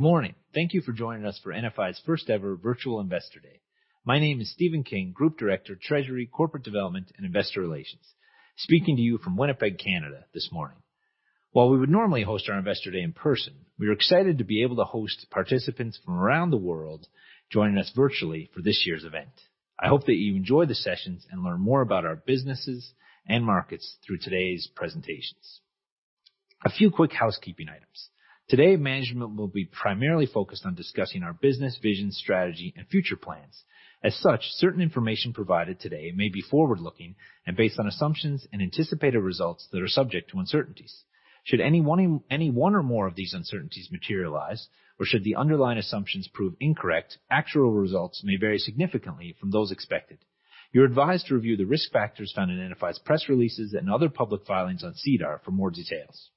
Morning. Thank you for joining us for NFI's first ever virtual Investor Day. My name is Stephen King, Group Director, Treasury, Corporate Development, and Investor Relations, speaking to you from Winnipeg, Canada this morning. While we would normally host our Investor Day in person, we are excited to be able to host participants from around the world joining us virtually for this year's event. I hope that you enjoy the sessions and learn more about our businesses and markets through today's presentations. A few quick housekeeping items. Today, management will be primarily focused on discussing our business, vision, strategy, and future plans. As such, certain information provided today may be forward-looking and based on assumptions and anticipated results that are subject to uncertainties. Should any one or more of these uncertainties materialize, or should the underlying assumptions prove incorrect, actual results may vary significantly from those expected. You're advised to review the risk factors found in NFI's press releases and other public filings on SEDAR for more details.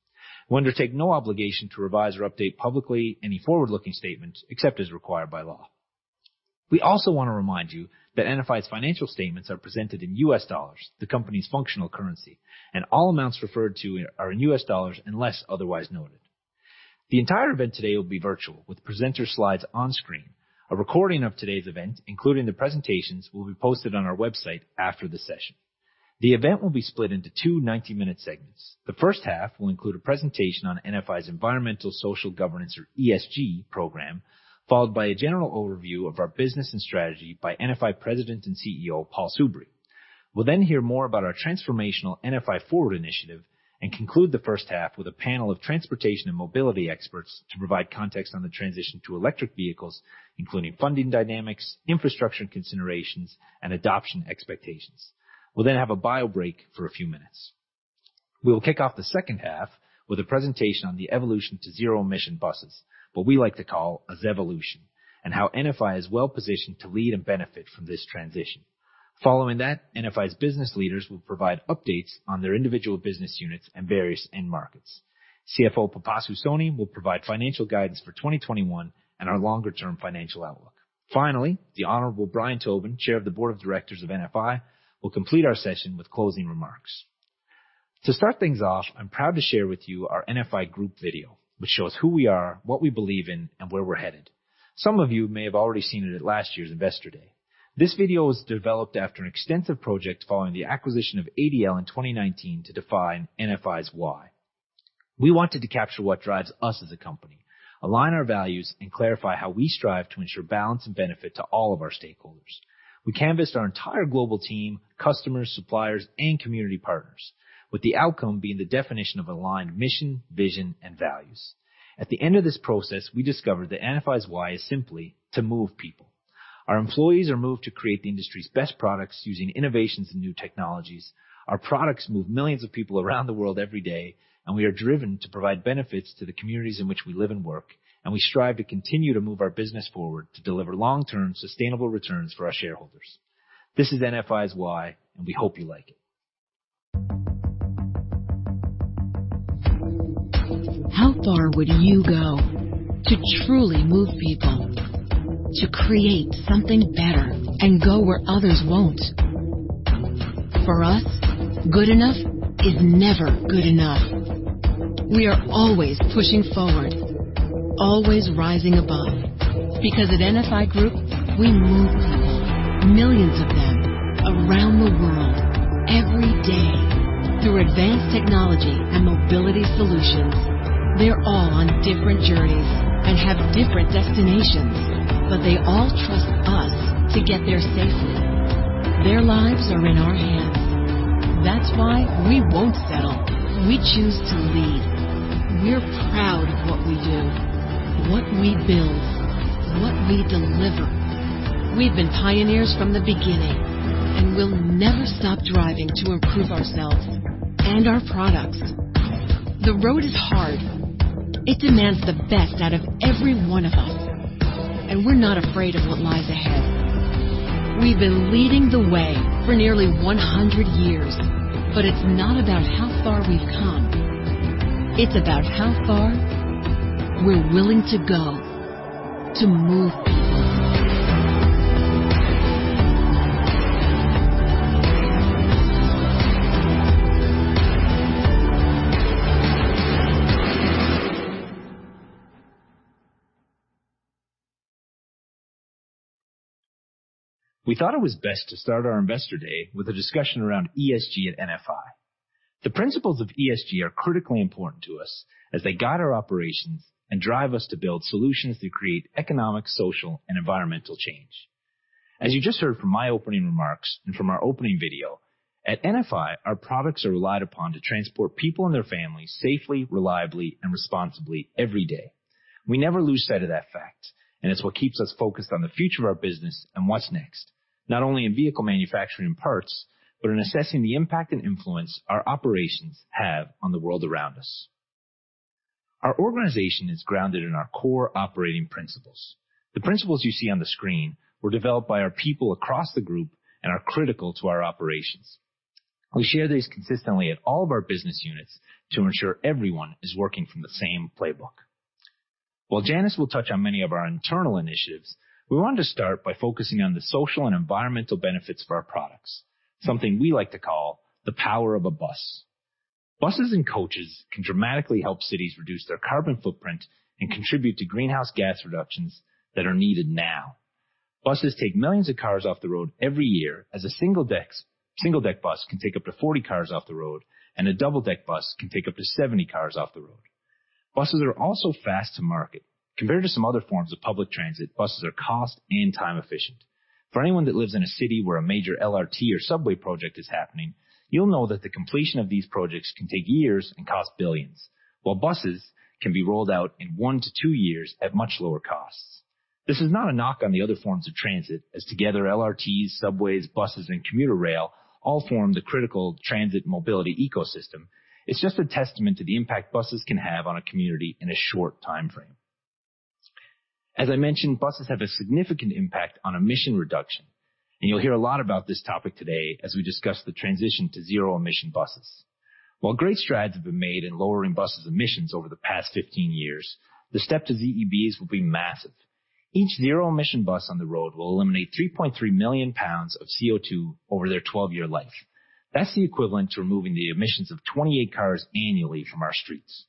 We undertake no obligation to revise or update publicly any forward-looking statements except as required by law. We also want to remind you that NFI's financial statements are presented in U.S. dollars, the company's functional currency, and all amounts referred to are in U.S. dollars unless otherwise noted. The entire event today will be virtual with presenter slides on screen. A recording of today's event, including the presentations, will be posted on our website after the session. The event will be split into two 90-minute segments. The first half will include a presentation on NFI's Environmental Social Governance, or ESG, program, followed by a general overview of our business and strategy by NFI President and CEO, Paul Soubry. We'll then hear more about our transformational NFI Forward initiative and conclude the first half with a panel of transportation and mobility experts to provide context on the transition to electric vehicles, including funding dynamics, infrastructure considerations, and adoption expectations. We'll have a bio break for a few minutes. We will kick off the second half with a presentation on the evolution to zero-emission buses, what we like to call a ZEvolution, and how NFI is well-positioned to lead and benefit from this transition. Following that, NFI's business leaders will provide updates on their individual business units and various end markets. CFO Pipasu Soni will provide financial guidance for 2021 and our longer-term financial outlook. The Honorable Brian Tobin, Chair of the Board of Directors of NFI, will complete our session with closing remarks. To start things off, I'm proud to share with you our NFI Group video, which shows who we are, what we believe in, and where we're headed. Some of you may have already seen it at last year's Investor Day. This video was developed after an extensive project following the acquisition of ADL in 2019 to define NFI's why. We wanted to capture what drives us as a company, align our values, and clarify how we strive to ensure balance and benefit to all of our stakeholders. We canvassed our entire global team, customers, suppliers, and community partners, with the outcome being the definition of aligned mission, vision, and values. At the end of this process, we discovered that NFI's why is simply to move people. Our employees are moved to create the industry's best products using innovations and new technologies. Our products move millions of people around the world every day. We are driven to provide benefits to the communities in which we live and work. We strive to continue to move our business forward to deliver long-term sustainable returns for our shareholders. This is NFI's why. We hope you like it. How far would you go to truly move people? To create something better and go where others won't? For us, good enough is never good enough. We are always pushing forward, always rising above. Because at NFI Group, we move people, millions of them, around the world every day through advanced technology and mobility solutions. They're all on different journeys and have different destinations, but they all trust us to get there safely. Their lives are in our hands. That's why we won't settle. We choose to lead. We're proud of what we do, what we build, what we deliver. We've been pioneers from the beginning, and we'll never stop driving to improve ourselves and our products. The road is hard. It demands the best out of every one of us, and we're not afraid of what lies ahead. We've been leading the way for nearly 100 years, but it's not about how far we've come. It's about how far we're willing to go to move people. We thought it was best to start our Investor Day with a discussion around ESG at NFI. The principles of ESG are critically important to us as they guide our operations and drive us to build solutions to create economic, social, and environmental change. As you just heard from my opening remarks and from our opening video, at NFI, our products are relied upon to transport people and their families safely, reliably, and responsibly every day. It's what keeps us focused on the future of our business and what's next, not only in vehicle manufacturing parts, but in assessing the impact and influence our operations have on the world around us. Our organization is grounded in our core operating principles. The principles you see on the screen were developed by our people across the group and are critical to our operations. We share these consistently at all of our business units to ensure everyone is working from the same playbook. While Janice will touch on many of our internal initiatives, we wanted to start by focusing on the social and environmental benefits of our products, something we like to call the power of a bus. Buses and coaches can dramatically help cities reduce their carbon footprint and contribute to greenhouse gas reductions that are needed now. Buses take millions of cars off the road every year, as a single-deck bus can take up to 40 cars off the road, and a double-deck bus can take up to 70 cars off the road. Buses are also fast to market. Compared to some other forms of public transit, buses are cost and time efficient. For anyone that lives in a city where a major LRT or subway project is happening, you'll know that the completion of these projects can take years and cost billions, while buses can be rolled out in one to two years at much lower costs. This is not a knock on the other forms of transit, as together, LRTs, subways, buses, and commuter rail all form the critical transit mobility ecosystem. It's just a testament to the impact buses can have on a community in a short timeframe. As I mentioned, buses have a significant impact on emission reduction, and you'll hear a lot about this topic today as we discuss the transition to zero-emission buses. While great strides have been made in lowering buses emissions over the past 15 years, the step to ZEBs will be massive. Each zero-emission bus on the road will eliminate 3.3 million pounds of CO2 over their 12-year life. That's the equivalent to removing the emissions of 28 cars annually from our streets.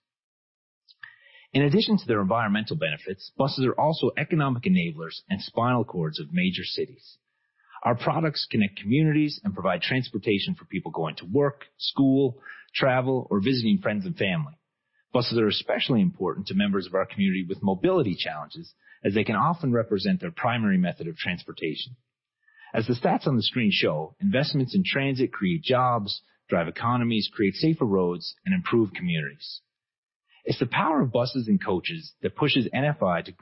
In addition to their environmental benefits, buses are also economic enablers and spinal cords of major cities. Our products connect communities and provide transportation for people going to work, school, travel, or visiting friends and family. Buses are especially important to members of our community with mobility challenges, as they can often represent their primary method of transportation. As the stats on the screen show, investments in transit create jobs, drive economies, create safer roads, and improve communities. It's the power of buses and coaches that pushes NFI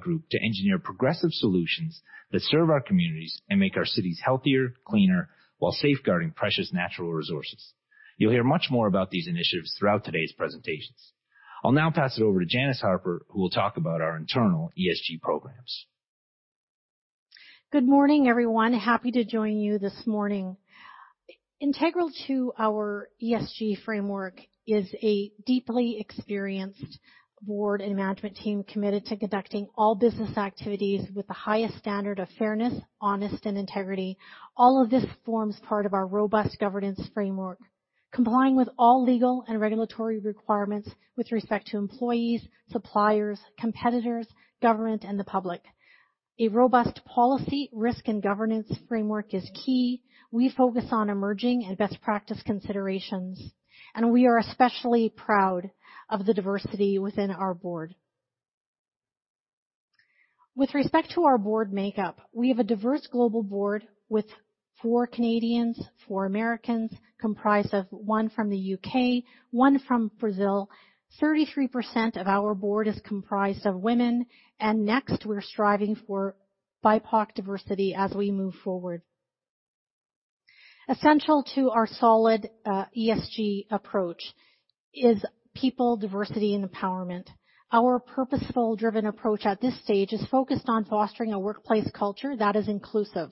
Group to engineer progressive solutions that serve our communities and make our cities healthier, cleaner, while safeguarding precious natural resources. You'll hear much more about these initiatives throughout today's presentations. I'll now pass it over to Janice Harper, who will talk about our internal ESG programs. Good morning, everyone. Happy to join you this morning. Integral to our ESG framework is a deeply experienced board and management team committed to conducting all business activities with the highest standard of fairness, honesty, and integrity. All of this forms part of our robust governance framework, complying with all legal and regulatory requirements with respect to employees, suppliers, competitors, government, and the public. A robust policy, risk, and governance framework is key. We focus on emerging and best practice considerations. We are especially proud of the diversity within our board. With respect to our board makeup, we have a diverse global board with four Canadians, four Americans, comprised of one from the U.K., one from Brazil. 33% of our board is comprised of women. Next, we're striving for BIPOC diversity as we move forward. Essential to our solid ESG approach is people, diversity, and empowerment. Our purposeful driven approach at this stage is focused on fostering a workplace culture that is inclusive,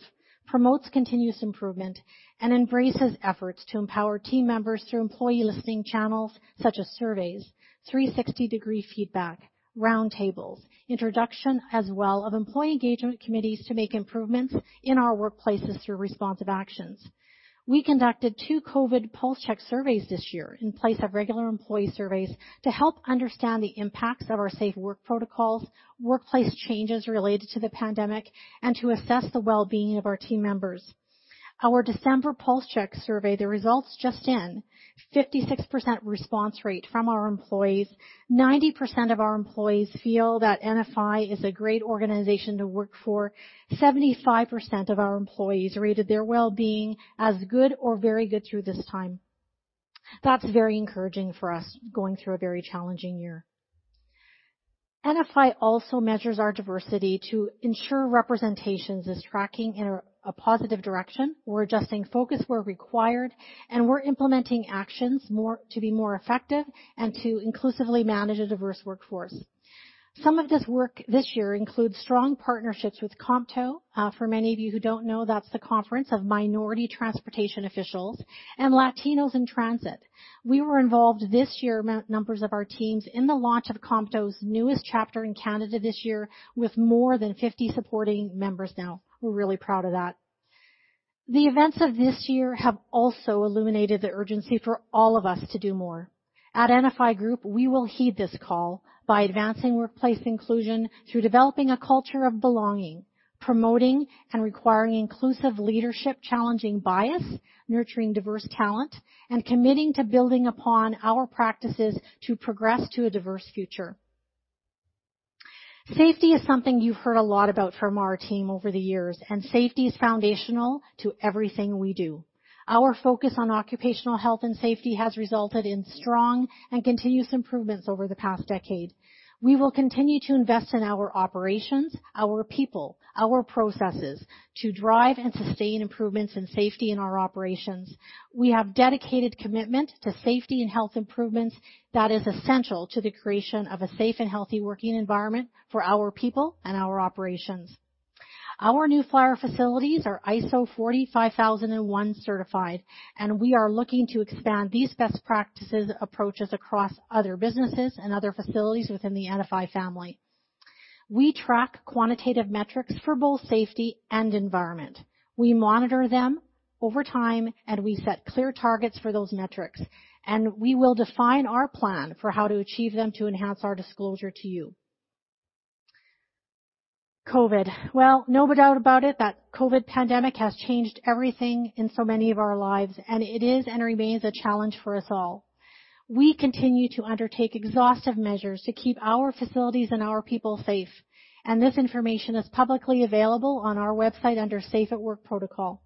promotes continuous improvement, and embraces efforts to empower team members through employee listening channels such as surveys, 360-degree feedback, roundtables, introduction as well of employee engagement committees to make improvements in our workplaces through responsive actions. We conducted two COVID pulse check surveys this year in place of regular employee surveys to help understand the impacts of our safe work protocols, workplace changes related to the pandemic, and to assess the well-being of our team members. Our December pulse check survey, the results just in, 56% response rate from our employees, 90% of our employees feel that NFI is a great organization to work for, 75% of our employees rated their well-being as good or very good through this time. That's very encouraging for us going through a very challenging year. NFI also measures our diversity to ensure representation is tracking in a positive direction. We're adjusting focus where required. We're implementing actions to be more effective and to inclusively manage a diverse workforce. Some of this work this year includes strong partnerships with COMTO. For many of you who don't know, that's the Conference of Minority Transportation Officials and Latinos in Transit. We were involved this year, numbers of our teams, in the launch of COMTO's newest chapter in Canada this year, with more than 50 supporting members now. We're really proud of that. The events of this year have also illuminated the urgency for all of us to do more. At NFI Group, we will heed this call by advancing workplace inclusion through developing a culture of belonging, promoting and requiring inclusive leadership, challenging bias, nurturing diverse talent, and committing to building upon our practices to progress to a diverse future. Safety is something you've heard a lot about from our team over the years, and safety is foundational to everything we do. Our focus on occupational health and safety has resulted in strong and continuous improvements over the past decade. We will continue to invest in our operations, our people, our processes to drive and sustain improvements in safety in our operations. We have dedicated commitment to safety and health improvements that is essential to the creation of a safe and healthy working environment for our people and our operations. Our New Flyer facilities are ISO 45001 certified, and we are looking to expand these best practices approaches across other businesses and other facilities within the NFI family. We track quantitative metrics for both safety and environment. We monitor them over time, and we set clear targets for those metrics, and we will define our plan for how to achieve them to enhance our disclosure to you. COVID. No doubt about it, that COVID pandemic has changed everything in so many of our lives, and it is and remains a challenge for us all. We continue to undertake exhaustive measures to keep our facilities and our people safe, and this information is publicly available on our website under Safe at Work Protocol.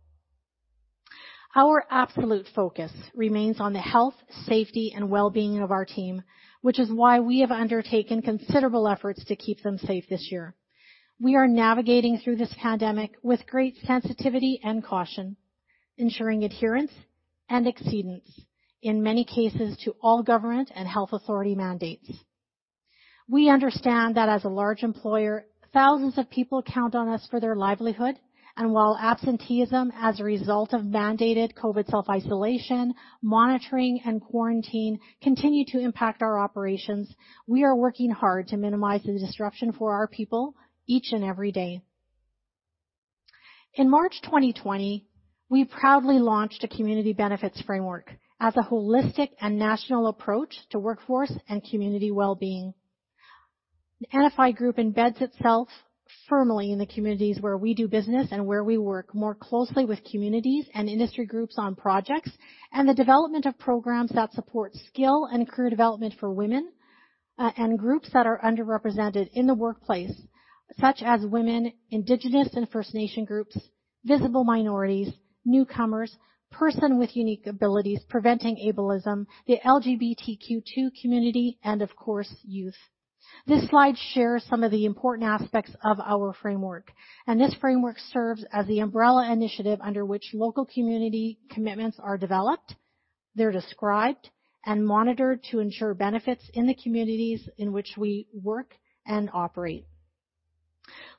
Our absolute focus remains on the health, safety, and wellbeing of our team, which is why we have undertaken considerable efforts to keep them safe this year. We are navigating through this pandemic with great sensitivity and caution, ensuring adherence and exceedance, in many cases, to all government and health authority mandates. While absenteeism as a result of mandated COVID self-isolation, monitoring, and quarantine continue to impact our operations, we are working hard to minimize the disruption for our people each and every day. In March 2020, we proudly launched a Community Benefits Framework as a holistic and national approach to workforce and community wellbeing. NFI Group embeds itself firmly in the communities where we do business and where we work more closely with communities and industry groups on projects and the development of programs that support skill and career development for women and groups that are underrepresented in the workplace, such as women, Indigenous and First Nation groups, visible minorities, newcomers, person with unique abilities preventing ableism, the LGBTQ2 community, and of course, youth. This slide shares some of the important aspects of our framework. This framework serves as the umbrella initiative under which local community commitments are developed, they're described, and monitored to ensure benefits in the communities in which we work and operate.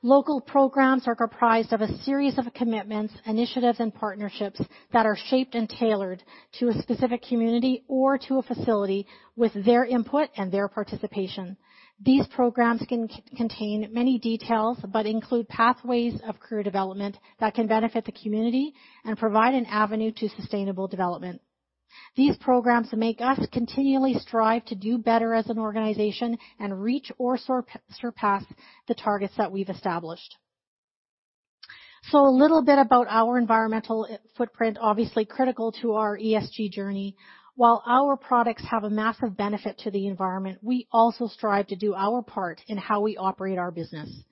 Local programs are comprised of a series of commitments, initiatives, and partnerships that are shaped and tailored to a specific community or to a facility with their input and their participation. These programs can contain many details but include pathways of career development that can benefit the community and provide an avenue to sustainable development. These programs make us continually strive to do better as an organization and reach or surpass the targets that we've established. A little bit about our environmental footprint, obviously critical to our ESG journey. While our products have a massive benefit to the environment, we also strive to do our part in how we operate our business.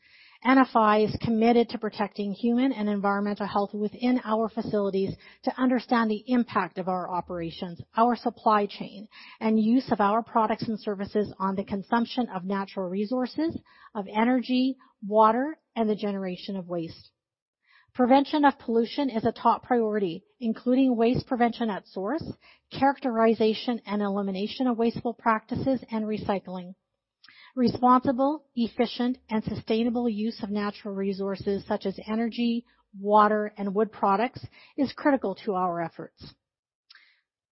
NFI is committed to protecting human and environmental health within our facilities to understand the impact of our operations, our supply chain, and use of our products and services on the consumption of natural resources, of energy, water, and the generation of waste. Prevention of pollution is a top priority, including waste prevention at source, characterization and elimination of wasteful practices, and recycling. Responsible, efficient, and sustainable use of natural resources such as energy, water, and wood products is critical to our efforts.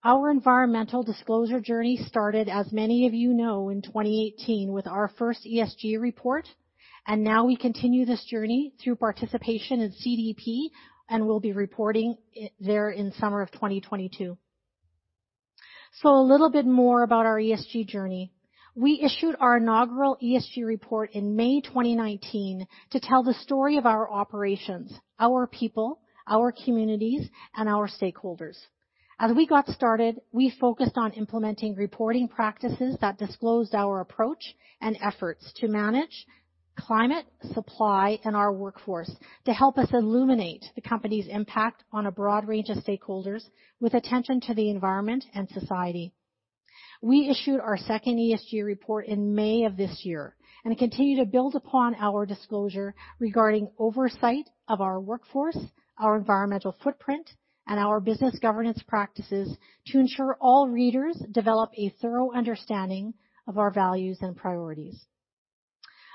Our environmental disclosure journey started, as many of you know, in 2018 with our first ESG report. Now we continue this journey through participation in CDP and will be reporting it there in summer of 2022. A little bit more about our ESG journey. We issued our inaugural ESG report in May 2019 to tell the story of our operations, our people, our communities, and our stakeholders. As we got started, we focused on implementing reporting practices that disclosed our approach and efforts to manage climate, supply, and our workforce to help us illuminate the company's impact on a broad range of stakeholders with attention to the environment and society. We issued our second ESG report in May of this year and continue to build upon our disclosure regarding oversight of our workforce, our environmental footprint, and our business governance practices to ensure all readers develop a thorough understanding of our values and priorities.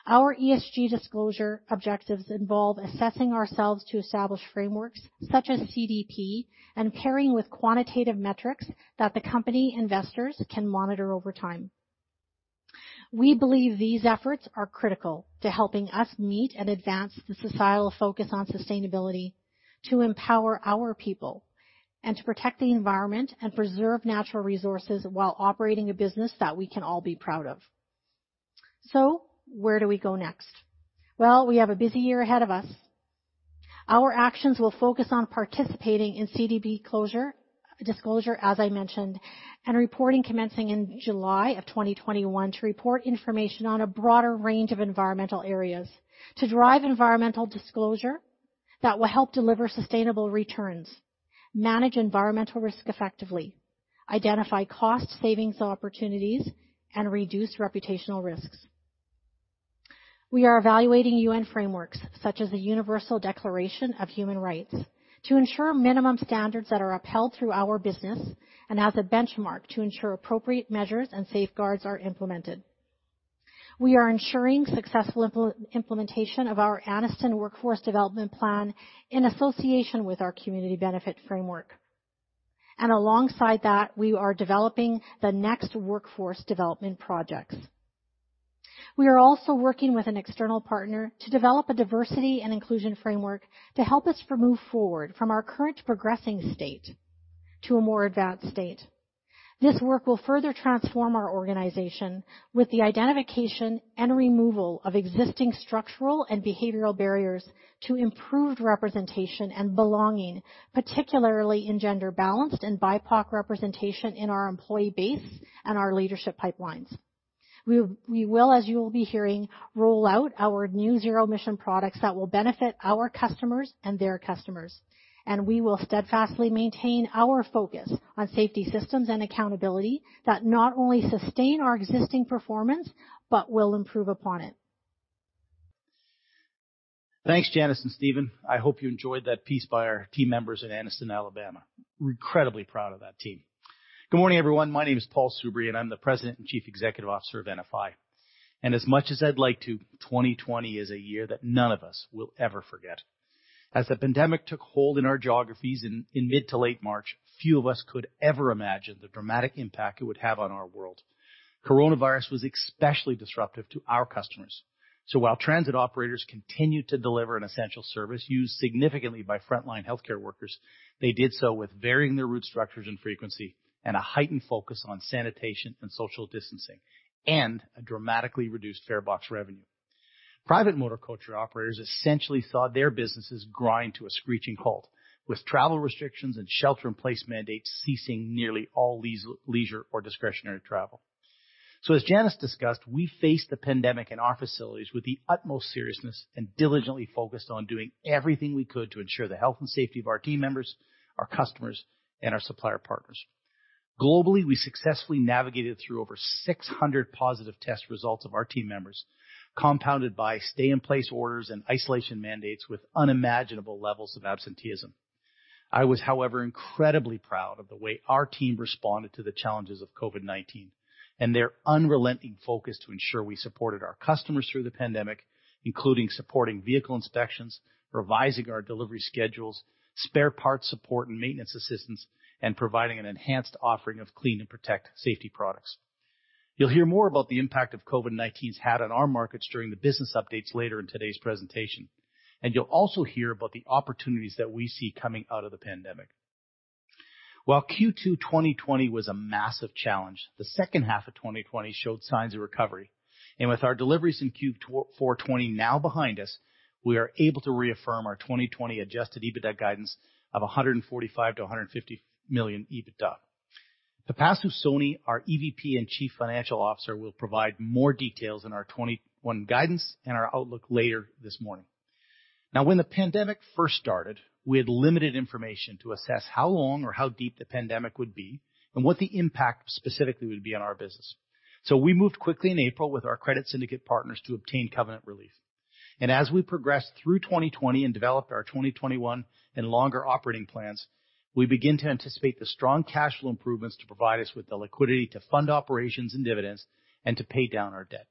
Our ESG disclosure objectives involve assessing ourselves to establish frameworks such as CDP and pairing with quantitative metrics that the company investors can monitor over time. We believe these efforts are critical to helping us meet and advance the societal focus on sustainability, to empower our people, and to protect the environment and preserve natural resources while operating a business that we can all be proud of. Where do we go next? Well, we have a busy year ahead of us. Our actions will focus on participating in CDP disclosure, as I mentioned, and reporting commencing in July 2021 to report information on a broader range of environmental areas to drive environmental disclosure that will help deliver sustainable returns, manage environmental risk effectively, identify cost savings opportunities, and reduce reputational risks. We are evaluating UN frameworks such as the Universal Declaration of Human Rights to ensure minimum standards that are upheld through our business and as a benchmark to ensure appropriate measures and safeguards are implemented. We are ensuring successful implementation of our Anniston Workforce Development plan in association with our community benefit framework. Alongside that, we are developing the next workforce development projects. We are also working with an external partner to develop a diversity and inclusion framework to help us move forward from our current progressing state to a more advanced state. This work will further transform our organization with the identification and removal of existing structural and behavioral barriers to improved representation and belonging, particularly in gender balance and BIPOC representation in our employee base and our leadership pipelines. We will, as you will be hearing, roll out our new zero-emission products that will benefit our customers and their customers. We will steadfastly maintain our focus on safety systems and accountability that not only sustain our existing performance but will improve upon it. Thanks, Janice and Stephen. I hope you enjoyed that piece by our team members in Anniston, Alabama. We're incredibly proud of that team. Good morning, everyone. My name is Paul Soubry, and I'm the President and Chief Executive Officer of NFI. As much as I'd like to, 2020 is a year that none of us will ever forget. As the pandemic took hold in our geographies in mid to late March, few of us could ever imagine the dramatic impact it would have on our world. coronavirus was especially disruptive to our customers. While transit operators continued to deliver an essential service used significantly by frontline healthcare workers, they did so with varying their route structures and frequency and a heightened focus on sanitation and social distancing, and a dramatically reduced farebox revenue. Private motor culture operators essentially saw their businesses grind to a screeching halt, with travel restrictions and shelter-in-place mandates ceasing nearly all leisure or discretionary travel. As Janice discussed, we faced the pandemic in our facilities with the utmost seriousness and diligently focused on doing everything we could to ensure the health and safety of our team members, our customers, and our supplier partners. Globally, we successfully navigated through over 600 positive test results of our team members, compounded by stay-in-place orders and isolation mandates with unimaginable levels of absenteeism. I was, however, incredibly proud of the way our team responded to the challenges of COVID-19 and their unrelenting focus to ensure we supported our customers through the pandemic, including supporting vehicle inspections, revising our delivery schedules, spare parts support and maintenance assistance, and providing an enhanced offering of clean and protect safety products. You'll hear more about the impact of COVID-19's had on our markets during the business updates later in today's presentation. You'll also hear about the opportunities that we see coming out of the pandemic. While Q2 2020 was a massive challenge, the second half of 2020 showed signs of recovery. With our deliveries in Q4 2020 now behind us, we are able to reaffirm our 2020 adjusted EBITDA guidance of 145 million-150 million EBITDA. Pipasu Soni, our EVP and Chief Financial Officer, will provide more details on our 2021 guidance and our outlook later this morning. When the pandemic first started, we had limited information to assess how long or how deep the pandemic would be and what the impact specifically would be on our business. We moved quickly in April with our credit syndicate partners to obtain covenant relief. As we progressed through 2020 and developed our 2021 and longer operating plans, we begin to anticipate the strong cash flow improvements to provide us with the liquidity to fund operations and dividends and to pay down our debt.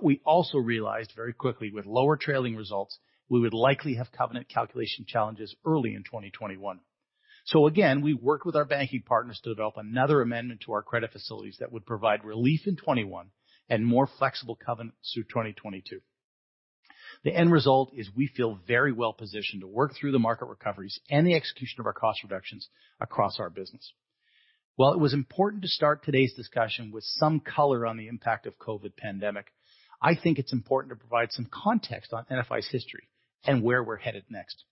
We also realized very quickly with lower trailing results, we would likely have covenant calculation challenges early in 2021. Again, we worked with our banking partners to develop another amendment to our credit facilities that would provide relief in 2021 and more flexible covenants through 2022. The end result is we feel very well-positioned to work through the market recoveries and the execution of our cost reductions across our business. While it was important to start today's discussion with some color on the impact of COVID pandemic, I think it's important to provide some context on NFI's history and where we're headed next.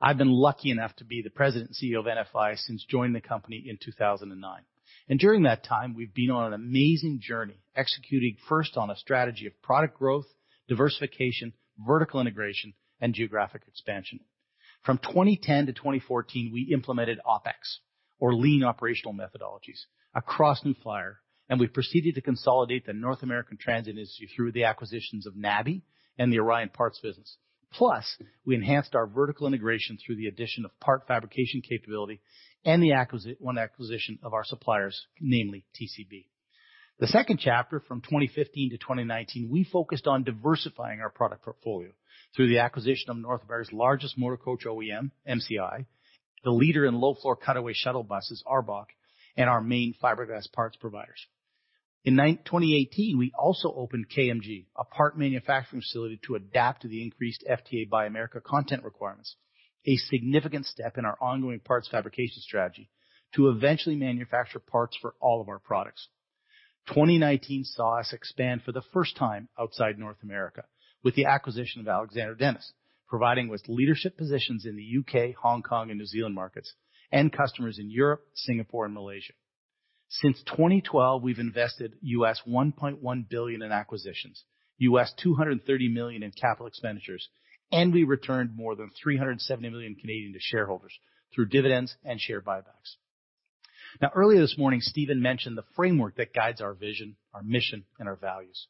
I've been lucky enough to be the President and CEO of NFI since joining the company in 2009. During that time, we've been on an amazing journey, executing first on a strategy of product growth, diversification, vertical integration, and geographic expansion. From 2010 to 2014, we implemented OpEx or lean operational methodologies across New Flyer, and we proceeded to consolidate the North American transit industry through the acquisitions of NABI and the Orion parts business. We enhanced our vertical integration through the addition of part fabrication capability and one acquisition of our suppliers, namely TCB. Second chapter, from 2015 to 2019, we focused on diversifying our product portfolio through the acquisition of North America's largest motor coach OEM, MCI, the leader in low-floor cutaway shuttle buses, ARBOC, and our main fiberglass parts providers. In 2018, we also opened KMG, a part manufacturing facility to adapt to the increased FTA Buy America content requirements, a significant step in our ongoing parts fabrication strategy to eventually manufacture parts for all of our products. 2019 saw us expand for the first time outside North America with the acquisition of Alexander Dennis, providing with leadership positions in the U.K., Hong Kong, and New Zealand markets and customers in Europe, Singapore, and Malaysia. Since 2012, we've invested US $1.1 billion in acquisitions, US $230 million in capital expenditures, and we returned more than 370 million to shareholders through dividends and share buybacks. Earlier this morning, Stephen mentioned the framework that guides our vision, our mission, and our values.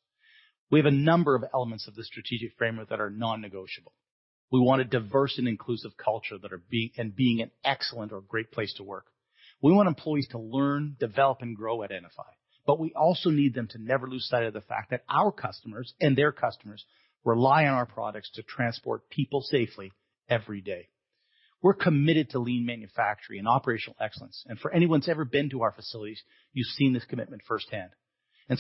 We have a number of elements of the strategic framework that are non-negotiable. We want a diverse and inclusive culture and being an excellent or great place to work. We want employees to learn, develop, and grow at NFI. We also need them to never lose sight of the fact that our customers and their customers rely on our products to transport people safely every day. We're committed to lean manufacturing and operational excellence. For anyone who's ever been to our facilities, you've seen this commitment firsthand.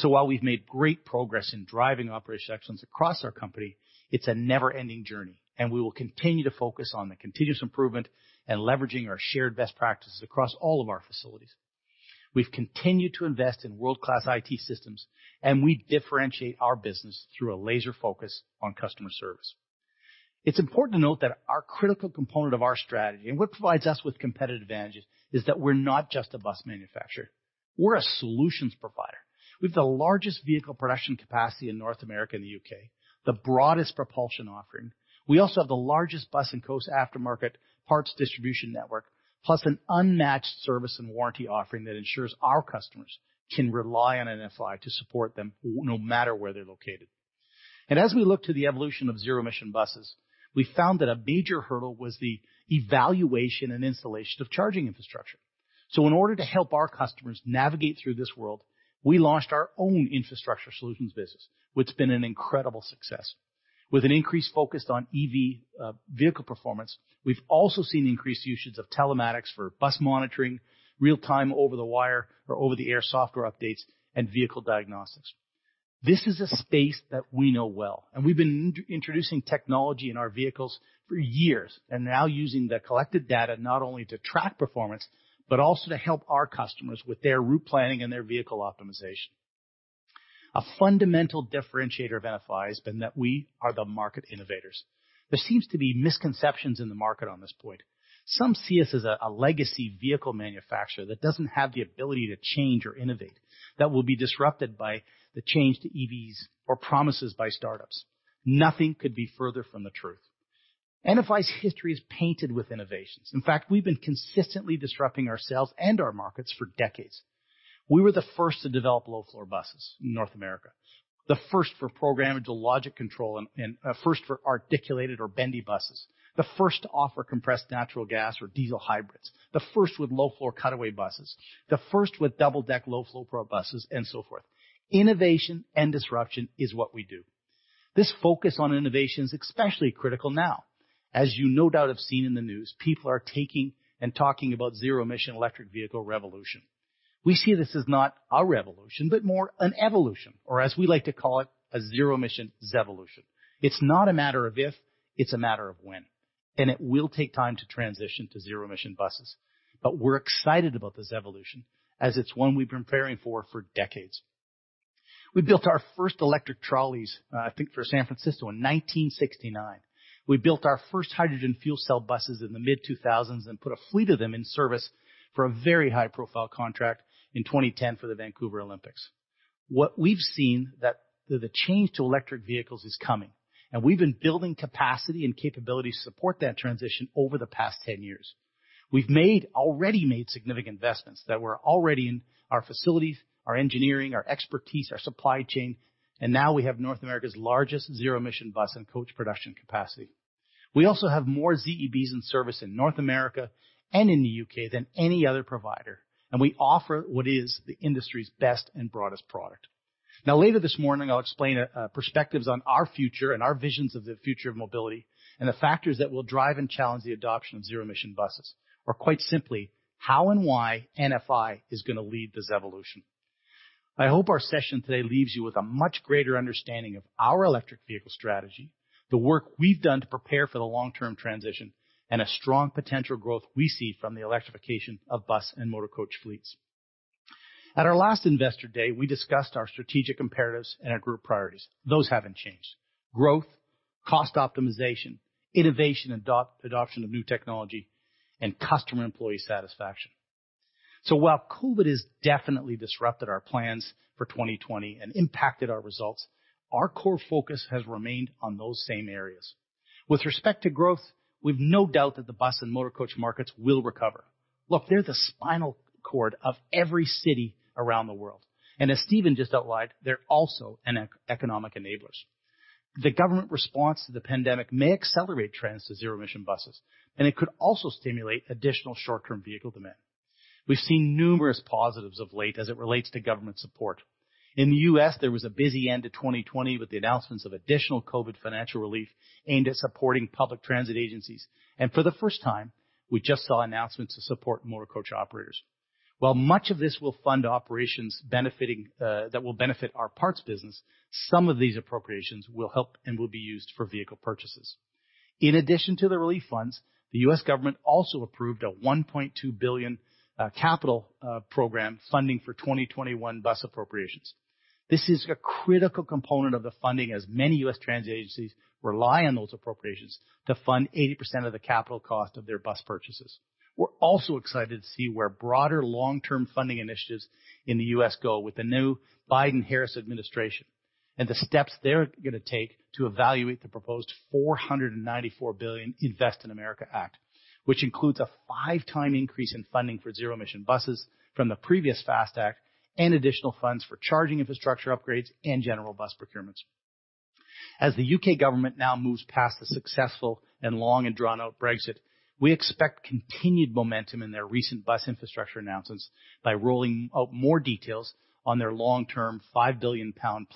While we've made great progress in driving operational excellence across our company, it's a never-ending journey, and we will continue to focus on the continuous improvement and leveraging our shared best practices across all of our facilities. We've continued to invest in world-class IT systems, and we differentiate our business through a laser focus on customer service. It's important to note that our critical component of our strategy, and what provides us with competitive advantages, is that we're not just a bus manufacturer, we're a solutions provider. We have the largest vehicle production capacity in North America and the U.K., the broadest propulsion offering. We also have the largest bus and coach aftermarket parts distribution network, plus an unmatched service and warranty offering that ensures our customers can rely on NFI to support them no matter where they're located. As we look to the evolution of zero-emission buses, we found that a major hurdle was the evaluation and installation of charging infrastructure. In order to help our customers navigate through this world, we launched our own infrastructure solutions business, which has been an incredible success. With an increase focused on EV vehicle performance, we've also seen increased usage of telematics for bus monitoring, real-time over-the-wire or over-the-air software updates, and vehicle diagnostics. This is a space that we know well, and we've been introducing technology in our vehicles for years, and now using the collected data not only to track performance, but also to help our customers with their route planning and their vehicle optimization. A fundamental differentiator of NFI has been that we are the market innovators. There seems to be misconceptions in the market on this point. Some see us as a legacy vehicle manufacturer that doesn't have the ability to change or innovate, that will be disrupted by the change to EVs or promises by startups. Nothing could be further from the truth. NFI's history is painted with innovations. In fact, we've been consistently disrupting ourselves and our markets for decades. We were the first to develop low-floor buses in North America, the first for programmable logic control, and first for articulated or bendy buses, the first to offer compressed natural gas or diesel hybrids, the first with low-floor cutaway buses, the first with double-deck low-floor pro buses, and so forth. Innovation and disruption is what we do. This focus on innovation is especially critical now. As you no doubt have seen in the news, people are taking and talking about zero-emission electric vehicle revolution. We see this as not a revolution, but more an evolution, or as we like to call it, a zero-emission ZEvolution. It's not a matter of if, it's a matter of when, and it will take time to transition to zero-emission buses. We're excited about this evolution as it's one we've been preparing for for decades. We built our first electric trolleys, I think for San Francisco in 1969. We built our first hydrogen fuel cell buses in the mid-2000s and put a fleet of them in service for a very high-profile contract in 2010 for the Vancouver Olympics. What we've seen, that the change to electric vehicles is coming, and we've been building capacity and capability to support that transition over the past 10 years. We've already made significant investments that were already in our facilities, our engineering, our expertise, our supply chain, and now we have North America's largest zero-emission bus and coach production capacity. We also have more ZEBs in service in North America and in the U.K. than any other provider. We offer what is the industry's best and broadest product. Now, later this morning, I'll explain perspectives on our future and our visions of the future of mobility and the factors that will drive and challenge the adoption of zero-emission buses. Quite simply, how and why NFI is going to lead this evolution. I hope our session today leaves you with a much greater understanding of our electric vehicle strategy, the work we've done to prepare for the long-term transition, and a strong potential growth we see from the electrification of bus and motor coach fleets. At our last Investor Day, we discussed our Strategic Imperatives and our Group Priorities. Those haven't changed. Growth, cost optimization, innovation and adoption of new technology, and customer employee satisfaction. While COVID has definitely disrupted our plans for 2020 and impacted our results, our core focus has remained on those same areas. With respect to growth, we've no doubt that the bus and motorcoach markets will recover. Look, they're the spinal cord of every city around the world. As Stephen just outlined, they're also economic enablers. The government response to the pandemic may accelerate trends to zero-emission buses, and it could also stimulate additional short-term vehicle demand. We've seen numerous positives of late as it relates to government support. In the U.S., there was a busy end to 2020 with the announcements of additional COVID financial relief aimed at supporting public transit agencies. For the first time, we just saw announcements to support motorcoach operators. While much of this will fund operations that will benefit our NFI Parts, some of these appropriations will help and will be used for vehicle purchases. In addition to the relief funds, the U.S. government also approved a $1.2 billion capital program funding for 2021 bus appropriations. This is a critical component of the funding, as many U.S. transit agencies rely on those appropriations to fund 80% of the capital cost of their bus purchases. We're also excited to see where broader long-term funding initiatives in the U.S. go with the new Biden-Harris administration and the steps they're going to take to evaluate the proposed $494 billion INVEST in America Act, which includes a 5x increase in funding for zero-emission buses from the previous FAST Act and additional funds for charging infrastructure upgrades and general bus procurements. As the U.K. government now moves past the successful and long and drawn-out Brexit, we expect continued momentum in their recent bus infrastructure announcements by rolling out more details on their long-term 5 billion pound+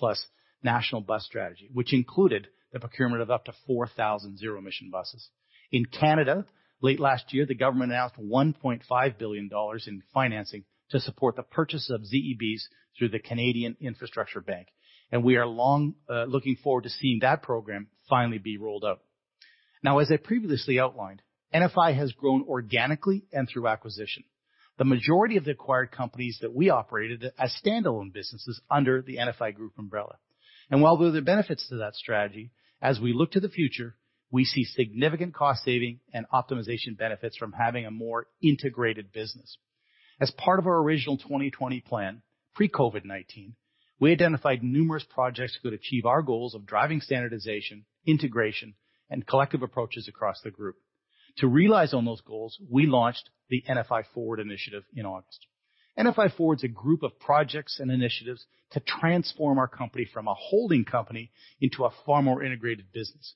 national bus strategy, which included the procurement of up to 4,000 zero-emission buses. In Canada, late last year, the government announced 1.5 billion dollars in financing to support the purchase of ZEBs through the Canada Infrastructure Bank. We are looking forward to seeing that program finally be rolled out. As I previously outlined, NFI has grown organically and through acquisition. The majority of the acquired companies that we operated as standalone businesses under the NFI Group umbrella. While there are benefits to that strategy, as we look to the future, we see significant cost saving and optimization benefits from having a more integrated business. As part of our original 2020 plan, pre-COVID-19, we identified numerous projects that could achieve our goals of driving standardization, integration, and collective approaches across the group. To realize on those goals, we launched the NFI Forward initiative in August. NFI Forward is a group of projects and initiatives to transform our company from a holding company into a far more integrated business.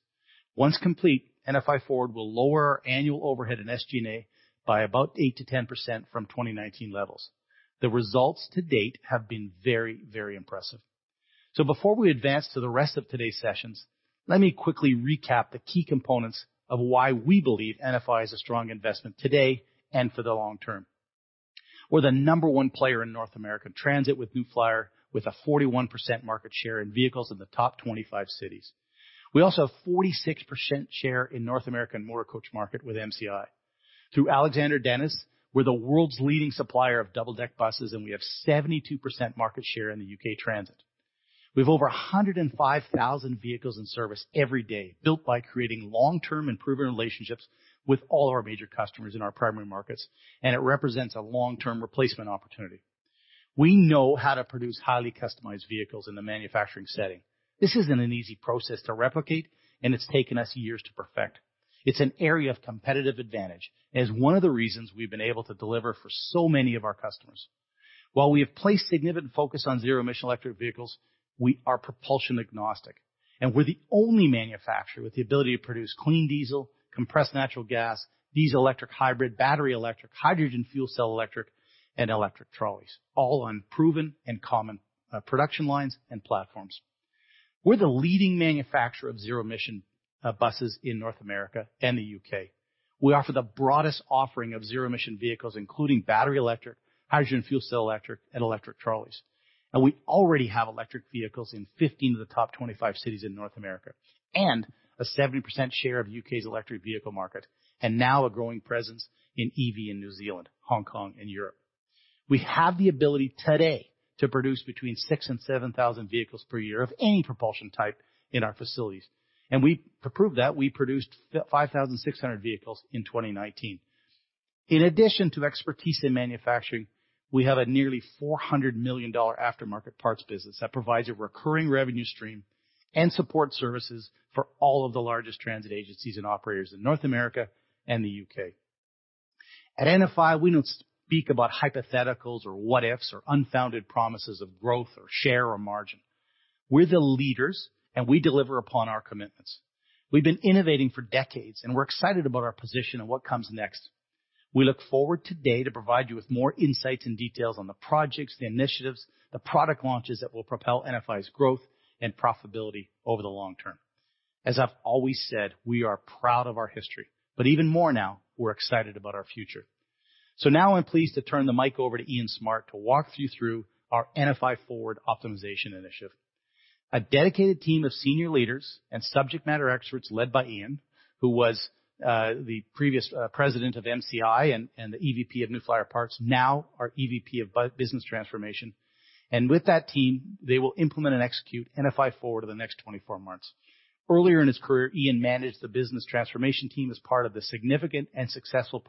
Once complete, NFI Forward will lower our annual overhead and SG&A by about 8%-10% from 2019 levels. The results to date have been very impressive. Before we advance to the rest of today's sessions, let me quickly recap the key components of why we believe NFI is a strong investment today and for the long term. We're the number one player in North American transit with New Flyer, with a 41% market share in vehicles in the top 25 cities. We also have 46% share in North American motor coach market with MCI. Through Alexander Dennis, we're the world's leading supplier of double-deck buses, and we have 72% market share in the U.K. transit. We have over 105,000 vehicles in service every day, built by creating long-term and proven relationships with all our major customers in our primary markets, and it represents a long-term replacement opportunity. We know how to produce highly customized vehicles in the manufacturing setting. This isn't an easy process to replicate, and it's taken us years to perfect. It's an area of competitive advantage, and is one of the reasons we've been able to deliver for so many of our customers. While we have placed significant focus on zero-emission electric vehicles, we are propulsion agnostic, and we're the only manufacturer with the ability to produce clean diesel, compressed natural gas, diesel-electric hybrid, battery-electric, hydrogen fuel cell electric, and electric trolleys, all on proven and common production lines and platforms. We're the leading manufacturer of zero-emission buses in North America and the U.K. We offer the broadest offering of zero-emission vehicles, including battery-electric, hydrogen fuel cell electric, and electric trolleys. We already have electric vehicles in 15 of the top 25 cities in North America, and a 70% share of U.K.'s electric vehicle market, and now a growing presence in EV in New Zealand, Hong Kong, and Europe. We have the ability today to produce between 6,000 and 7,000 vehicles per year of any propulsion type in our facilities. To prove that, we produced 5,600 vehicles in 2019. In addition to expertise in manufacturing, we have a nearly 400 million dollar aftermarket parts business that provides a recurring revenue stream and support services for all of the largest transit agencies and operators in North America and the U.K. At NFI, we don't speak about hypotheticals or what-ifs or unfounded promises of growth or share or margin. We're the leaders, and we deliver upon our commitments. We've been innovating for decades, and we're excited about our position and what comes next. We look forward today to provide you with more insights and details on the projects, the initiatives, the product launches that will propel NFI's growth and profitability over the long term. As I've always said, we are proud of our history, but even more now, we're excited about our future. Now I'm pleased to turn the mic over to Ian Smart to walk you through our NFI Forward optimization initiative. A dedicated team of senior leaders and subject matter experts led by Ian, who was the previous president of MCI and the EVP of New Flyer Parts, now our EVP of Business Transformation. With that team, they will implement and execute NFI Forward in the next 24 months. Earlier in his career, Ian managed the business transformation team as part of the significant and successful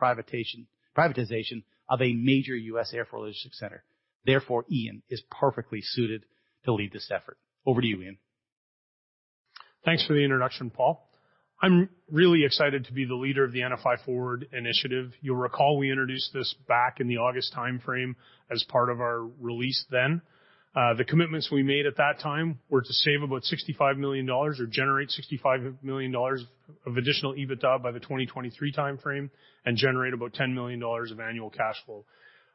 privatization of a major U.S. air freight logistics center. Therefore, Ian is perfectly suited to lead this effort. Over to you, Ian. Thanks for the introduction, Paul. I'm really excited to be the leader of the NFI Forward initiative. You'll recall we introduced this back in the August timeframe as part of our release then. The commitments we made at that time were to save about $65 million or generate $65 million of additional EBITDA by the 2023 timeframe and generate about $10 million of annual cash flow.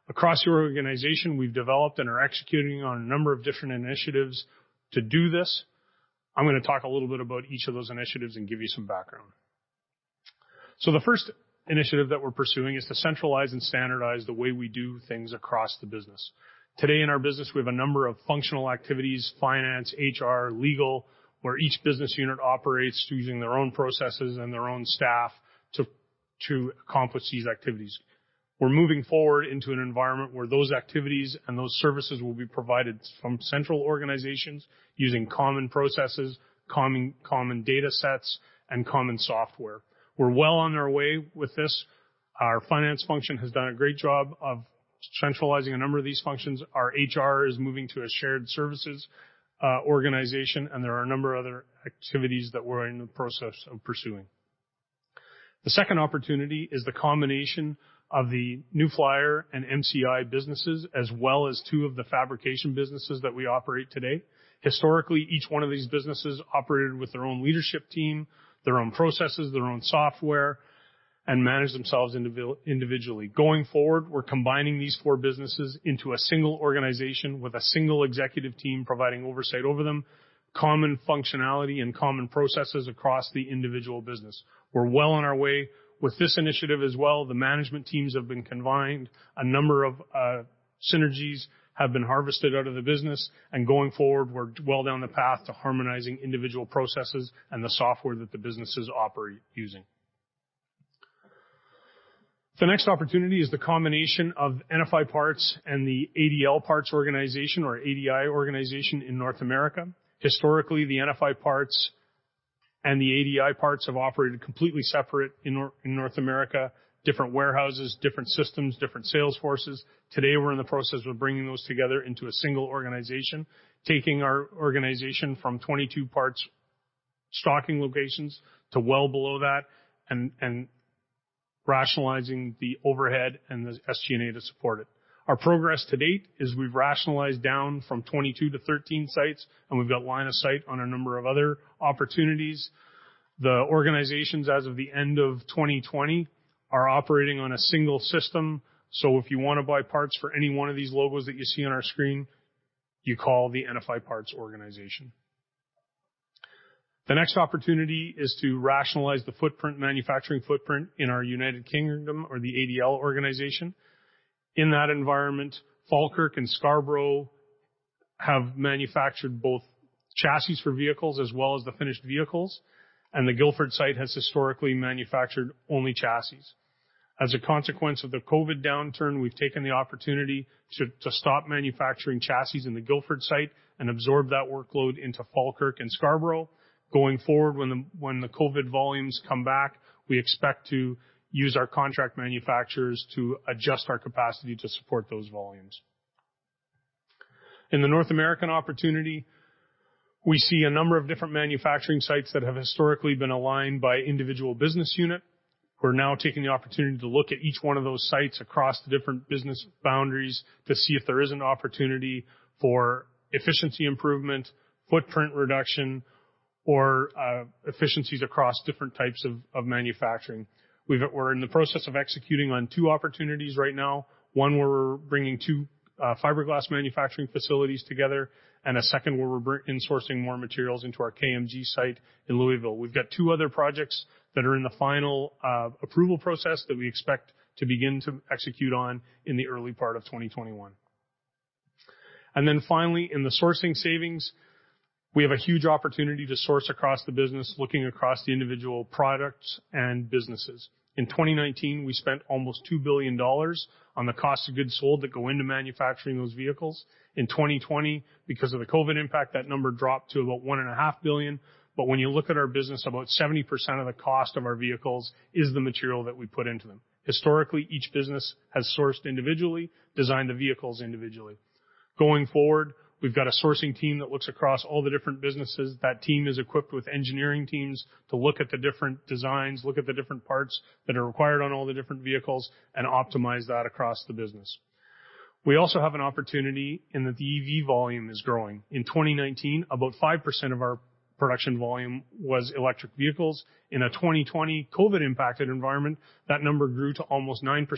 Across the organization, we've developed and are executing on a number of different initiatives to do this. I'm going to talk a little bit about each of those initiatives and give you some background. The first initiative that we're pursuing is to centralize and standardize the way we do things across the business. Today in our business, we have a number of functional activities, finance, HR, legal, where each business unit operates using their own processes and their own staff to accomplish these activities. We're moving forward into an environment where those activities and those services will be provided from central organizations using common processes, common data sets, and common software. We're well on our way with this. Our finance function has done a great job of centralizing a number of these functions. Our HR is moving to a shared services organization, and there are a number of other activities that we're in the process of pursuing. The second opportunity is the combination of the New Flyer and MCI businesses, as well as two of the fabrication businesses that we operate today. Historically, each one of these businesses operated with their own leadership team, their own processes, their own software, and managed themselves individually. Going forward, we're combining these four businesses into a single organization with a single executive team providing oversight over them, common functionality, and common processes across the individual business. We're well on our way with this initiative as well. The management teams have been combined. A number of synergies have been harvested out of the business, and going forward, we're well down the path to harmonizing individual processes and the software that the businesses operate using. The next opportunity is the combination of NFI Parts and the ADL Parts organization or ADL organization in North America. Historically, the NFI Parts and the ADL Parts have operated completely separate in North America, different warehouses, different systems, different sales forces. Today, we're in the process of bringing those together into a single organization, taking our organization from 22 parts stocking locations to well below that and rationalizing the overhead and the SG&A to support it. Our progress to date is we've rationalized down from 22 to 13 sites, and we've got line of sight on a number of other opportunities. The organizations as of the end of 2020 are operating on a single system. If you want to buy parts for any one of these logos that you see on our screen, you call the NFI Parts organization. The next opportunity is to rationalize the footprint, manufacturing footprint in our United Kingdom or the ADL organization. In that environment, Falkirk and Scarborough have manufactured both chassis for vehicles as well as the finished vehicles, and the Guildford site has historically manufactured only chassis. As a consequence of the COVID downturn, we've taken the opportunity to stop manufacturing chassis in the Guildford site and absorb that workload into Falkirk and Scarborough. Going forward, when the COVID volumes come back, we expect to use our contract manufacturers to adjust our capacity to support those volumes. In the North American opportunity, we see a number of different manufacturing sites that have historically been aligned by individual business unit. We're now taking the opportunity to look at each one of those sites across the different business boundaries to see if there is an opportunity for efficiency improvement, footprint reduction, or efficiencies across different types of manufacturing. We're in the process of executing on two opportunities right now. One, we're bringing two fiberglass manufacturing facilities together, and a second where we're insourcing more materials into our KMG site in Louisville. We've got two other projects that are in the final approval process that we expect to begin to execute on in the early part of 2021. Finally, in the sourcing savings, we have a huge opportunity to source across the business, looking across the individual products and businesses. In 2019, we spent almost $2 billion on the cost of goods sold that go into manufacturing those vehicles. In 2020, because of the COVID impact, that number dropped to about $1.5 billion. When you look at our business, about 70% of the cost of our vehicles is the material that we put into them. Historically, each business has sourced individually, designed the vehicles individually. Going forward, we've got a sourcing team that looks across all the different businesses. That team is equipped with engineering teams to look at the different designs, look at the different parts that are required on all the different vehicles, and optimize that across the business. We also have an opportunity in that the EV volume is growing. In 2019, about 5% of our production volume was electric vehicles. In a 2020 COVID-impacted environment, that number grew to almost 9%,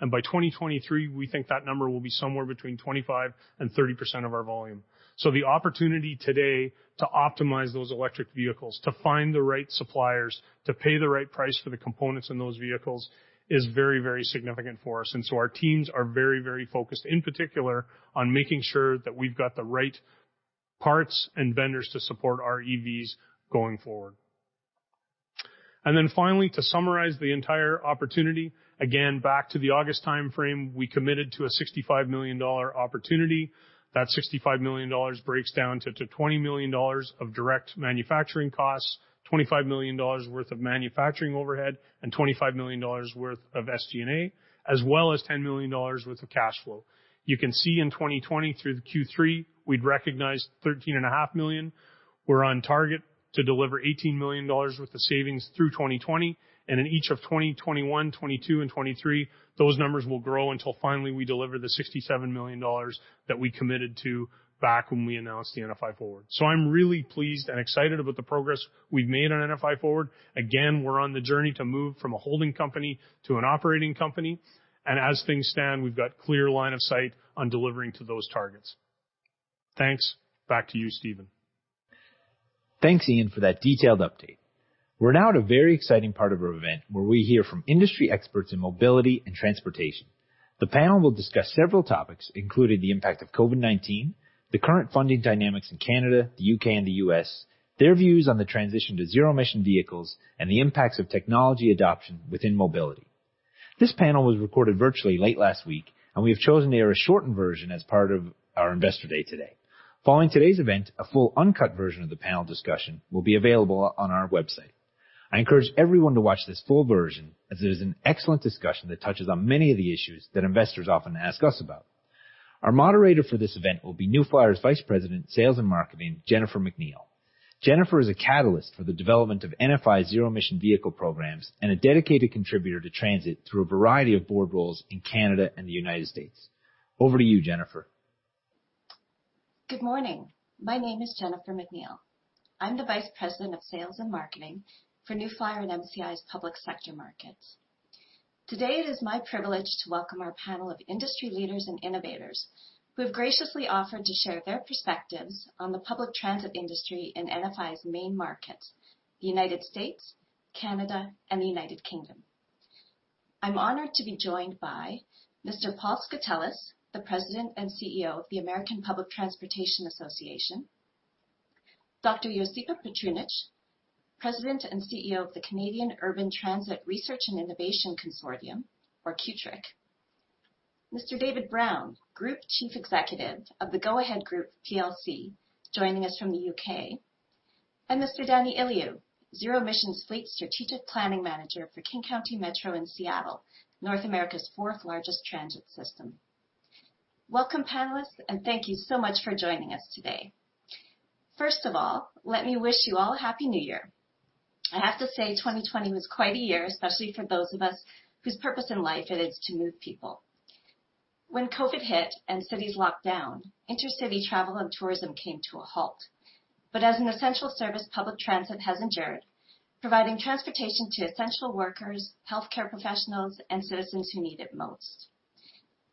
and by 2023, we think that number will be somewhere between 25%-30% of our volume. The opportunity today to optimize those electric vehicles, to find the right suppliers, to pay the right price for the components in those vehicles is very significant for us. Our teams are very focused, in particular, on making sure that we've got the right parts and vendors to support our EVs going forward. Finally, to summarize the entire opportunity, again, back to the August timeframe, we committed to a 65 million dollar opportunity. That 65 million dollars breaks down to 20 million dollars of direct manufacturing costs, 25 million dollars worth of manufacturing overhead, and 25 million dollars worth of SG&A, as well as 10 million dollars worth of cash flow. You can see in 2020 through the Q3, we'd recognized 13.5 million. We're on target to deliver 18 million dollars worth of savings through 2020. In each of 2021, 2022, and 2023, those numbers will grow until finally we deliver the 67 million dollars that we committed to back when we announced the NFI Forward. I'm really pleased and excited about the progress we've made on NFI Forward. Again, we're on the journey to move from a holding company to an operating company. As things stand, we've got clear line of sight on delivering to those targets. Thanks. Back to you, Stephen. Thanks, Ian, for that detailed update. We're now at a very exciting part of our event where we hear from industry experts in mobility and transportation. The panel will discuss several topics, including the impact of COVID-19, the current funding dynamics in Canada, the U.K., and the U.S., their views on the transition to zero-emission vehicles, and the impacts of technology adoption within mobility. This panel was recorded virtually late last week, and we have chosen to air a shortened version as part of our Investor Day today. Following today's event, a full uncut version of the panel discussion will be available on our website. I encourage everyone to watch this full version as it is an excellent discussion that touches on many of the issues that investors often ask us about. Our moderator for this event will be New Flyer's Vice President, Sales and Marketing, Jennifer McNeill. Jennifer is a catalyst for the development of NFI's zero emission vehicle programs and a dedicated contributor to transit through a variety of board roles in Canada and the United States. Over to you, Jennifer. Good morning. My name is Jennifer McNeill. I am the Vice President of Sales and Marketing for New Flyer and MCI's public sector markets. Today it is my privilege to welcome our panel of industry leaders and innovators who have graciously offered to share their perspectives on the public transit industry in NFI's main markets, the U.S., Canada, and the U.K. I am honored to be joined by Mr. Paul Skoutelas, the President and CEO of the American Public Transportation Association. Dr. Josipa Petrunic, President and CEO of the Canadian Urban Transit Research and Innovation Consortium, or CUTRIC. Mr. David Brown, Group Chief Executive of The Go-Ahead Group plc, joining us from the U.K. Mr. Danny Ilioiu, Zero-Emissions Fleet Strategic Planning Manager for King County Metro in Seattle, North America's fourth largest transit system. Welcome, panelists, Thank you so much for joining us today. First of all, let me wish you all a Happy New Year. I have to say, 2020 was quite a year, especially for those of us whose purpose in life it is to move people. When COVID hit and cities locked down, intercity travel and tourism came to a halt. As an essential service, public transit has endured, providing transportation to essential workers, healthcare professionals, and citizens who need it most.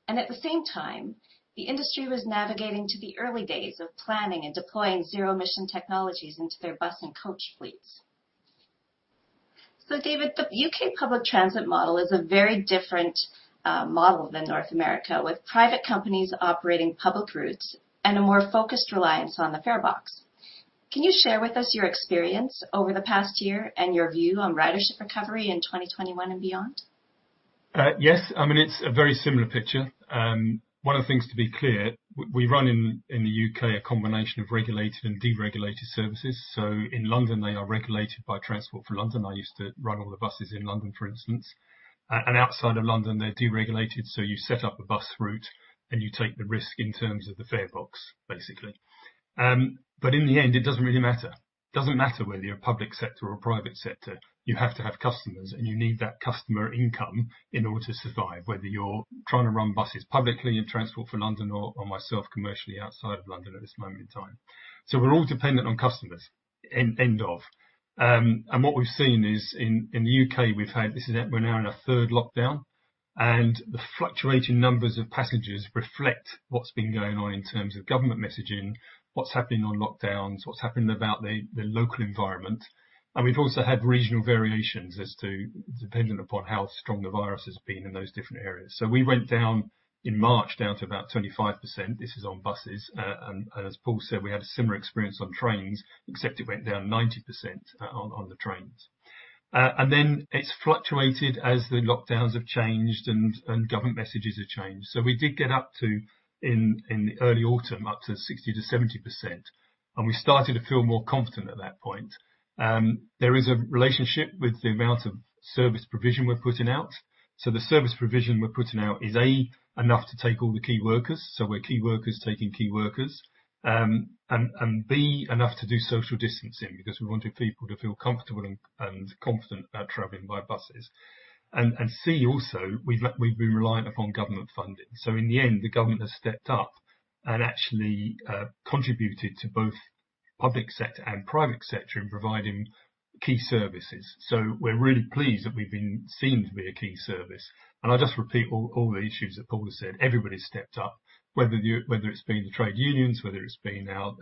At the same time, the industry was navigating to the early days of planning and deploying zero-emission technologies into their bus and coach fleets. David, the U.K. public transit model is a very different model than North America, with private companies operating public routes and a more focused reliance on the fare box. Can you share with us your experience over the past year and your view on ridership recovery in 2021 and beyond? Yes. It's a very similar picture. One of the things to be clear, we run in the U.K. a combination of regulated and deregulated services. In London, they are regulated by Transport for London. I used to run all the buses in London, for instance. Outside of London, they're deregulated, so you set up a bus route and you take the risk in terms of the fare box, basically. In the end, it doesn't really matter. Doesn't matter whether you're public sector or private sector, you have to have customers, and you need that customer income in order to survive, whether you're trying to run buses publicly in Transport for London or myself commercially outside of London at this moment in time. We're all dependent on customers. End of. What we've seen is in the U.K., we're now in our third lockdown, and the fluctuating numbers of passengers reflect what's been going on in terms of government messaging, what's happening on lockdowns, what's happening about the local environment. We've also had regional variations as to dependent upon how strong the virus has been in those different areas. We went down in March, down to about 25%. This is on buses. As Paul said, we had a similar experience on trains, except it went down 90% on the trains. It's fluctuated as the lockdowns have changed and government messages have changed. We did get up to, in the early autumn, up to 60%-70%, and we started to feel more confident at that point. There is a relationship with the amount of service provision we're putting out. The service provision we're putting out is, A, enough to take all the key workers, so we're key workers taking key workers. B, enough to do social distancing because we wanted people to feel comfortable and confident about traveling by buses. C, also, we've been reliant upon government funding. In the end, the government has stepped up and actually contributed to both public sector and private sector in providing key services. We're really pleased that we've been seen to be a key service. I'll just repeat all the issues that Paul has said. Everybody's stepped up, whether it's been the trade unions, whether it's been our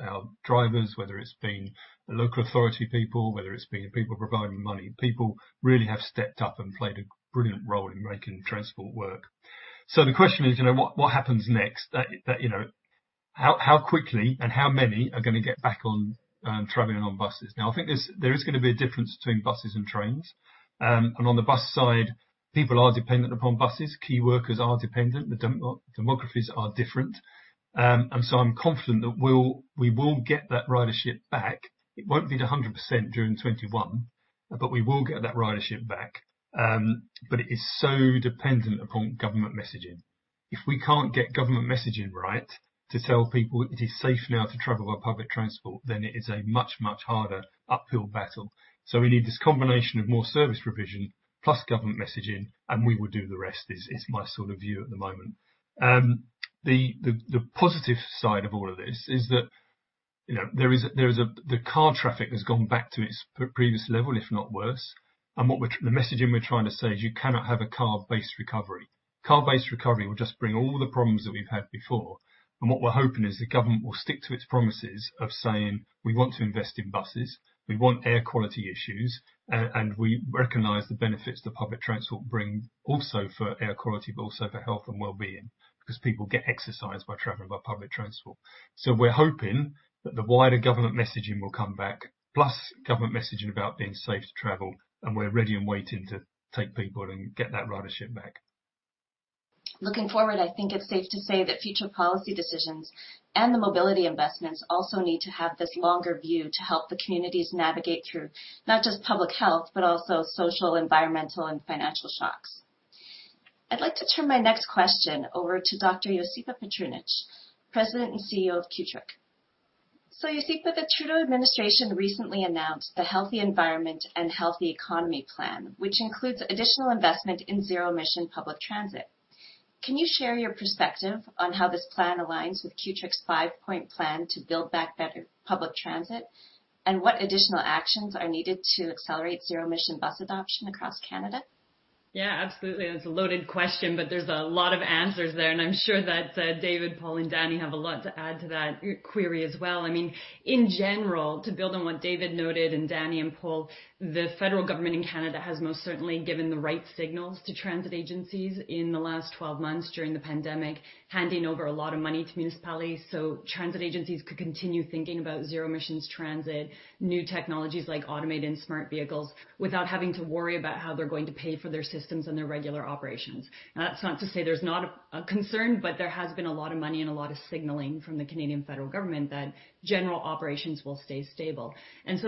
drivers, whether it's been the local authority people, whether it's been people providing money. People really have stepped up and played a brilliant role in making transport work. The question is, what happens next? How quickly and how many are going to get back on traveling on buses? I think there is going to be a difference between buses and trains. On the bus side, people are dependent upon buses. Key workers are dependent. The demographies are different. I'm confident that we will get that ridership back. It won't be to 100% during 2021, but we will get that ridership back. It is so dependent upon government messaging. If we can't get government messaging right to tell people it is safe now to travel by public transport, then it is a much, much harder uphill battle. We need this combination of more service provision plus government messaging, and we will do the rest, is my sort of view at the moment. The positive side of all of this is that the car traffic has gone back to its previous level, if not worse, and the messaging we're trying to say is you cannot have a car-based recovery. Car-based recovery will just bring all the problems that we've had before. What we're hoping is the government will stick to its promises of saying, "We want to invest in buses, we want air quality issues, and we recognize the benefits that public transport bring also for air quality, but also for health and wellbeing," because people get exercise by traveling by public transport. We're hoping that the wider government messaging will come back, plus government messaging about being safe to travel, and we're ready and waiting to take people and get that ridership back. Looking forward, I think it's safe to say that future policy decisions and the mobility investments also need to have this longer view to help the communities navigate through not just public health, but also social, environmental, and financial shocks. I'd like to turn my next question over to Dr. Josipa Petrunic, President and CEO of CUTRIC. Josipa, the Trudeau Administration recently announced the Healthy Environment and Healthy Economy plan, which includes additional investment in zero-emission public transit. Can you share your perspective on how this plan aligns with CUTRIC's five-point plan to build back better public transit? What additional actions are needed to accelerate zero-emission bus adoption across Canada? Yeah, absolutely. It's a loaded question, but there's a lot of answers there, and I'm sure that David, Paul, and Danny have a lot to add to that query as well. In general, to build on what David noted, and Danny and Paul, the federal government in Canada has most certainly given the right signals to transit agencies in the last 12 months during the pandemic, handing over a lot of money to municipalities so transit agencies could continue thinking about zero-emissions transit, new technologies like automated and smart vehicles, without having to worry about how they're going to pay for their systems and their regular operations. Now, that's not to say there's not a concern, but there has been a lot of money and a lot of signaling from the Canadian federal government that general operations will stay stable.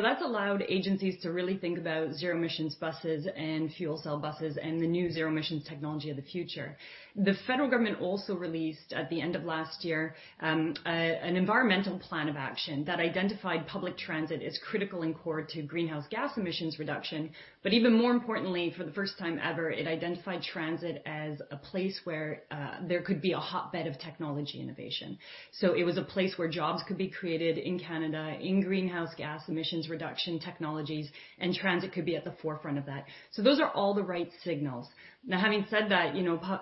That's allowed agencies to really think about zero-emissions buses and fuel cell buses and the new zero-emission technology of the future. The federal government also released, at the end of last year, an environmental plan of action that identified public transit as critical and core to greenhouse gas emissions reduction. Even more importantly, for the first time ever, it identified transit as a place where there could be a hotbed of technology innovation. It was a place where jobs could be created in Canada in greenhouse gas emissions reduction technologies, and transit could be at the forefront of that. Those are all the right signals. Now, having said that,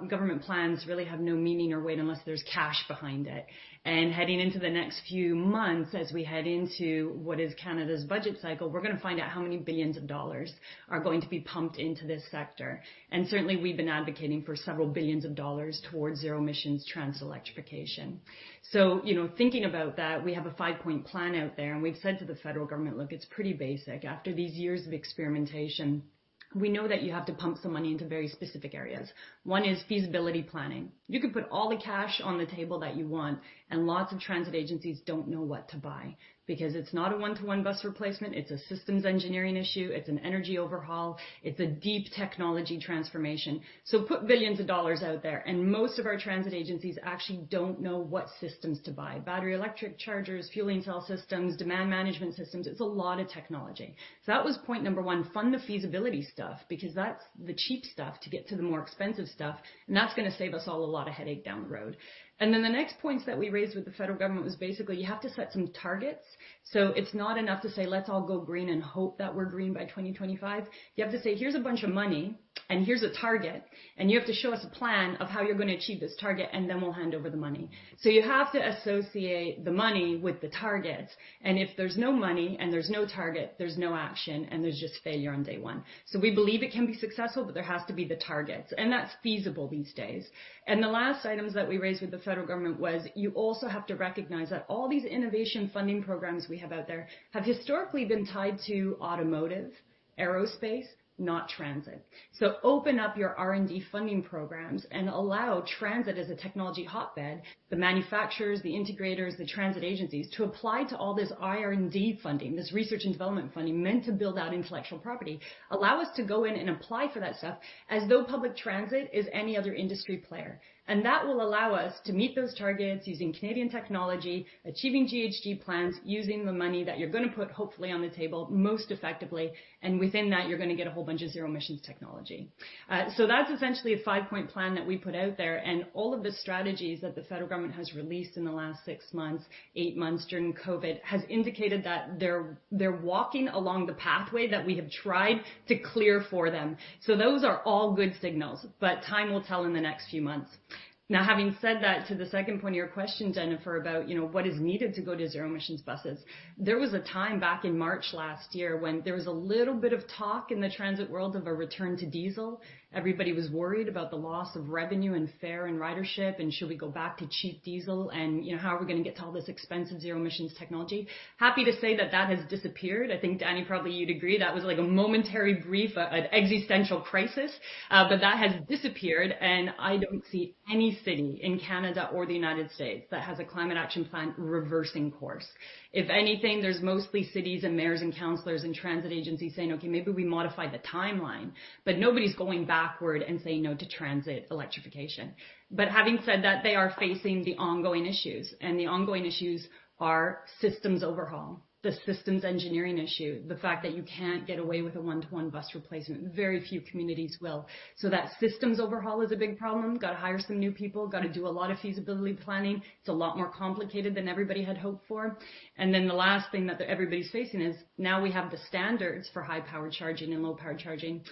government plans really have no meaning or weight unless there's cash behind it. Heading into the next few months as we head into what is Canada's budget cycle, we're going to find out how many billions of CAD are going to be pumped into this sector. Certainly, we've been advocating for several billions of CAD towards zero-emissions transit electrification. Thinking about that, we have a five-point plan out there, and we've said to the federal government, look, it's pretty basic. After these years of experimentation, we know that you have to pump some money into very specific areas. One is feasibility planning. You can put all the cash on the table that you want, and lots of transit agencies don't know what to buy because it's not a one-to-one bus replacement. It's a systems engineering issue. It's an energy overhaul. It's a deep technology transformation. Put billions of CAD out there, and most of our transit agencies actually don't know what systems to buy. Battery, electric chargers, fuel cell systems, demand management systems. It's a lot of technology. That was point number 1, fund the feasibility stuff because that's the cheap stuff to get to the more expensive stuff, and that's going to save us all a lot of headache down the road. The next points that we raised with the federal government was basically, you have to set some targets. It's not enough to say, let's all go green and hope that we're green by 2025. You have to say, here's a bunch of money and here's a target, and you have to show us a plan of how you're going to achieve this target, and then we'll hand over the money. You have to associate the money with the targets, and if there's no money and there's no target, there's no action, and there's just failure on day one. We believe it can be successful, but there has to be the targets, and that's feasible these days. The last items that we raised with the federal government was, you also have to recognize that all these innovation funding programs we have out there have historically been tied to automotive, aerospace, not transit. Open up your R&D funding programs and allow transit as a technology hotbed, the manufacturers, the integrators, the transit agencies, to apply to all this IR&D funding, this research and development funding meant to build out intellectual property. Allow us to go in and apply for that stuff as though public transit is any other industry player. That will allow us to meet those targets using Canadian technology, achieving GHG plans, using the money that you're going to put, hopefully, on the table most effectively. Within that, you're going to get a whole bunch of zero-emissions technology. That's essentially a five-point plan that we put out there. All of the strategies that the federal government has released in the last six months, eight months during COVID, has indicated that they're walking along the pathway that we have tried to clear for them. Those are all good signals, but time will tell in the next few months. Having said that, to the second point of your question, Jennifer, about what is needed to go to zero-emissions buses. There was a time back in March last year when there was a little bit of talk in the transit world of a return to diesel. Everybody was worried about the loss of revenue and fare and ridership, and should we go back to cheap diesel and how are we going to get to all this expensive zero-emissions technology? Happy to say that that has disappeared. I think, Danny, probably you'd agree that was like a momentary brief, an existential crisis. That has disappeared, and I don't see any city in Canada or the United States that has a climate action plan reversing course. If anything, there's mostly cities and mayors and councilors and transit agencies saying, "Okay, maybe we modify the timeline," but nobody's going backward and saying no to transit electrification. Having said that, they are facing the ongoing issues, and the ongoing issues are systems overhaul, the systems engineering issue, the fact that you can't get away with a one-to-one bus replacement. Very few communities will. That systems overhaul is a big problem. Got to hire some new people. Got to do a lot of feasibility planning. It's a lot more complicated than everybody had hoped for. The last thing that everybody's facing is now we have the standards for high power charging and low power charging.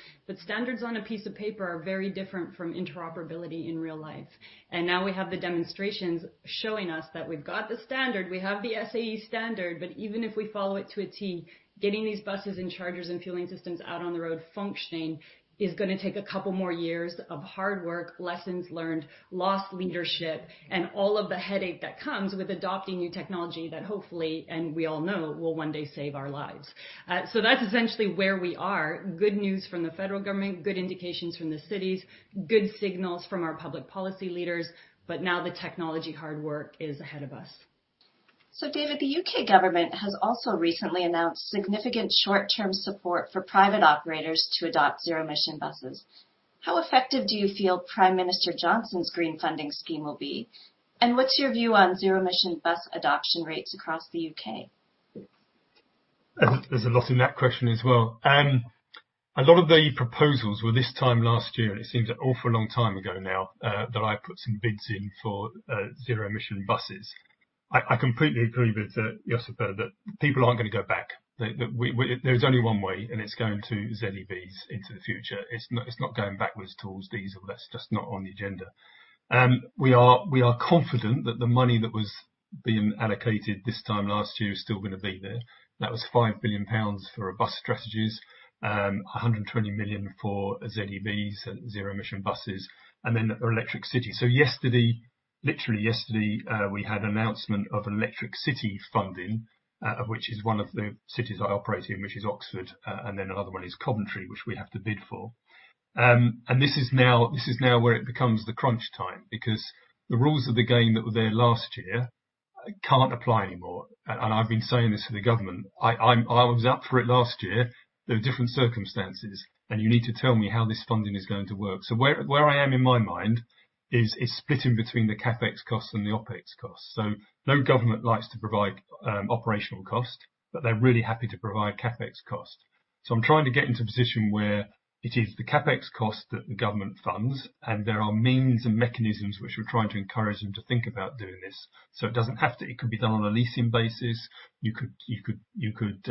Standards on a piece of paper are very different from interoperability in real life. Now we have the demonstrations showing us that we've got the standard, we have the SAE standard, but even if we follow it to a T, getting these buses and chargers and fueling systems out on the road functioning is going to take a couple more years of hard work, lessons learned, lost leadership, and all of the headache that comes with adopting new technology that hopefully, and we all know, will one day save our lives. That's essentially where we are. Good news from the federal government, good indications from the cities, good signals from our public policy leaders. Now the technology hard work is ahead of us. David, the U.K. government has also recently announced significant short-term support for private operators to adopt zero-emission buses. How effective do you feel Prime Minister Johnson's green funding scheme will be? What's your view on zero-emission bus adoption rates across the U.K.? There's a lot in that question as well. A lot of the proposals were this time last year, and it seems an awful long time ago now that I put some bids in for zero-emission buses. I completely agree with Josipa that people aren't going to go back. There's only one way, and it's going to ZEBs into the future. It's not going backwards towards diesel. That's just not on the agenda. We are confident that the money that was being allocated this time last year is still going to be there. That was 5 billion pounds for bus strategies, 120 million for ZEBs, zero-emission buses, and then the Electric City. Yesterday, literally yesterday, we had an announcement of Electric City funding, of which one of the cities I operate in, which is Oxford, and then another one is Coventry, which we have to bid for. This is now where it becomes the crunch time, because the rules of the game that were there last year can't apply anymore. I've been saying this to the government. I was up for it last year. They're different circumstances, and you need to tell me how this funding is going to work. Where I am in my mind is split in between the CapEx costs and the OpEx costs. No government likes to provide operational cost, but they're really happy to provide CapEx cost. I'm trying to get into a position where it is the CapEx cost that the government funds, and there are means and mechanisms which we're trying to encourage them to think about doing this. It doesn't have to, it could be done on a leasing basis. You could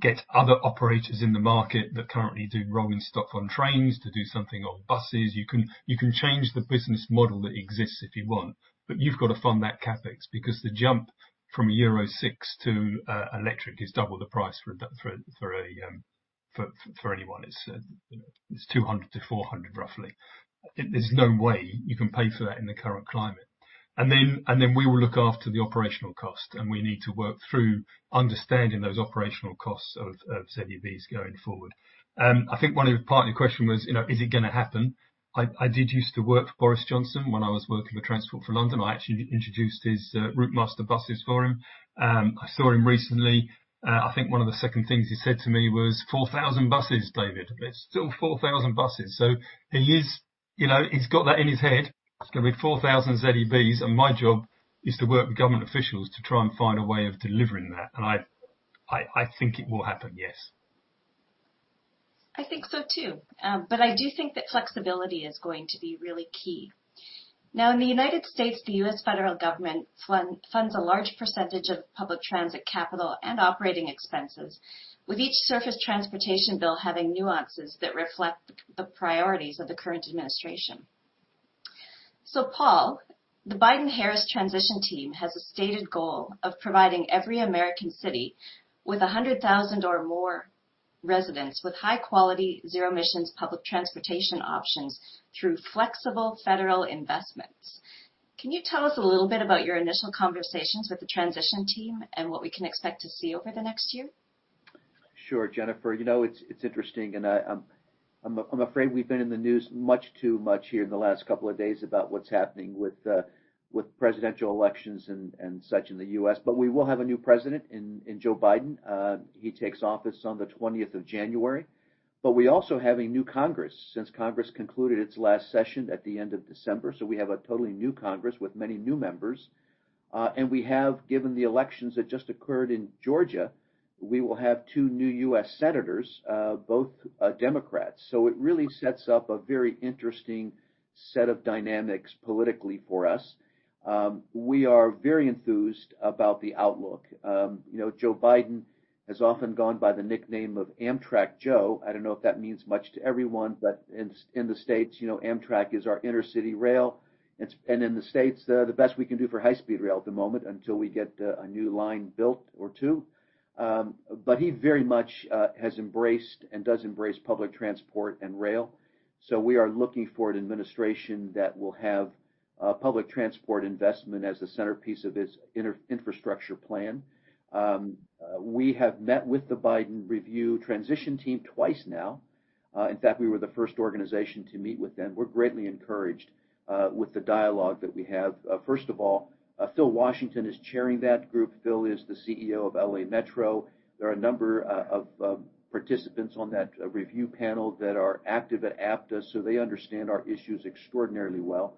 get other operators in the market that currently do rolling stock on trains to do something on buses. You've got to fund that CapEx because the jump from a Euro VI to electric is double the price for anyone. It's 200-400, roughly. There's no way you can pay for that in the current climate. We will look after the operational cost, and we need to work through understanding those operational costs of ZEBs going forward. I think one part of your question was, is it going to happen? I did used to work for Boris Johnson when I was working for Transport for London. I actually introduced his Routemaster buses for him. I saw him recently. I think one of the second things he said to me was, "4,000 buses, David." It's still 4,000 buses. He's got that in his head. It's going to be 4,000 ZEBs, and my job is to work with government officials to try and find a way of delivering that. I think it will happen, yes. I think so, too. I do think that flexibility is going to be really key. In the United States, the U.S. federal government funds a large percentage of public transit capital and operating expenses, with each surface transportation bill having nuances that reflect the priorities of the current administration. Paul, the Biden-Harris transition team has a stated goal of providing every American city with 100,000 or more residents with high-quality, zero-emissions public transportation options through flexible federal investments. Can you tell us a little bit about your initial conversations with the transition team and what we can expect to see over the next year? Sure Jennifer, it's interesting. I'm afraid we've been in the news much too much here in the last couple of days about what's happening with presidential elections and such in the U.S. We will have a new president in Joe Biden. He takes office on the January 20th, 2021. We also have a new Congress since Congress concluded its last session at the end of December. We have, given the elections that just occurred in Georgia, we will have two new U.S. senators, both Democrats. It really sets up a very interesting set of dynamics politically for us. We are very enthused about the outlook. Joe Biden has often gone by the nickname of Amtrak Joe. I don't know if that means much to everyone, but in the States, Amtrak is our inner city rail. In the States, the best we can do for high-speed rail at the moment until we get a new line built or two. He very much has embraced and does embrace public transport and rail. We are looking for an administration that will have public transport investment as the centerpiece of its infrastructure plan. We have met with the Biden review transition team twice now. In fact, we were the first organization to meet with them. We're greatly encouraged with the dialogue that we have. First of all, Phil Washington is chairing that group. Phil is the CEO of LA Metro. There are a number of participants on that review panel that are active at APTA, so they understand our issues extraordinarily well.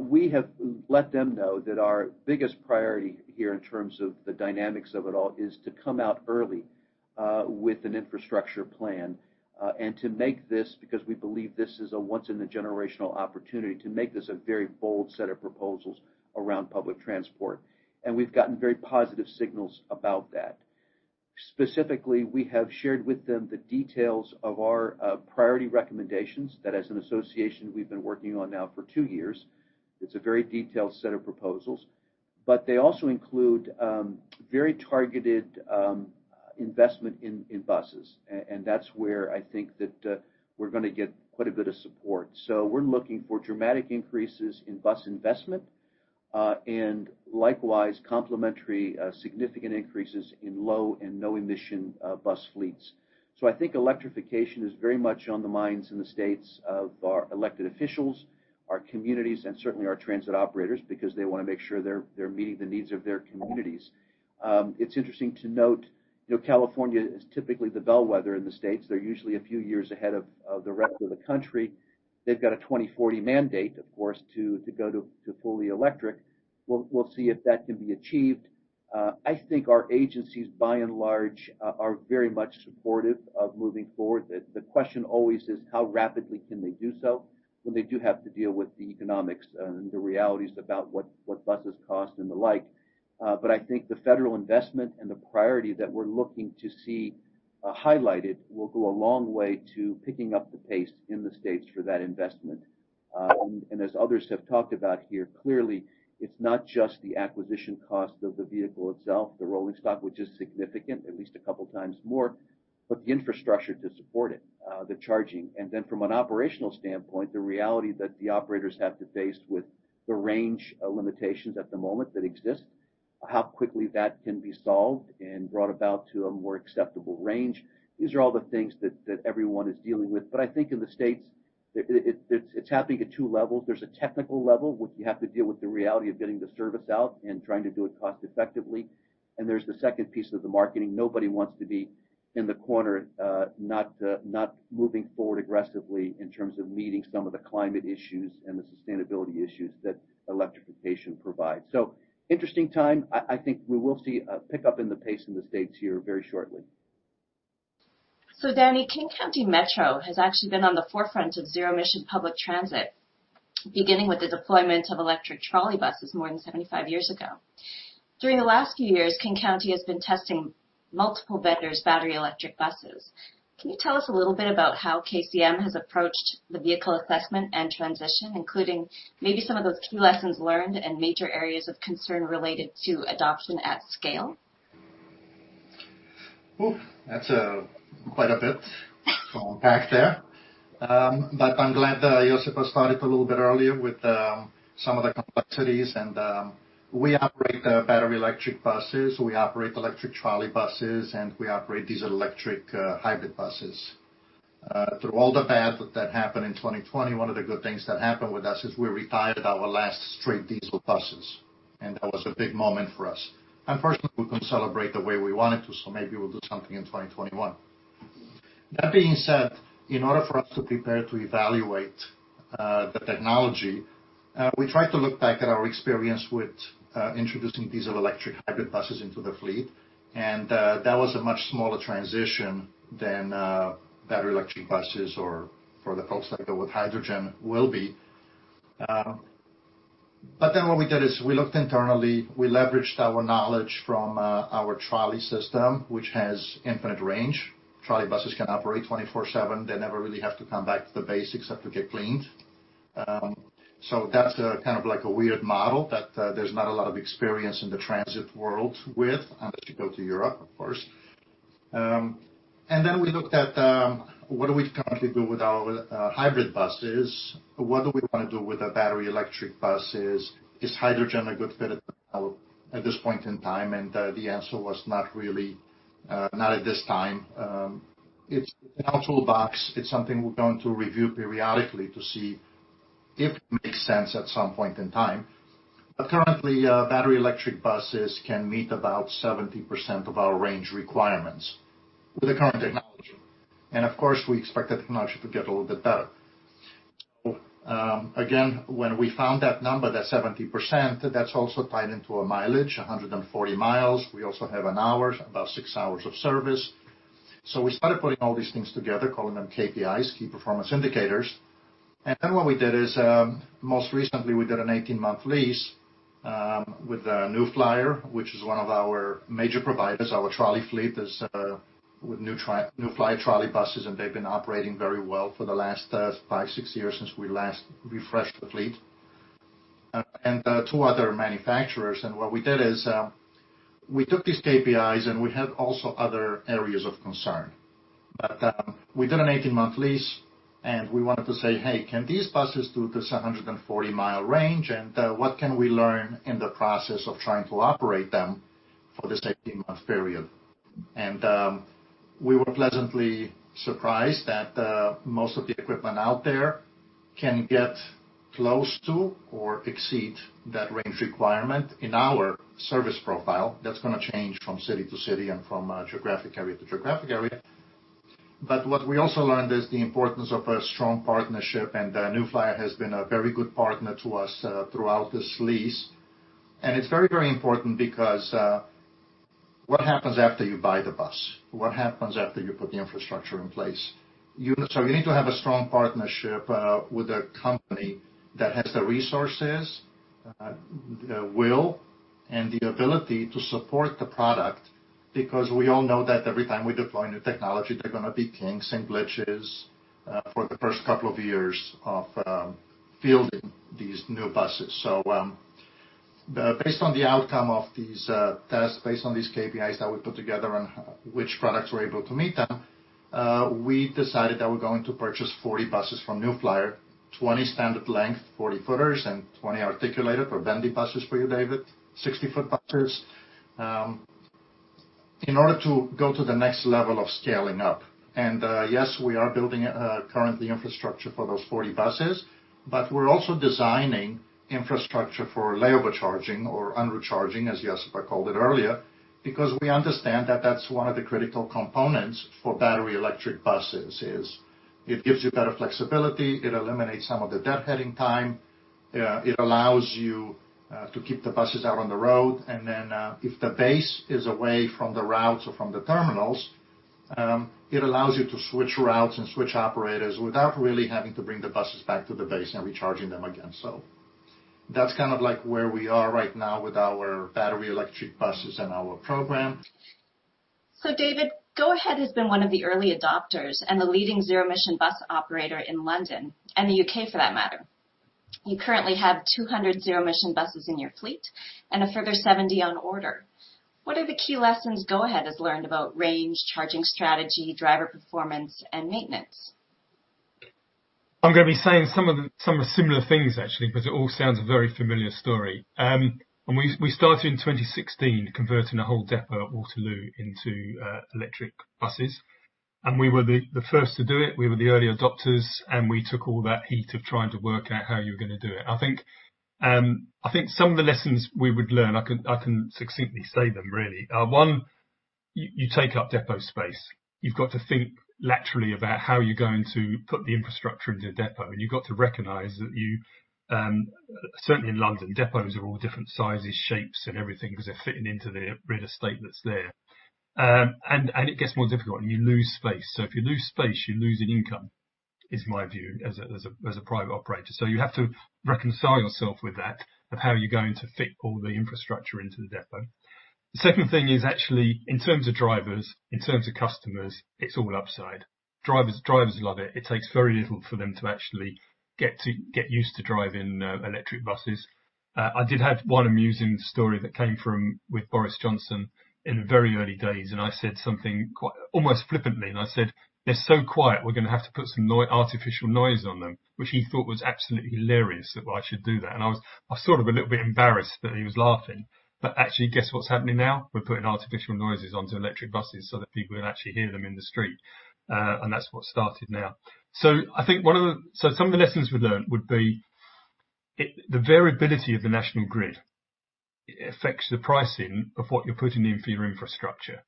We have let them know that our biggest priority here in terms of the dynamics of it all is to come out early with an infrastructure plan and to make this, because we believe this is a once in a generational opportunity, to make this a very bold set of proposals around public transport. We've gotten very positive signals about that. Specifically, we have shared with them the details of our priority recommendations that as an association we've been working on now for two years. It's a very detailed set of proposals, but they also include very targeted investment in buses. That's where I think that we're going to get quite a bit of support. We're looking for dramatic increases in bus investment. And likewise, complementary significant increases in low and no emission bus fleets. I think electrification is very much on the minds in the States of our elected officials, our communities, and certainly our transit operators, because they want to make sure they're meeting the needs of their communities. It's interesting to note, California is typically the bellwether in the States. They're usually a few years ahead of the rest of the country. They've got a 2040 mandate, of course, to go to fully electric. We'll see if that can be achieved. I think our agencies, by and large, are very much supportive of moving forward. The question always is how rapidly can they do so when they do have to deal with the economics and the realities about what buses cost and the like. I think the federal investment and the priority that we're looking to see highlighted will go a long way to picking up the pace in the U.S. for that investment. As others have talked about here, clearly it's not just the acquisition cost of the vehicle itself, the rolling stock, which is significant, at least a couple times more, but the infrastructure to support it, the charging. From an operational standpoint, the reality that the operators have to face with the range of limitations at the moment that exist, how quickly that can be solved and brought about to a more acceptable range. These are all the things that everyone is dealing with. I think in the U.S. it's happening at two levels. There's a technical level, which you have to deal with the reality of getting the service out and trying to do it cost effectively. There's the second piece of the marketing. Nobody wants to be in the corner not moving forward aggressively in terms of meeting some of the climate issues and the sustainability issues that electrification provides. Interesting time. I think we will see a pickup in the pace in the U.S. here very shortly. Danny, King County Metro has actually been on the forefront of zero-emission public transit, beginning with the deployment of electric trolley buses more than 75 years ago. During the last few years, King County has been testing multiple vendors' battery-electric buses. Can you tell us a little bit about how KCM has approached the vehicle assessment and transition, including maybe some of those key lessons learned and major areas of concern related to adoption at scale? Oof. That's quite a bit to unpack there. I'm glad that Josipa has started a little bit earlier with some of the complexities. We operate battery-electric buses, we operate electric trolley buses, and we operate diesel-electric hybrid buses. Through all the bad that happened in 2020, one of the good things that happened with us is we retired our last straight diesel buses, and that was a big moment for us. Unfortunately, we couldn't celebrate the way we wanted to, so maybe we'll do something in 2021. That being said, in order for us to prepare to evaluate the technology, we tried to look back at our experience with introducing diesel-electric hybrid buses into the fleet. That was a much smaller transition than battery-electric buses or for the folks that go with hydrogen will be. What we did is we looked internally. We leveraged our knowledge from our trolley system, which has infinite range. Trolley buses can operate 24/7. They never really have to come back to the base except to get cleaned. That's kind of like a weird model that there's not a lot of experience in the transit world with, unless you go to Europe, of course. Then we looked at what do we currently do with our hybrid buses? What do we want to do with our battery-electric buses? Is hydrogen a good fit at the moment, at this point in time? The answer was not really, not at this time. It's in our toolbox. It's something we're going to review periodically to see if it makes sense at some point in time. Currently, battery-electric buses can meet about 70% of our range requirements with the current technology. Of course, we expect the technology to get a little bit better. Again, when we found that number, that 70%, that's also tied into a mileage, 140 miles. We also have an hour, about six hours of service. We started putting all these things together, calling them KPIs, key performance indicators. Then what we did is, most recently, we did an 18-month lease with New Flyer, which is one of our major providers. Our trolley fleet is with New Flyer trolley buses, and they've been operating very well for the last five, six years since we last refreshed the fleet. Two other manufacturers. What we did is we took these KPIs, and we had also other areas of concern. We did an 18-month lease, and we wanted to say, "Hey, can these buses do this 140-mile range? What can we learn in the process of trying to operate them for this 18-month period?" We were pleasantly surprised that most of the equipment out there can get close to or exceed that range requirement in our service profile. That's going to change from city to city and from geographic area to geographic area. What we also learned is the importance of a strong partnership, and New Flyer has been a very good partner to us throughout this lease. It's very important because what happens after you buy the bus? What happens after you put the infrastructure in place? You need to have a strong partnership with a company that has the resources, the will, and the ability to support the product, because we all know that every time we deploy new technology, there are going to be kinks and glitches for the first couple of years of fielding these new buses. Based on the outcome of these tests, based on these KPIs that we put together and which products were able to meet them. We decided that we're going to purchase 40 buses from New Flyer, 20 standard length 40-footers and 20 articulated or bendy buses for you, David, 60-foot buses, in order to go to the next level of scaling up. Yes, we are building currently infrastructure for those 40 buses, but we're also designing infrastructure for layover charging or en route charging, as Josipa called it earlier, because we understand that that's one of the critical components for battery-electric buses is it gives you better flexibility, it eliminates some of the deadheading time, it allows you to keep the buses out on the road, and then if the base is away from the routes or from the terminals, it allows you to switch routes and switch operators without really having to bring the buses back to the base and recharging them again. That's kind of where we are right now with our battery-electric buses and our program. David, Go-Ahead has been one of the early adopters and the leading zero-emission bus operator in London, and the U.K. for that matter. You currently have 200 zero-emission buses in your fleet and a further 70 on order. What are the key lessons Go-Ahead has learned about range, charging strategy, driver performance, and maintenance? I'm going to be saying some similar things, actually. It all sounds a very familiar story. We started in 2016, converting a whole depot at Waterloo into electric buses. We were the first to do it. We were the early adopters. We took all that heat of trying to work out how you were going to do it. I think some of the lessons we would learn, I can succinctly say them, really. One, you take up depot space. You've got to think laterally about how you're going to put the infrastructure into a depot. You've got to recognize that you, certainly in London, depots are all different sizes, shapes, and everything because they're fitting into the real estate that's there. It gets more difficult. You lose space. If you lose space, you're losing income, is my view as a private operator. You have to reconcile yourself with that, of how you're going to fit all the infrastructure into the depot. The second thing is actually, in terms of drivers, in terms of customers, it's all upside. Drivers love it. It takes very little for them to actually get used to driving electric buses. I did have one amusing story that came from with Boris Johnson in the very early days, and I said something almost flippantly, and I said, "They're so quiet, we're going to have to put some artificial noise on them," which he thought was absolutely hilarious that I should do that. I was sort of a little bit embarrassed that he was laughing. Actually, guess what's happening now? We're putting artificial noises onto electric buses so that people can actually hear them in the street, and that's what's started now. Some of the lessons we learned would be the variability of the national grid affects the pricing of what you're putting in for your infrastructure.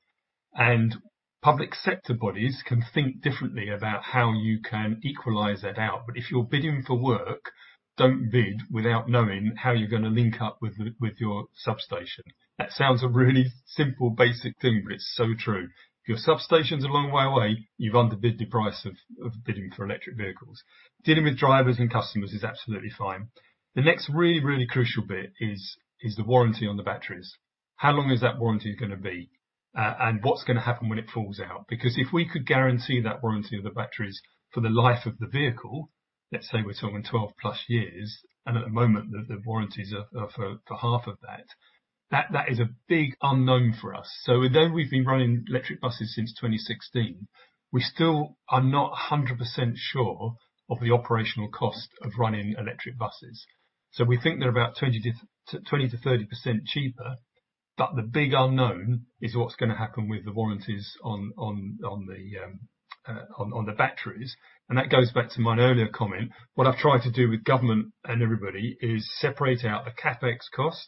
Public sector bodies can think differently about how you can equalize that out. If you're bidding for work, don't bid without knowing how you're going to link up with your substation. That sounds a really simple, basic thing, but it's so true. If your substation's a long way away, you've underbid the price of bidding for electric vehicles. Dealing with drivers and customers is absolutely fine. The next really crucial bit is the warranty on the batteries. How long is that warranty going to be? What's going to happen when it falls out? If we could guarantee that warranty of the batteries for the life of the vehicle, let's say we're talking 12+ years, and at the moment, the warranties are for half of that is a big unknown for us. Although we've been running electric buses since 2016, we still are not 100% sure of the operational cost of running electric buses. We think they're about 20%-30% cheaper, but the big unknown is what's going to happen with the warranties on the batteries. That goes back to my earlier comment. What I've tried to do with government and everybody is separate out the CapEx cost,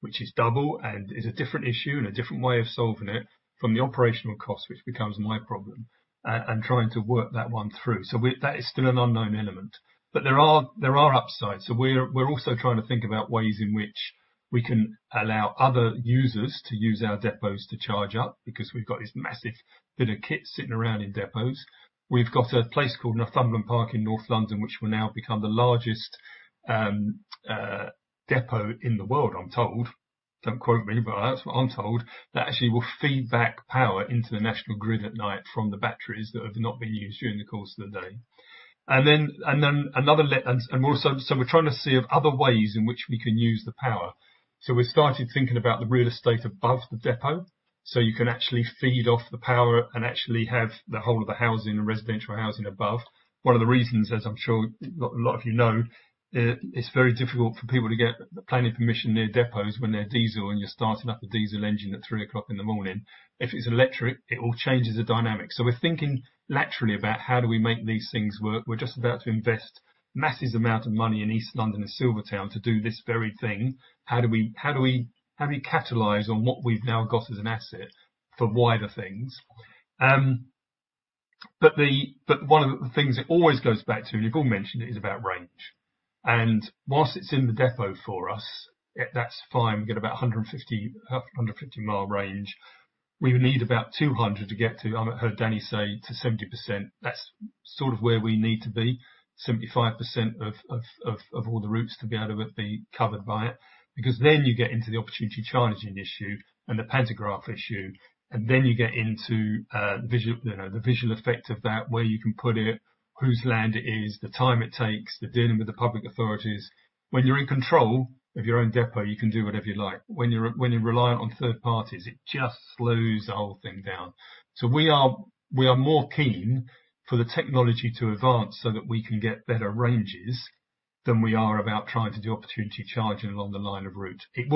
which is double and is a different issue and a different way of solving it from the operational cost, which becomes my problem, and trying to work that one through. That is still an unknown element. There are upsides. We're also trying to think about ways in which we can allow other users to use our depots to charge up because we've got this massive bit of kit sitting around in depots. We've got a place called Northumberland Park in North London, which will now become the largest depot in the world, I'm told. Don't quote me, but that's what I'm told. That actually will feed back power into the national grid at night from the batteries that have not been used during the course of the day. We're trying to see of other ways in which we can use the power. We've started thinking about the real estate above the depot, so you can actually feed off the power and actually have the whole of the housing and residential housing above. One of the reasons, as I'm sure a lot of you know, it's very difficult for people to get planning permission near depots when they're diesel and you're starting up a diesel engine at three o'clock in the morning. If it's electric, it all changes the dynamic. We're thinking laterally about how do we make these things work. We're just about to invest massive amounts of money in East London and Silvertown to do this very thing. How do we capitalize on what we've now got as an asset for wider things? One of the things it always goes back to, and you've all mentioned it, is about range. Whilst it's in the depot for us, that's fine. We get about 150-mile range. We would need about 200 to get to, I heard Danny say, to 70%. That's sort of where we need to be, 75% of all the routes to be able to be covered by it, because then you get into the opportunity charging issue and the pantograph issue, and then you get into the visual effect of that, where you can put it, whose land it is, the time it takes, the dealing with the public authorities. When you're in control of your own depot, you can do whatever you like. When you rely on third parties, it just slows the whole thing down. We are more keen for the technology to advance so that we can get better ranges than we are about trying to do opportunity charging along the line of route. In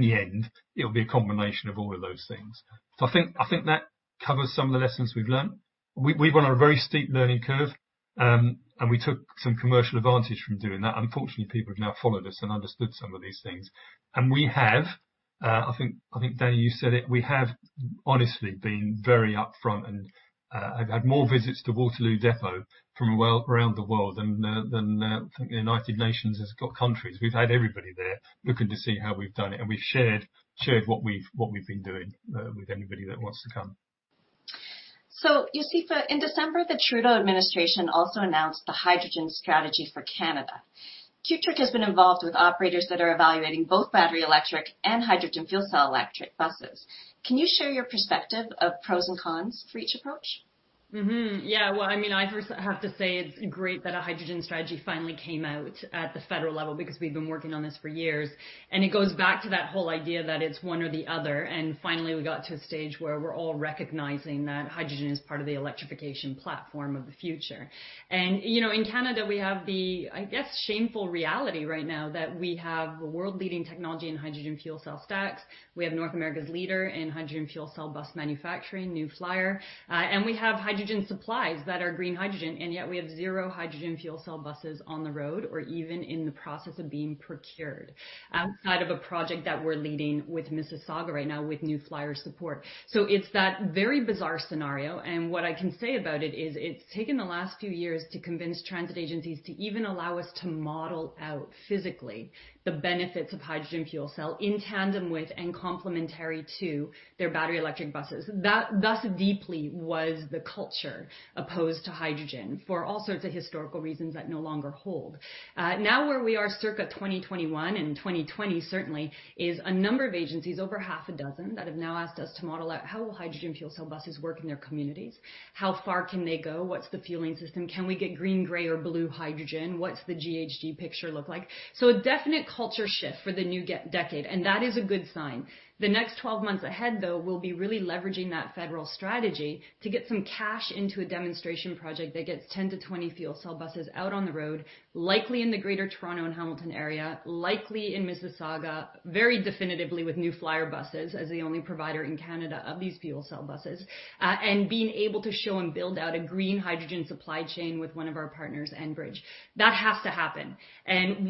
the end, it will be a combination of all of those things. I think that covers some of the lessons we've learned. We went on a very steep learning curve, and we took some commercial advantage from doing that. Unfortunately, people have now followed us and understood some of these things. We have, I think Danny, you said it, we have honestly been very upfront, and I've had more visits to Waterloo Depot from around the world than I think the United Nations has got countries. We've had everybody there looking to see how we've done it, and we've shared what we've been doing with anybody that wants to come. Josipa, in December, the Trudeau administration also announced the Hydrogen Strategy for Canada. CUTRIC has been involved with operators that are evaluating both battery electric and hydrogen fuel cell electric buses. Can you share your perspective of pros and cons for each approach? Mm-hmm. Yeah. I first have to say it's great that a Hydrogen Strategy finally came out at the federal level because we've been working on this for years, and it goes back to that whole idea that it's one or the other, and finally, we got to a stage where we're all recognizing that hydrogen is part of the electrification platform of the future. In Canada, we have the, I guess, shameful reality right now that we have world-leading technology in hydrogen fuel cell stacks. We have North America's leader in hydrogen fuel cell bus manufacturing, New Flyer. We have hydrogen supplies that are green hydrogen, and yet we have zero hydrogen fuel cell buses on the road or even in the process of being procured outside of a project that we're leading with Mississauga right now with New Flyer support. It's that very bizarre scenario, and what I can say about it is it's taken the last few years to convince transit agencies to even allow us to model out physically the benefits of hydrogen fuel cell in tandem with and complementary to their battery-electric buses. Thus deeply was the culture opposed to hydrogen for all sorts of historical reasons that no longer hold. Where we are circa 2021 and 2020 certainly, is a number of agencies, over half a dozen, that have now asked us to model out how will hydrogen fuel cell buses work in their communities. How far can they go? What's the fueling system? Can we get green, gray, or blue hydrogen? What's the GHG picture look like? A definite culture shift for the new decade, and that is a good sign. The next 12 months ahead, though, we'll be really leveraging that federal strategy to get some cash into a demonstration project that gets 10-20 fuel cell buses out on the road, likely in the greater Toronto and Hamilton area, likely in Mississauga, very definitively with New Flyer buses as the only provider in Canada of these fuel cell buses, and being able to show and build out a green hydrogen supply chain with one of our partners, Enbridge. That has to happen.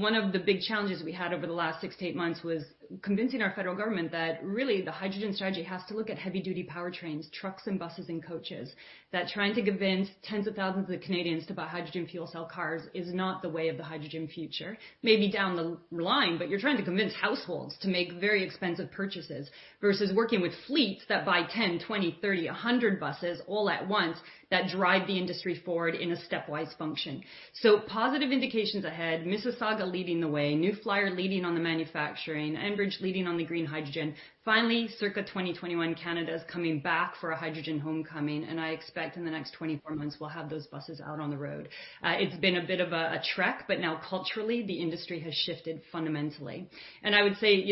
One of the big challenges we had over the last six to eight months was convincing our federal government that really the Hydrogen Strategy has to look at heavy-duty powertrains, trucks and buses and coaches. That trying to convince tens of thousands of Canadians to buy hydrogen fuel cell cars is not the way of the hydrogen future. Maybe down the line, but you're trying to convince households to make very expensive purchases versus working with fleets that buy 10, 20, 30, 100 buses all at once that drive the industry forward in a stepwise function. Positive indications ahead. Mississauga leading the way. New Flyer leading on the manufacturing. Enbridge leading on the green hydrogen. Finally, circa 2021, Canada is coming back for a hydrogen homecoming, and I expect in the next 24 months, we'll have those buses out on the road. It's been a bit of a trek, but now culturally, the industry has shifted fundamentally. I would say,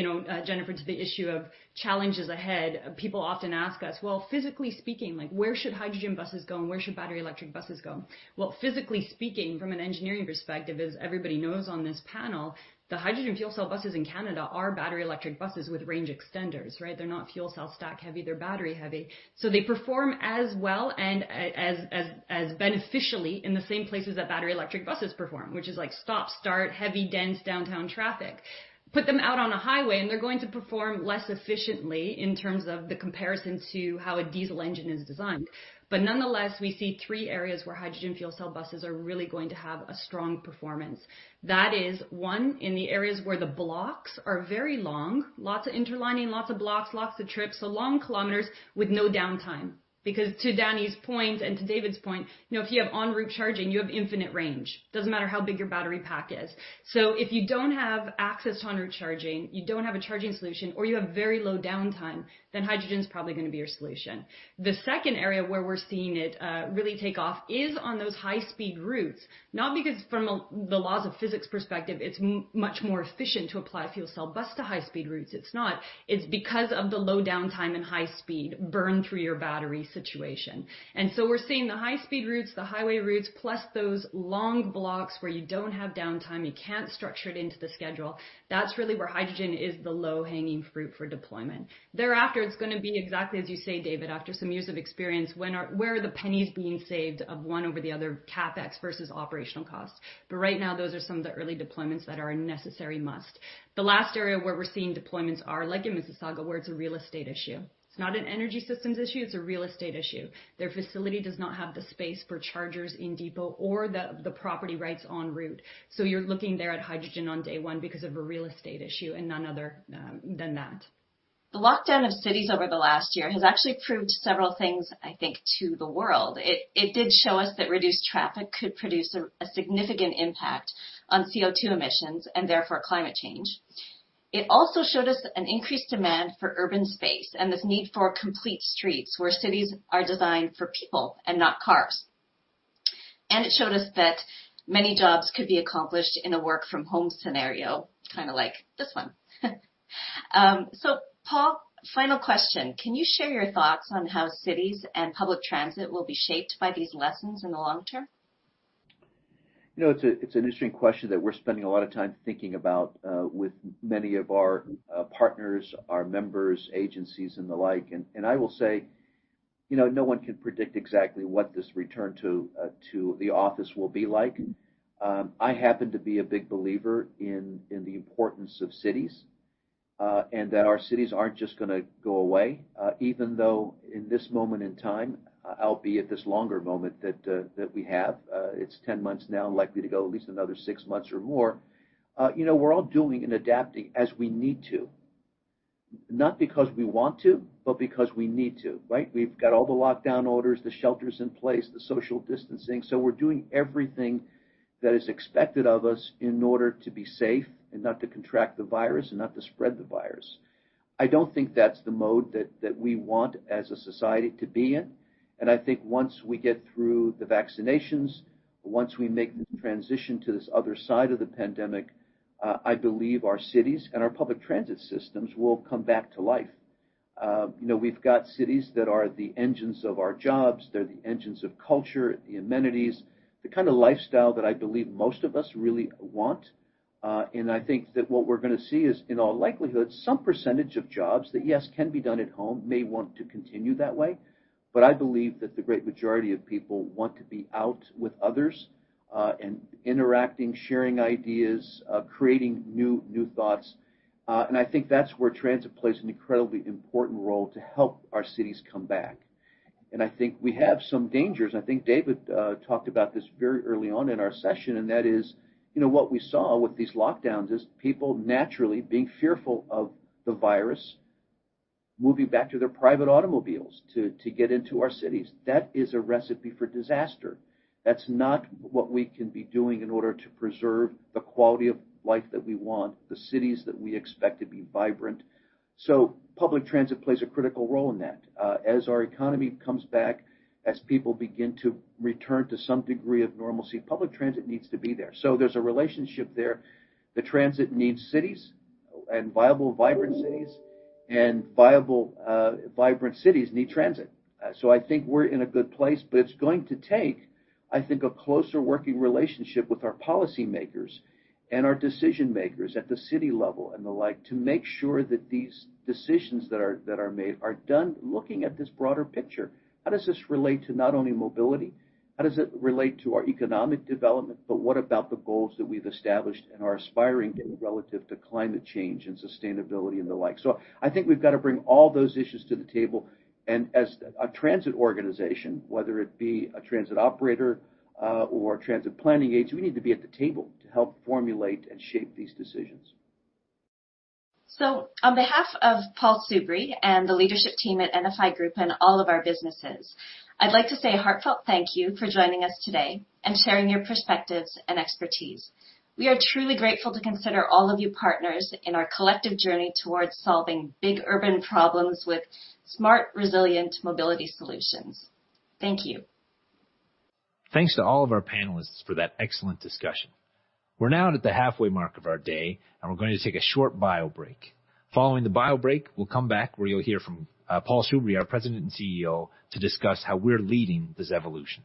Jennifer, to the issue of challenges ahead, people often ask us, well, physically speaking, where should hydrogen buses go, and where should battery-electric buses go? Well, physically speaking from an engineering perspective, as everybody knows on this panel, the hydrogen fuel cell buses in Canada are battery-electric buses with range extenders, right? They're not fuel cell stack heavy, they're battery heavy. They perform as well and as beneficially in the same places that battery-electric buses perform, which is stop-start, heavy, dense downtown traffic. Put them out on a highway, and they're going to perform less efficiently in terms of the comparison to how a diesel engine is designed. Nonetheless, we see three areas where hydrogen fuel cell buses are really going to have a strong performance. That is one, in the areas where the blocks are very long, lots of interlining, lots of blocks, lots of trips, so long kilometers with no downtime. Because to Danny's point and to David's point, if you have en route charging, you have infinite range. Doesn't matter how big your battery pack is. If you don't have access to en route charging, you don't have a charging solution, or you have very low downtime, then hydrogen's probably going to be your solution. The second area where we're seeing it really take off is on those high-speed routes. Not because from the laws of physics perspective, it's much more efficient to apply a fuel cell bus to high-speed routes. It's not. It's because of the low downtime and high speed burn through your battery situation. We're seeing the high-speed routes, the highway routes, plus those long blocks where you don't have downtime, you can't structure it into the schedule. That's really where hydrogen is the low-hanging fruit for deployment. Thereafter, it's going to be exactly as you say, David, after some years of experience, where are the pennies being saved of one over the other, CapEx versus operational cost? Right now, those are some of the early deployments that are a necessary must. The last area where we're seeing deployments are like in Mississauga, where it's a real estate issue. It's not an energy systems issue, it's a real estate issue. Their facility does not have the space for chargers in depot or the property rights en route. You're looking there at hydrogen on day one because of a real estate issue and none other than that. The lockdown of cities over the last year has actually proved several things, I think, to the world. It did show us that reduced traffic could produce a significant impact on CO2 emissions and therefore climate change. It also showed us an increased demand for urban space and this need for complete streets where cities are designed for people and not cars. It showed us that many jobs could be accomplished in a work from home scenario, kind of like this one. Paul, final question. Can you share your thoughts on how cities and public transit will be shaped by these lessons in the long term? It's an interesting question that we're spending a lot of time thinking about with many of our partners, our members, agencies, and the like. I will say, no one can predict exactly what this return to the office will be like. I happen to be a big believer in the importance of cities, and that our cities aren't just going to go away, even though in this moment in time, albeit this longer moment that we have, it's 10 months now and likely to go at least another six months or more. We're all doing and adapting as we need to, not because we want to, but because we need to, right? We've got all the lockdown orders, the shelters in place, the social distancing. We're doing everything that is expected of us in order to be safe and not to contract the virus and not to spread the virus. I don't think that's the mode that we want as a society to be in, and I think once we get through the vaccinations, once we make the transition to this other side of the pandemic, I believe our cities and our public transit systems will come back to life. We've got cities that are the engines of our jobs. They're the engines of culture, the amenities, the kind of lifestyle that I believe most of us really want. I think that what we're going to see is, in all likelihood, some percentage of jobs that, yes, can be done at home may want to continue that way. I believe that the great majority of people want to be out with others and interacting, sharing ideas, creating new thoughts. I think that's where transit plays an incredibly important role to help our cities come back. I think we have some dangers, and I think David talked about this very early on in our session, and that is what we saw with these lockdowns is people naturally being fearful of the virus moving back to their private automobiles to get into our cities. That is a recipe for disaster. That's not what we can be doing in order to preserve the quality of life that we want, the cities that we expect to be vibrant. Public transit plays a critical role in that. As our economy comes back, as people begin to return to some degree of normalcy, public transit needs to be there. There's a relationship there that transit needs cities and viable, vibrant cities, and viable, vibrant cities need transit. I think we're in a good place, but it's going to take, I think, a closer working relationship with our policymakers and our decision-makers at the city level and the like to make sure that these decisions that are made are done looking at this broader picture. How does this relate to not only mobility, how does it relate to our economic development, but what about the goals that we've established and are aspiring to relative to climate change and sustainability and the like? I think we've got to bring all those issues to the table. As a transit organization, whether it be a transit operator or a transit planning agent, we need to be at the table to help formulate and shape these decisions. On behalf of Paul Soubry and the leadership team at NFI Group and all of our businesses, I'd like to say a heartfelt thank you for joining us today and sharing your perspectives and expertise. We are truly grateful to consider all of you partners in our collective journey towards solving big urban problems with smart, resilient mobility solutions. Thank you. Thanks to all of our panelists for that excellent discussion. We're now at the halfway mark of our day. We're going to take a short bio break. Following the bio break, we'll come back where you'll hear from Paul Soubry, our president and CEO, to discuss how we're leading this evolution.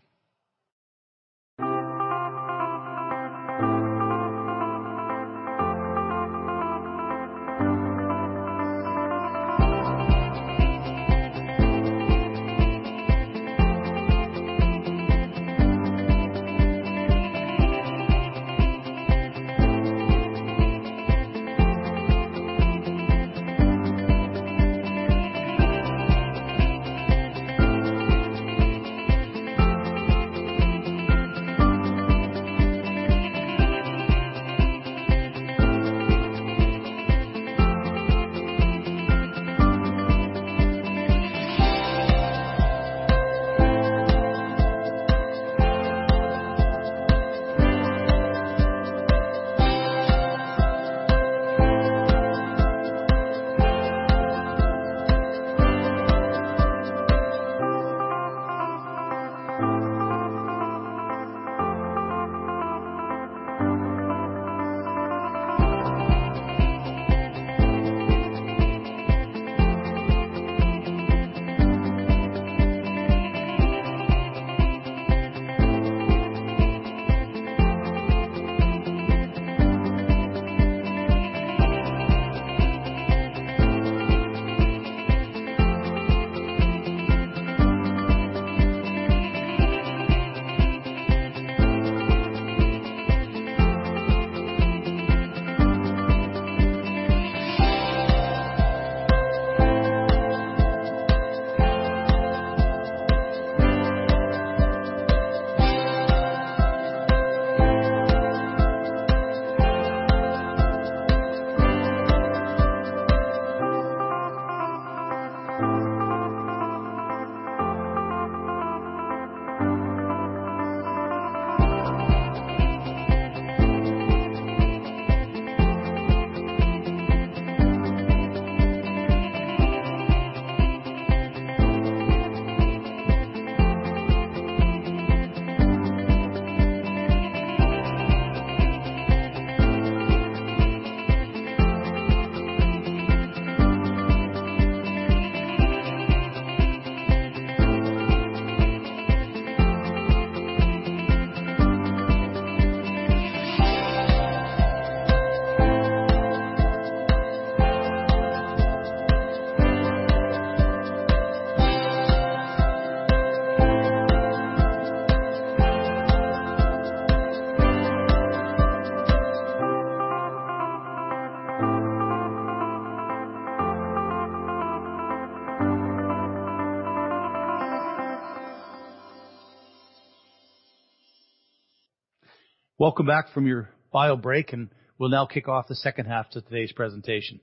Welcome back from your bio break. We'll now kick off the second half of today's presentation.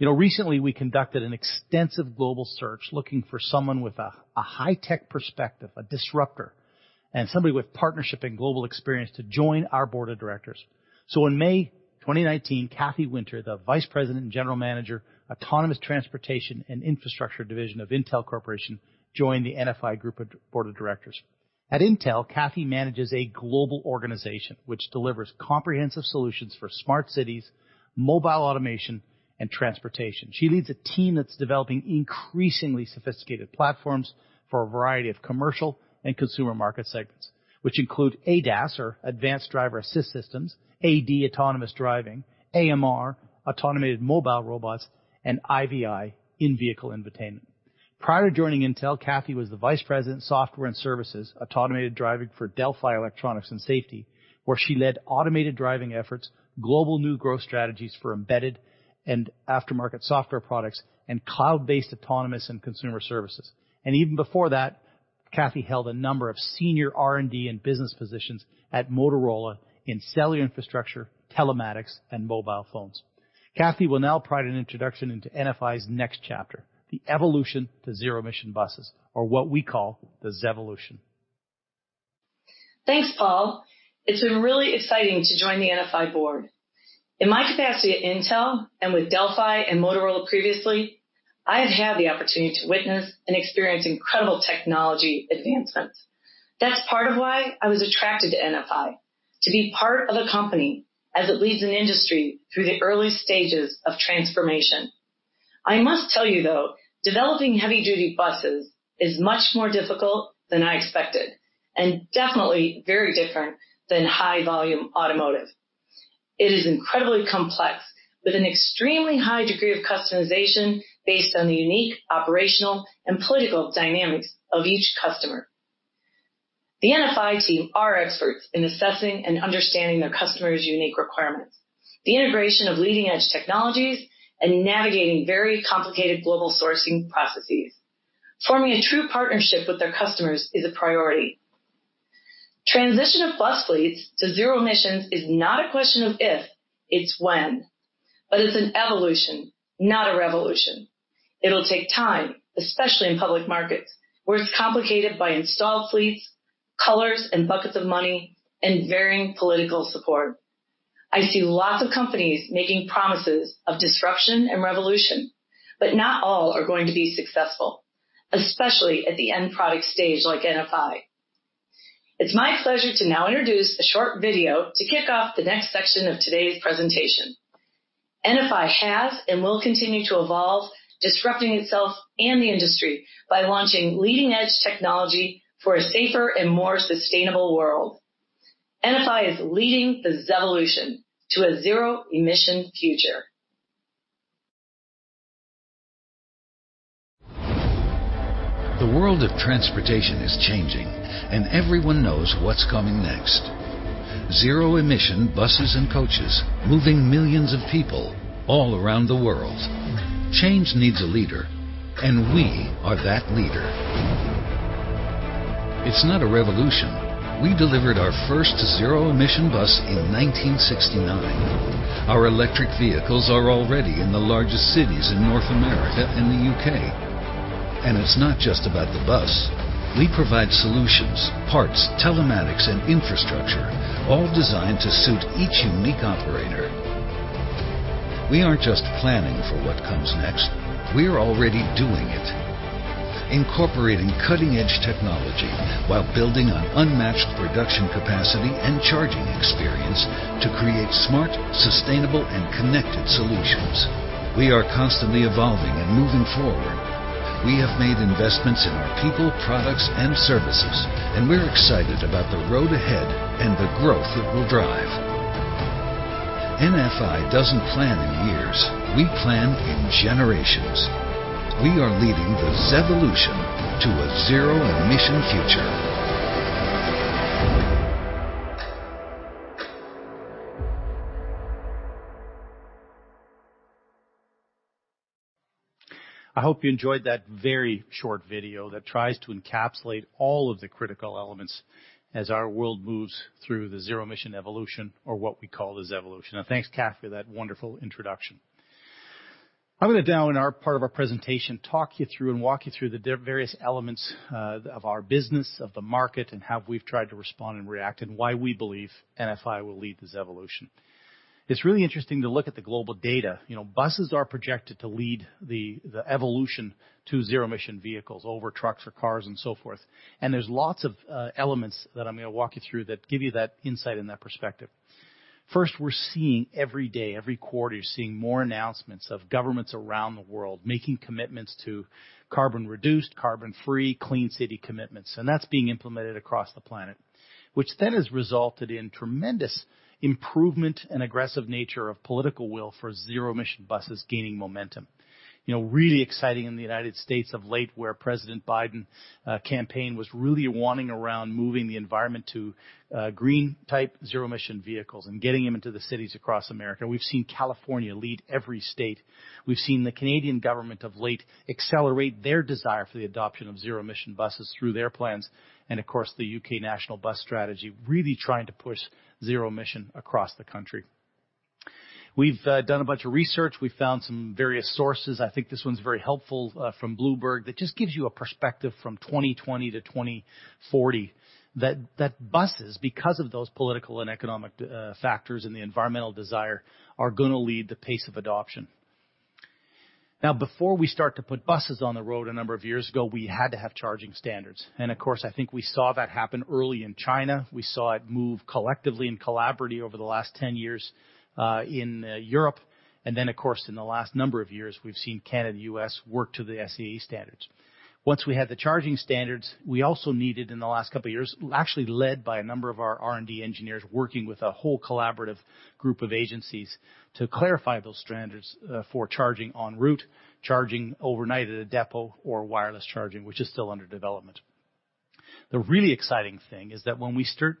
Recently, we conducted an extensive global search looking for someone with a high-tech perspective, a disruptor, and somebody with partnership and global experience to join our Board of Directors. In May 2019, Cathy Winter, the Vice President and General Manager, Autonomous Transportation and Infrastructure division of Intel Corporation, joined the NFI Group Board of Directors. At Intel, Cathy manages a global organization which delivers comprehensive solutions for smart cities, mobile automation, and transportation. She leads a team that's developing increasingly sophisticated platforms for a variety of commercial and consumer market segments, which include ADAS, or advanced driver-assist systems, AD, autonomous driving, AMR, automated mobile robots, and IVI, in-vehicle infotainment. Prior to joining Intel, Cathy was the vice president, software and services, automated driving for Delphi Electronics & Safety, where she led automated driving efforts, global new growth strategies for embedded and aftermarket software products, and cloud-based autonomous and consumer services. Even before that, Cathy held a number of senior R&D and business positions at Motorola in cellular infrastructure, telematics, and mobile phones. Cathy will now provide an introduction into NFI's next chapter, the evolution to zero-emission buses, or what we call the ZEvolution. Thanks, Paul. It's been really exciting to join the NFI Board. In my capacity at Intel and with Delphi and Motorola previously, I have had the opportunity to witness and experience incredible technology advancements. That's part of why I was attracted to NFI, to be part of a company as it leads an industry through the early stages of transformation. I must tell you, though, developing heavy-duty buses is much more difficult than I expected and definitely very different than high-volume automotive. It is incredibly complex with an extremely high degree of customization based on the unique operational and political dynamics of each customer. The NFI team are experts in assessing and understanding their customers' unique requirements, the integration of leading-edge technologies, and navigating very complicated global sourcing processes. Forming a true partnership with their customers is a priority. Transition of bus fleets to zero emissions is not a question of if, it's when. It's an evolution, not a revolution. It'll take time, especially in public markets where it's complicated by installed fleets, colors, and buckets of money, and varying political support. I see lots of companies making promises of disruption and revolution, but not all are going to be successful, especially at the end product stage like NFI. It's my pleasure to now introduce a short video to kick off the next section of today's presentation. NFI has and will continue to evolve, disrupting itself and the industry by launching leading-edge technology for a safer and more sustainable world. NFI is leading the ZEvolution to a zero-emission future. The world of transportation is changing, and everyone knows what's coming next. Zero-emission buses and coaches moving millions of people all around the world. Change needs a leader, and we are that leader. It's not a revolution. We delivered our first zero-emission bus in 1969. Our electric vehicles are already in the largest cities in North America and the U.K. It's not just about the bus. We provide solutions, parts, telematics, and infrastructure, all designed to suit each unique operator. We aren't just planning for what comes next. We're already doing it. Incorporating cutting-edge technology while building on unmatched production capacity and charging experience to create smart, sustainable, and connected solutions. We are constantly evolving and moving forward. We have made investments in our people, products, and services, and we're excited about the road ahead and the growth it will drive. NFI doesn't plan in years. We plan in generations. We are leading the ZEvolution to a zero-emission future. I hope you enjoyed that very short video that tries to encapsulate all of the critical elements as our world moves through the zero-emission evolution or what we call the ZEvolution. Thanks, Cathy, for that wonderful introduction. I'm going to now, in our part of our presentation, talk you through and walk you through the various elements of our business, of the market, and how we've tried to respond and react, and why we believe NFI will lead the ZEvolution. It's really interesting to look at the global data. Buses are projected to lead the evolution to zero-emission vehicles over trucks or cars and so forth. There's lots of elements that I'm going to walk you through that give you that insight and that perspective. First, we're seeing every day, every quarter, you're seeing more announcements of governments around the world making commitments to carbon reduced, carbon free, clean city commitments, and that's being implemented across the planet, which then has resulted in tremendous improvement and aggressive nature of political will for Zero-Emission Buses gaining momentum. Really exciting in the U.S. of late, where President Biden campaign was really wanting around moving the environment to green type zero-emission vehicles and getting them into the cities across America. We've seen California lead every state. We've seen the Canadian government of late accelerate their desire for the adoption of Zero-Emission Buses through their plans. Of course, the U.K. National Bus Strategy really trying to push zero-emission across the country. We've done a bunch of research. We've found some various sources. I think this one's very helpful from Bloomberg. That just gives you a perspective from 2020 to 2040 that buses, because of those political and economic factors and the environmental desire, are going to lead the pace of adoption. Before we start to put buses on the road, a number of years ago, we had to have charging standards. Of course, I think we saw that happen early in China. We saw it move collectively and collaboratively over the last 10 years in Europe. Then, of course, in the last number of years, we've seen Canada and U.S. work to the SAE standards. Once we had the charging standards, we also needed in the last couple of years, actually led by a number of our R&D engineers working with a whole collaborative group of agencies to clarify those standards for charging en route, charging overnight at a depot or wireless charging, which is still under development. The really exciting thing is that when we start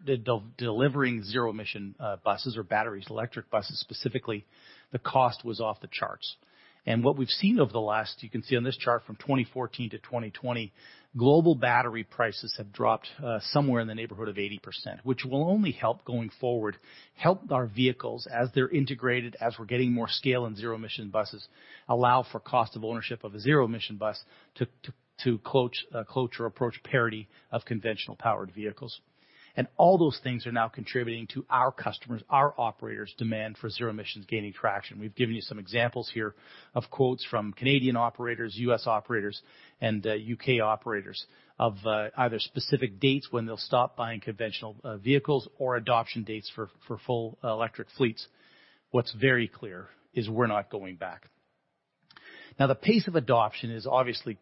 delivering zero-emission buses or batteries, electric buses specifically, the cost was off the charts. What we've seen over the last, you can see on this chart from 2014 to 2020, global battery prices have dropped somewhere in the neighborhood of 80%, which will only help going forward, help our vehicles as they're integrated, as we're getting more scale in zero-emission buses, allow for cost of ownership of a zero-emission bus to approach parity of conventional powered vehicles. All those things are now contributing to our customers, our operators demand for zero emissions gaining traction. We've given you some examples here of quotes from Canadian operators, U.S. operators, and U.K. operators of either specific dates when they'll stop buying conventional vehicles or adoption dates for full electric fleets. What's very clear is we're not going back. The pace of adoption is obviously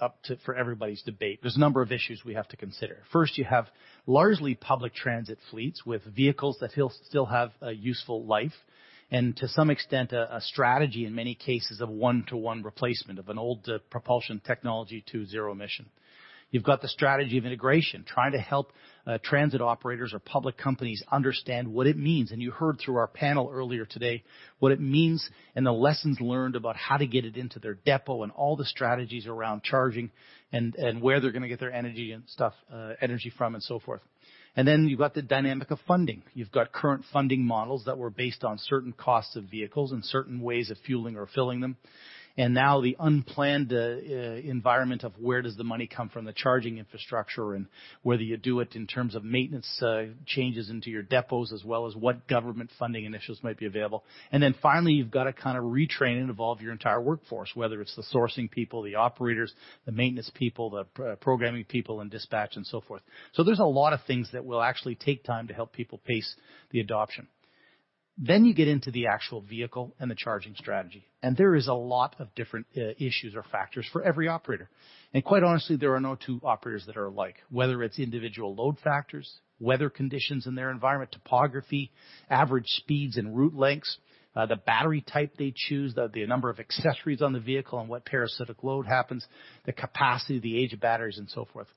up for everybody's debate. There's a number of issues we have to consider. First, you have largely public transit fleets with vehicles that still have a useful life, and to some extent, a strategy in many cases of one-to-one replacement of an old propulsion technology to zero emission. You've got the strategy of integration, trying to help transit operators or public companies understand what it means. You heard through our panel earlier today what it means and the lessons learned about how to get it into their depot and all the strategies around charging and where they're going to get their energy from and so forth. You've got the dynamic of funding. You've got current funding models that were based on certain costs of vehicles and certain ways of fueling or filling them. Now the unplanned environment of where does the money come from, the charging infrastructure, and whether you do it in terms of maintenance changes into your depots, as well as what government funding initiatives might be available. Finally, you've got to retrain and evolve your entire workforce, whether it's the sourcing people, the operators, the maintenance people, the programming people, and dispatch and so forth. There's a lot of things that will actually take time to help people pace the adoption. You get into the actual vehicle and the charging strategy, and there is a lot of different issues or factors for every operator. Quite honestly, there are no two operators that are alike, whether it's individual load factors, weather conditions in their environment, topography, average speeds and route lengths, the battery type they choose, the number of accessories on the vehicle, and what parasitic load happens, the capacity, the age of batteries, and so forth.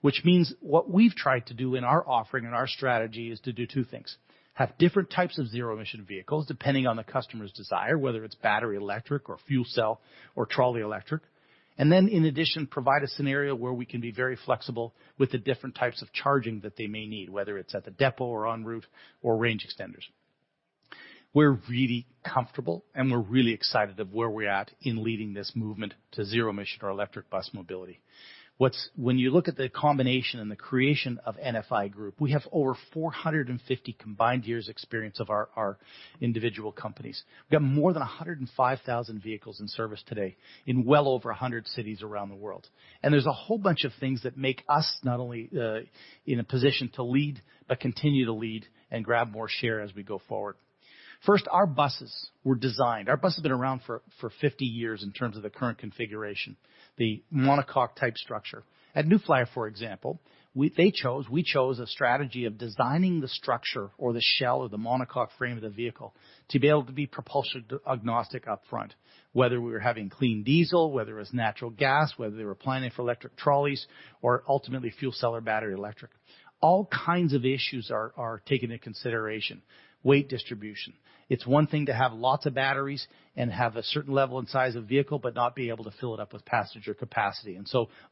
What we've tried to do in our offering and our strategy is to do two things: have different types of zero-emission vehicles, depending on the customer's desire, whether it's battery electric or fuel cell or trolley electric, and then in addition, provide a scenario where we can be very flexible with the different types of charging that they may need, whether it's at the depot or en route or range extenders. We're really comfortable, and we're really excited of where we're at in leading this movement to zero-emission or electric bus mobility. When you look at the combination and the creation of NFI Group, we have over 450 combined years experience of our individual companies. We have more than 105,000 vehicles in service today in well over 100 cities around the world. There's a whole bunch of things that make us not only in a position to lead but continue to lead and grab more share as we go forward. First, our buses were designed. Our buses have been around for 50 years in terms of the current configuration, the monocoque type structure. At New Flyer, for example, we chose a strategy of designing the structure or the shell of the monocoque frame of the vehicle to be able to be propulsion agnostic up front, whether we were having clean diesel, whether it was natural gas, whether they were planning for electric trolleys or ultimately fuel cell or battery electric. All kinds of issues are taken into consideration. Weight distribution. It's one thing to have lots of batteries and have a certain level and size of vehicle, but not be able to fill it up with passenger capacity.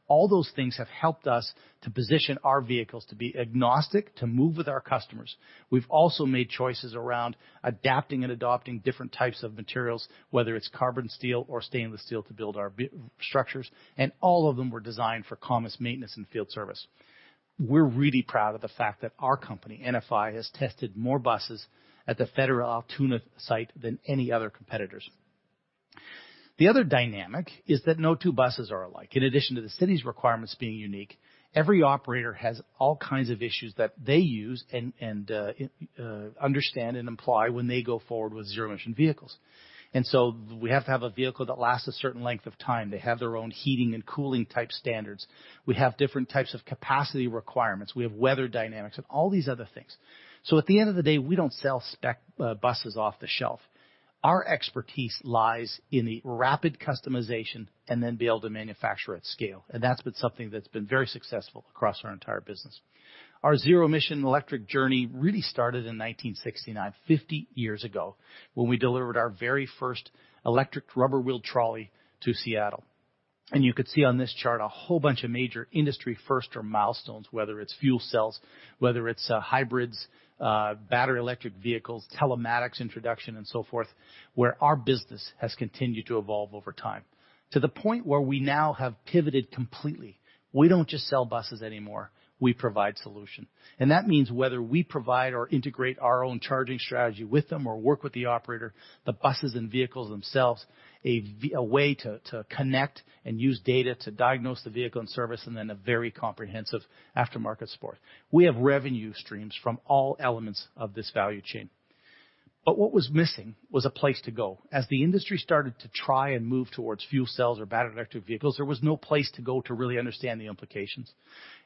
All those things have helped us to position our vehicles to be agnostic, to move with our customers. We've also made choices around adapting and adopting different types of materials, whether it's carbon steel or stainless steel, to build our structures, and all of them were designed for commerce, maintenance, and field service. We're really proud of the fact that our company, NFI, has tested more buses at the Federal Altoona site than any other competitors. The other dynamic is that no two buses are alike. In addition to the city's requirements being unique, every operator has all kinds of issues that they use and understand and imply when they go forward with zero-emission vehicles. We have to have a vehicle that lasts a certain length of time. They have their own heating and cooling type standards. We have different types of capacity requirements. We have weather dynamics and all these other things. At the end of the day, we don't sell spec buses off the shelf. Our expertise lies in the rapid customization and then be able to manufacture at scale, that's been something that's been very successful across our entire business. Our zero-emission electric journey really started in 1969, 50 years ago, when we delivered our very first electric rubber wheel trolley to Seattle. You could see on this chart a whole bunch of major industry firsts or milestones, whether it's fuel cells, whether it's hybrids, battery-electric vehicles, telematics introduction, and so forth, where our business has continued to evolve over time to the point where we now have pivoted completely. We don't just sell buses anymore. We provide solution. That means whether we provide or integrate our own charging strategy with them or work with the operator, the buses and vehicles themselves, a way to connect and use data to diagnose the vehicle and service, then a very comprehensive aftermarket support. We have revenue streams from all elements of this value chain. What was missing was a place to go. As the industry started to try and move towards fuel cells or battery electric vehicles, there was no place to go to really understand the implications.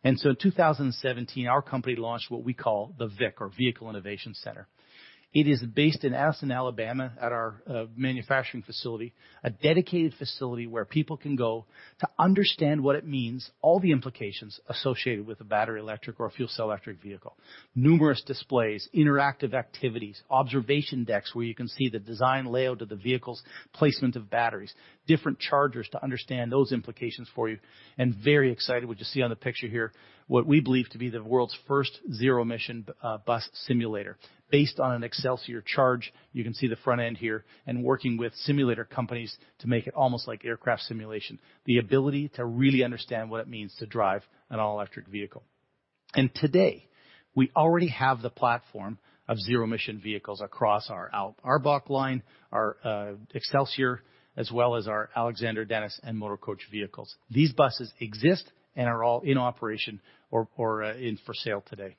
In 2017, our company launched what we call the VIC or Vehicle Innovation Center. It is based in Athens, Alabama, at our manufacturing facility, a dedicated facility where people can go to understand what it means, all the implications associated with a battery electric or a fuel cell electric vehicle. Numerous displays, interactive activities, observation decks where you can see the design layout of the vehicles, placement of batteries, different chargers to understand those implications for you. Very excited what you see on the picture here, what we believe to be the world's first zero-emission bus simulator based on an Xcelsior CHARGE. You can see the front end here. Working with simulator companies to make it almost like aircraft simulation. The ability to really understand what it means to drive an all-electric vehicle. Today, we already have the platform of zero-emission vehicles across our ARBOC line, our Xcelsior, as well as our Alexander Dennis and Motor Coach vehicles. These buses exist and are all in operation or in for sale today.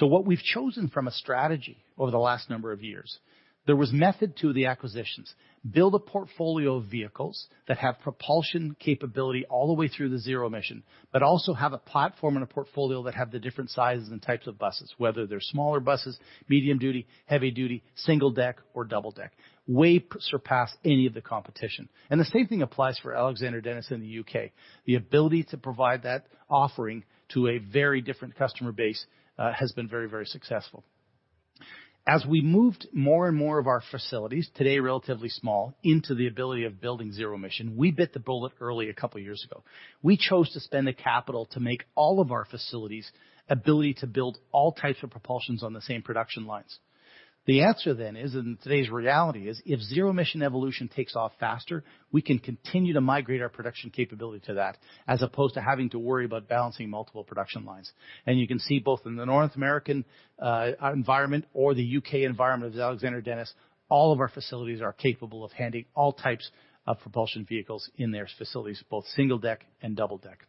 What we've chosen from a strategy over the last number of years, there was method to the acquisitions. Build a portfolio of vehicles that have propulsion capability all the way through the zero-emission, but also have a platform and a portfolio that have the different sizes and types of buses, whether they're smaller buses, medium-duty, heavy-duty, single-deck, or double-deck, way surpass any of the competition. The same thing applies for Alexander Dennis in the U.K. The ability to provide that offering to a very different customer base has been very successful. As we moved more and more of our facilities, today, relatively small, into the ability of building zero-emission, we bit the bullet early a couple of years ago. We chose to spend the capital to make all of our facilities ability to build all types of propulsions on the same production lines. The answer then is in today's reality is if zero-emission evolution takes off faster, we can continue to migrate our production capability to that, as opposed to having to worry about balancing multiple production lines. You can see both in the North American environment or the U.K. environment with Alexander Dennis, all of our facilities are capable of handling all types of propulsion vehicles in their facilities, both single deck and double deck.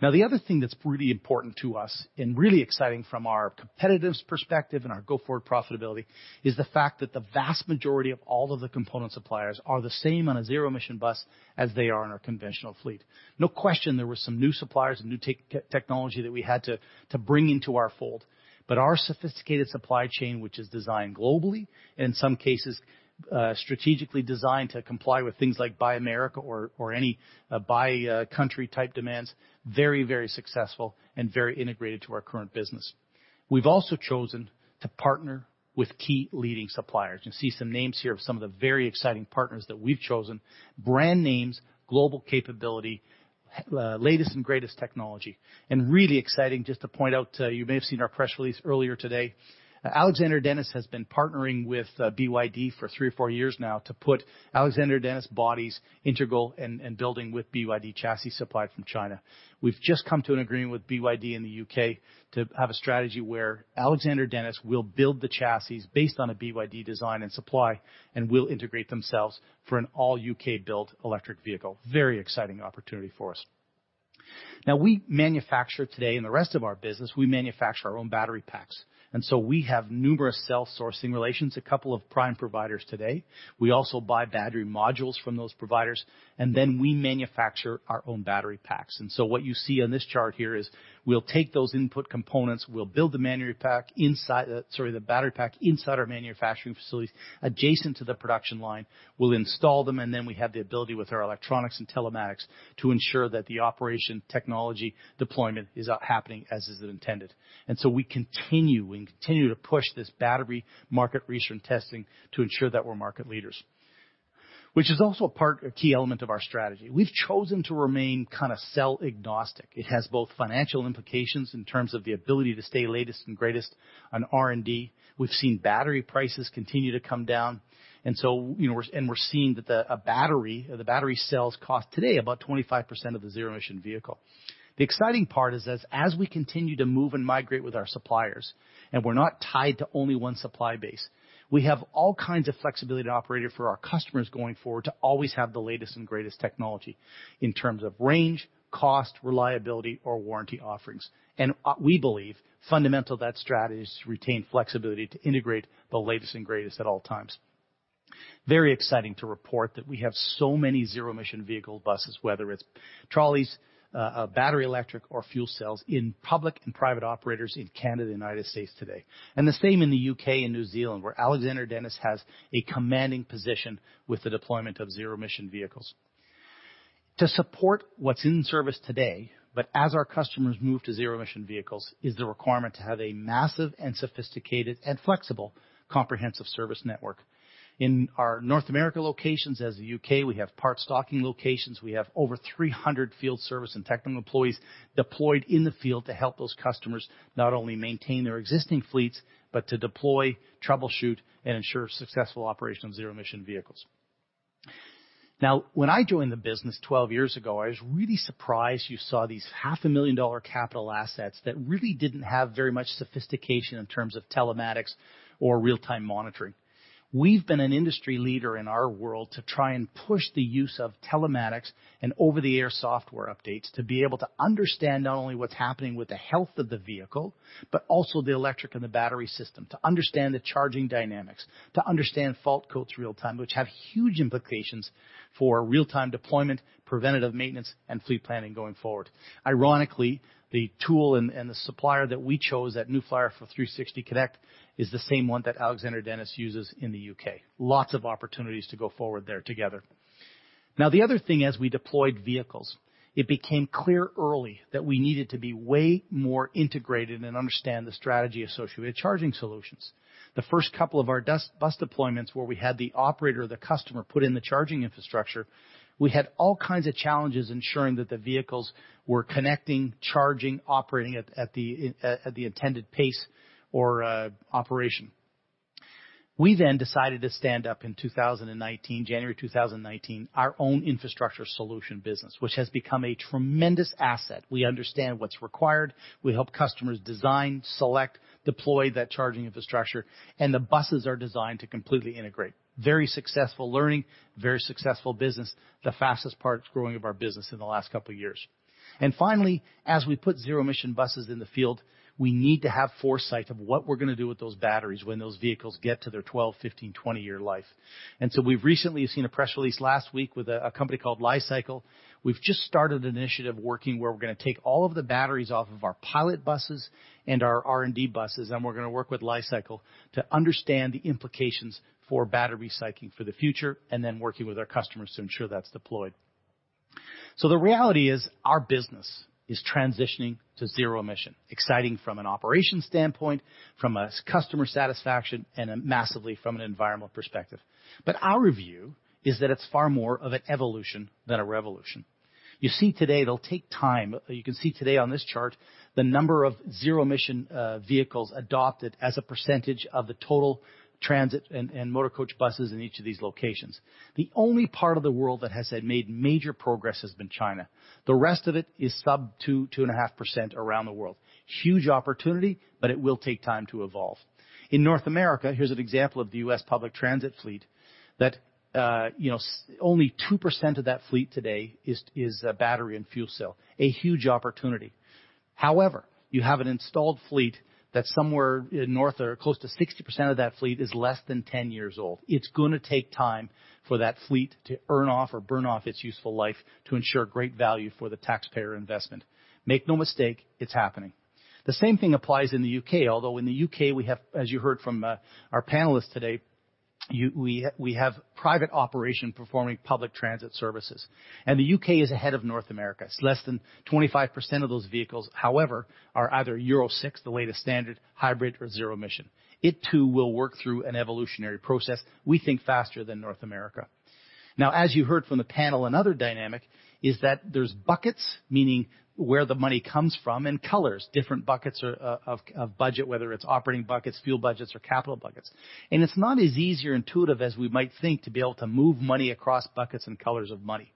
Now, the other thing that's really important to us and really exciting from our competitive perspective and our go-forward profitability is the fact that the vast majority of all of the component suppliers are the same on a zero-emission bus as they are in our conventional fleet. No question, there were some new suppliers and new technology that we had to bring into our fold, but our sophisticated supply chain, which is designed globally, in some cases, strategically designed to comply with things like Buy America or any buy country type demands, very successful and very integrated to our current business. We've also chosen to partner with key leading suppliers. You can see some names here of some of the very exciting partners that we've chosen. Brand names, global capability, latest and greatest technology. Really exciting, just to point out, you may have seen our press release earlier today. Alexander Dennis has been partnering with BYD for three or four years now to put Alexander Dennis bodies integral and building with BYD chassis supply from China. We've just come to an agreement with BYD in the U.K. to have a strategy where Alexander Dennis will build the chassis based on a BYD design and supply and will integrate themselves for an all U.K.-built electric vehicle. Very exciting opportunity for us. We manufacture today, in the rest of our business, we manufacture our own battery packs. We have numerous cell sourcing relations, a couple of prime providers today. We also buy battery modules from those providers, and then we manufacture our own battery packs. What you see on this chart here is we'll take those input components, we'll build the battery pack inside our manufacturing facilities adjacent to the production line. We'll install them, and then we have the ability with our electronics and telematics to ensure that the operation technology deployment is happening as is intended. We continue to push this battery market research and testing to ensure that we're market leaders, which is also a key element of our strategy. We've chosen to remain kind of cell agnostic. It has both financial implications in terms of the ability to stay latest and greatest on R&D. We've seen battery prices continue to come down, and we're seeing that the battery cells cost today about 25% of the zero-emission vehicle. The exciting part is as we continue to move and migrate with our suppliers, and we're not tied to only one supply base. We have all kinds of flexibility to operate for our customers going forward to always have the latest and greatest technology in terms of range, cost, reliability, or warranty offerings. We believe fundamental to that strategy is to retain flexibility to integrate the latest and greatest at all times. Very exciting to report that we have so many zero-emission vehicle buses, whether it's trolleys, battery electric, or fuel cells in public and private operators in Canada and United States today. The same in the U.K. and New Zealand, where Alexander Dennis has a commanding position with the deployment of zero-emission vehicles. To support what's in service today, but as our customers move to zero-emission vehicles, is the requirement to have a massive and sophisticated and flexible comprehensive service network. In our North America locations, as the U.K., we have parts stocking locations. We have over 300 field service and technical employees deployed in the field to help those customers not only maintain their existing fleets, but to deploy, troubleshoot, and ensure successful operation of zero-emission vehicles. Now, when I joined the business 12 years ago, I was really surprised you saw these $500,000 capital assets that really didn't have very much sophistication in terms of telematics or real-time monitoring. We've been an industry leader in our world to try and push the use of telematics and over-the-air software updates to be able to understand not only what's happening with the health of the vehicle, but also the electric and the battery system. To understand the charging dynamics, to understand fault codes real-time, which have huge implications for real-time deployment, preventative maintenance, and fleet planning going forward. Ironically, the tool and the supplier that we chose at New Flyer for Connect 360 is the same one that Alexander Dennis uses in the U.K. Lots of opportunities to go forward there together. The other thing as we deployed vehicles, it became clear early that we needed to be way more integrated and understand the strategy associated with charging solutions. The first couple of our bus deployments where we had the operator, the customer, put in the charging infrastructure, we had all kinds of challenges ensuring that the vehicles were connecting, charging, operating at the intended pace or operation. We decided to stand up in 2019, January 2019, our own infrastructure solution business, which has become a tremendous asset. We understand what's required. We help customers design, select, deploy that charging infrastructure, and the buses are designed to completely integrate. Very successful learning, very successful business, the fastest parts growing of our business in the last couple of years. Finally, as we put zero-emission buses in the field, we need to have foresight of what we're going to do with those batteries when those vehicles get to their 12, 15, 20-year life. We've recently seen a press release last week with a company called Li-Cycle. We've just started an initiative working where we're going to take all of the batteries off of our pilot buses and our R&D buses, and we're going to work with Li-Cycle to understand the implications for battery cycling for the future, and then working with our customers to ensure that's deployed. The reality is our business is transitioning to zero-emission, exciting from an operation standpoint, from a customer satisfaction, and massively from an environmental perspective. Our view is that it's far more of an evolution than a revolution. You see today, it'll take time. You can see today on this chart the number of zero emission vehicles adopted as a percentage of the total transit and motor coach buses in each of these locations. The only part of the world that has made major progress has been China. The rest of it is sub two, 2.5% around the world. Huge opportunity. It will take time to evolve. In North America, here's an example of the U.S. public transit fleet, that only 2% of that fleet today is battery and fuel cell. A huge opportunity. You have an installed fleet that somewhere north or close to 60% of that fleet is less than 10 years old. It's going to take time for that fleet to earn off or burn off its useful life to ensure great value for the taxpayer investment. Make no mistake, it's happening. The same thing applies in the U.K., although in the U.K., we have, as you heard from our panelists today, we have private operation performing public transit services. The U.K. is ahead of North America. It's less than 25% of those vehicles, however, are either Euro VI, the latest standard, hybrid or zero emission. It too will work through an evolutionary process, we think faster than North America. As you heard from the panel, another dynamic is that there's buckets, meaning where the money comes from, and colors, different buckets of budget, whether it's operating buckets, fuel budgets, or capital buckets. It's not as easy or intuitive as we might think to be able to move money across buckets and colors of money.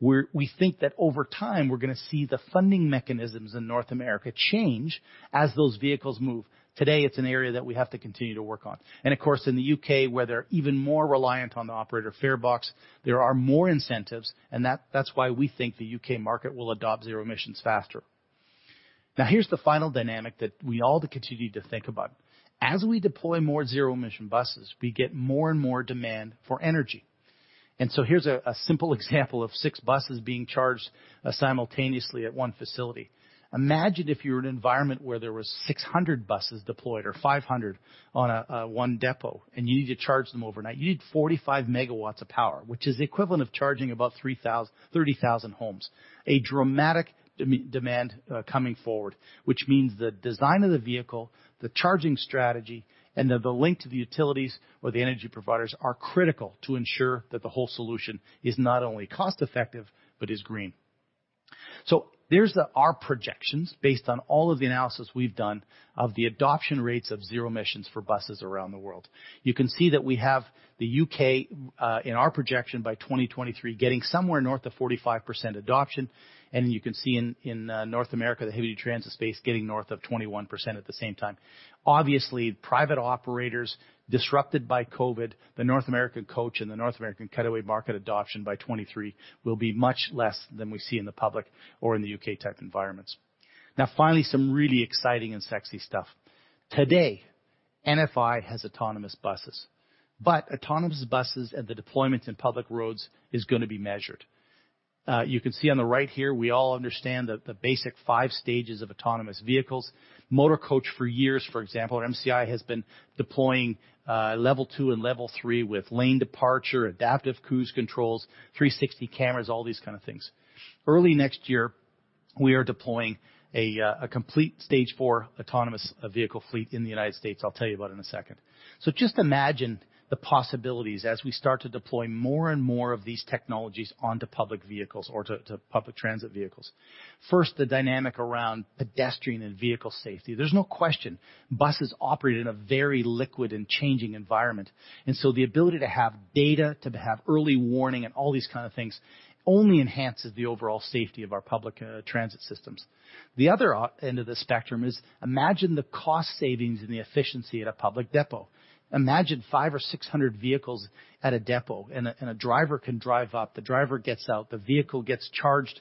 We think that over time, we're going to see the funding mechanisms in North America change as those vehicles move. Today, it's an area that we have to continue to work on. Of course, in the U.K., where they're even more reliant on the operator fare box, there are more incentives, and that's why we think the U.K. market will adopt zero emissions faster. Here's the final dynamic that we all continue to think about. As we deploy more zero-emission buses, we get more and more demand for energy. Here's a simple example of six buses being charged simultaneously at one facility. Imagine if you were in an environment where there was 600 buses deployed or 500 on one depot and you need to charge them overnight. You need 45 MW of power, which is the equivalent of charging about 30,000 homes. A dramatic demand coming forward, which means the design of the vehicle, the charging strategy, and the link to the utilities or the energy providers are critical to ensure that the whole solution is not only cost-effective but is green. There's our projections based on all of the analysis we've done of the adoption rates of zero emissions for buses around the world. You can see that we have the U.K., in our projection by 2023, getting somewhere north of 45% adoption. You can see in North America, the heavy transit space getting north of 21% at the same time. Obviously, private operators disrupted by COVID, the North American coach and the North American cutaway market adoption by 2023 will be much less than we see in the public or in the U.K. type environments. Now finally, some really exciting and sexy stuff. Today, NFI has autonomous buses, but autonomous buses and the deployments in public roads is going to be measured. You can see on the right here, we all understand the basic five stages of autonomous vehicles. Motor coach for years, for example, MCI has been deploying level two and level three with lane departure, adaptive cruise controls, 360 cameras, all these kind of things. Early next year, we are deploying a complete stage four autonomous vehicle fleet in the United States. I'll tell you about in a second. Just imagine the possibilities as we start to deploy more and more of these technologies onto public vehicles or to public transit vehicles. First, the dynamic around pedestrian and vehicle safety. There's no question buses operate in a very liquid and changing environment, and so the ability to have data, to have early warning, and all these kind of things only enhances the overall safety of our public transit systems. The other end of the spectrum is imagine the cost savings and the efficiency at a public depot. Imagine 500 or 600 vehicles at a depot and a driver can drive up. The driver gets out, the vehicle gets charged,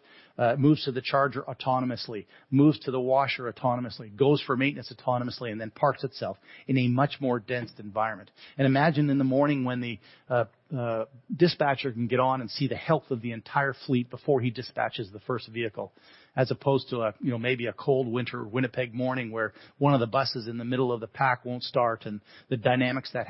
moves to the charger autonomously, moves to the washer autonomously, goes for maintenance autonomously, and then parks itself in a much more dense environment. Imagine in the morning when the dispatcher can get on and see the health of the entire fleet before he dispatches the first vehicle, as opposed to maybe a cold winter Winnipeg morning where one of the buses in the middle of the pack won't start, and the dynamics that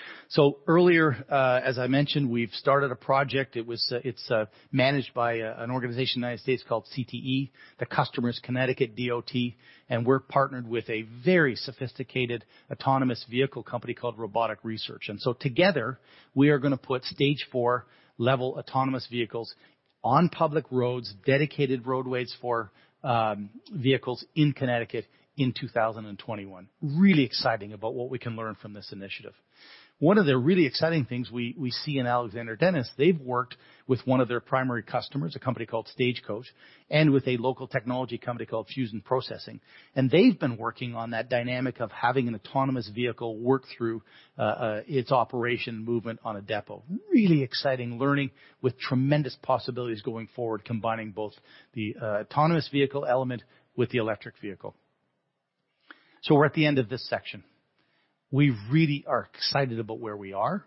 has, or the implications it has for the rest of the pull-out. Earlier, as I mentioned, we've started a project. It's managed by an organization in the U.S. called CTE. The customer is Connecticut DOT, and we're partnered with a very sophisticated autonomous vehicle company called Robotic Research. Together, we are going to put stage four level autonomous vehicles on public roads, dedicated roadways for vehicles in Connecticut in 2021. Really exciting about what we can learn from this initiative. One of the really exciting things we see in Alexander Dennis, they've worked with one of their primary customers, a company called Stagecoach, and with a local technology company called Fusion Processing, and they've been working on that dynamic of having an autonomous vehicle work through its operation movement on a depot. Really exciting learning with tremendous possibilities going forward, combining both the autonomous vehicle element with the electric vehicle. We're at the end of this section. We really are excited about where we are.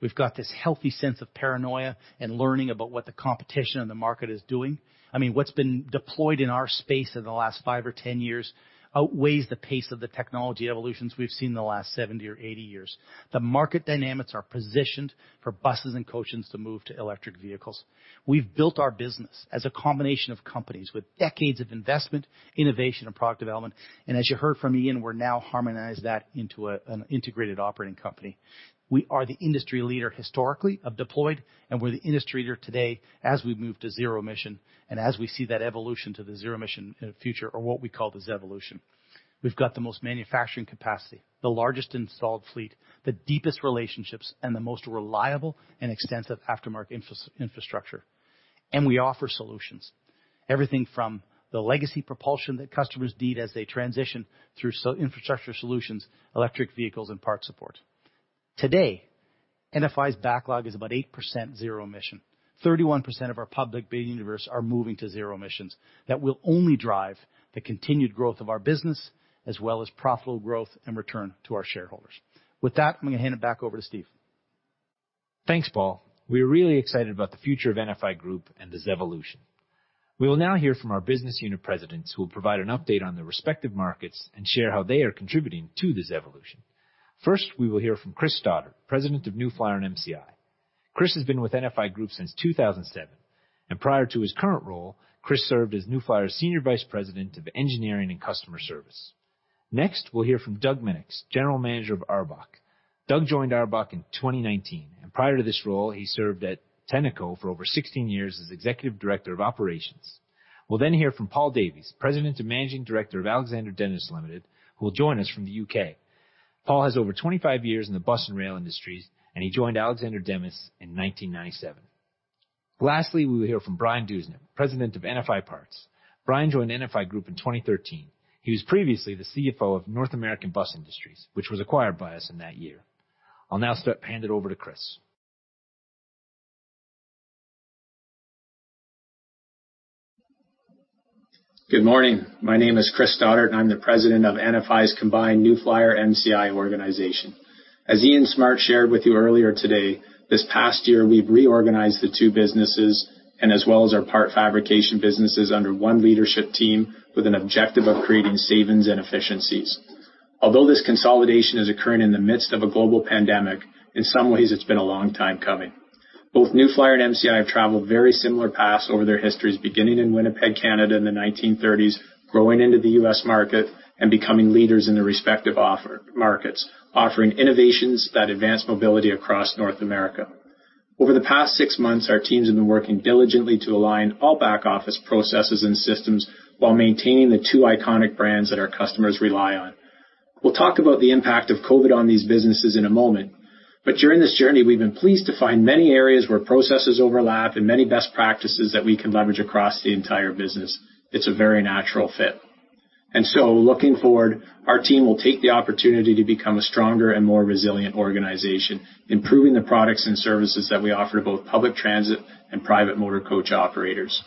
We've got this healthy sense of paranoia and learning about what the competition and the market is doing. What's been deployed in our space in the last five or 10 years outweighs the pace of the technology evolutions we've seen in the last 70 or 80 years. The market dynamics are positioned for buses and coaches to move to electric vehicles. We've built our business as a combination of companies with decades of investment, innovation, and product development. As you heard from Ian, we're now harmonized that into an integrated operating company. We are the industry leader historically of deployed. We're the industry leader today as we move to zero emission and as we see that evolution to the zero emission future or what we call the ZEvolution. We've got the most manufacturing capacity, the largest installed fleet, the deepest relationships, and the most reliable and extensive aftermarket infrastructure. We offer solutions, everything from the legacy propulsion that customers need as they transition through infrastructure solutions, electric vehicles, and parts support. Today, NFI's backlog is about 8% zero emission. 31% of our public bid universe are moving to zero emissions. That will only drive the continued growth of our business as well as profitable growth and return to our shareholders. With that, I'm going to hand it back over to Steve. Thanks, Paul. We are really excited about the future of NFI Group and the ZEvolution. We will now hear from our business unit presidents who will provide an update on their respective markets and share how they are contributing to the ZEvolution. We will hear from Chris Stoddart, President of New Flyer and MCI. Chris has been with NFI Group since 2007, and prior to his current role, Chris served as New Flyer's Senior Vice President of Engineering and Customer Service. We'll hear from Doug Minix, General Manager of ARBOC. Doug joined ARBOC in 2019, and prior to this role, he served at Tenneco for over 16 years as Executive Director of Operations. We'll hear from Paul Davies, President and Managing Director of Alexander Dennis Limited, who will join us from the U.K. Paul has over 25 years in the bus and rail industries, and he joined Alexander Dennis in 1997. Lastly, we will hear from Brian Dewsnup, President of NFI Parts. Brian joined NFI Group in 2013. He was previously the CFO of North American Bus Industries, which was acquired by us in that year. I'll now hand it over to Chris. Good morning. My name is Chris Stoddart, and I'm the President of NFI's combined New Flyer and MCI organization. As Ian Smart shared with you earlier today, this past year we've reorganized the two businesses and as well as our part fabrication businesses under one leadership team with an objective of creating savings and efficiencies. Although this consolidation is occurring in the midst of a global pandemic, in some ways it's been a long time coming. Both New Flyer and MCI have traveled very similar paths over their histories, beginning in Winnipeg, Canada in the 1930s, growing into the U.S. market and becoming leaders in their respective markets, offering innovations that advance mobility across North America. Over the past six months, our teams have been working diligently to align all back-office processes and systems while maintaining the two iconic brands that our customers rely on. We'll talk about the impact of COVID on these businesses in a moment, but during this journey, we've been pleased to find many areas where processes overlap and many best practices that we can leverage across the entire business. It's a very natural fit. Looking forward, our team will take the opportunity to become a stronger and more resilient organization, improving the products and services that we offer both public transit and private motor coach operators.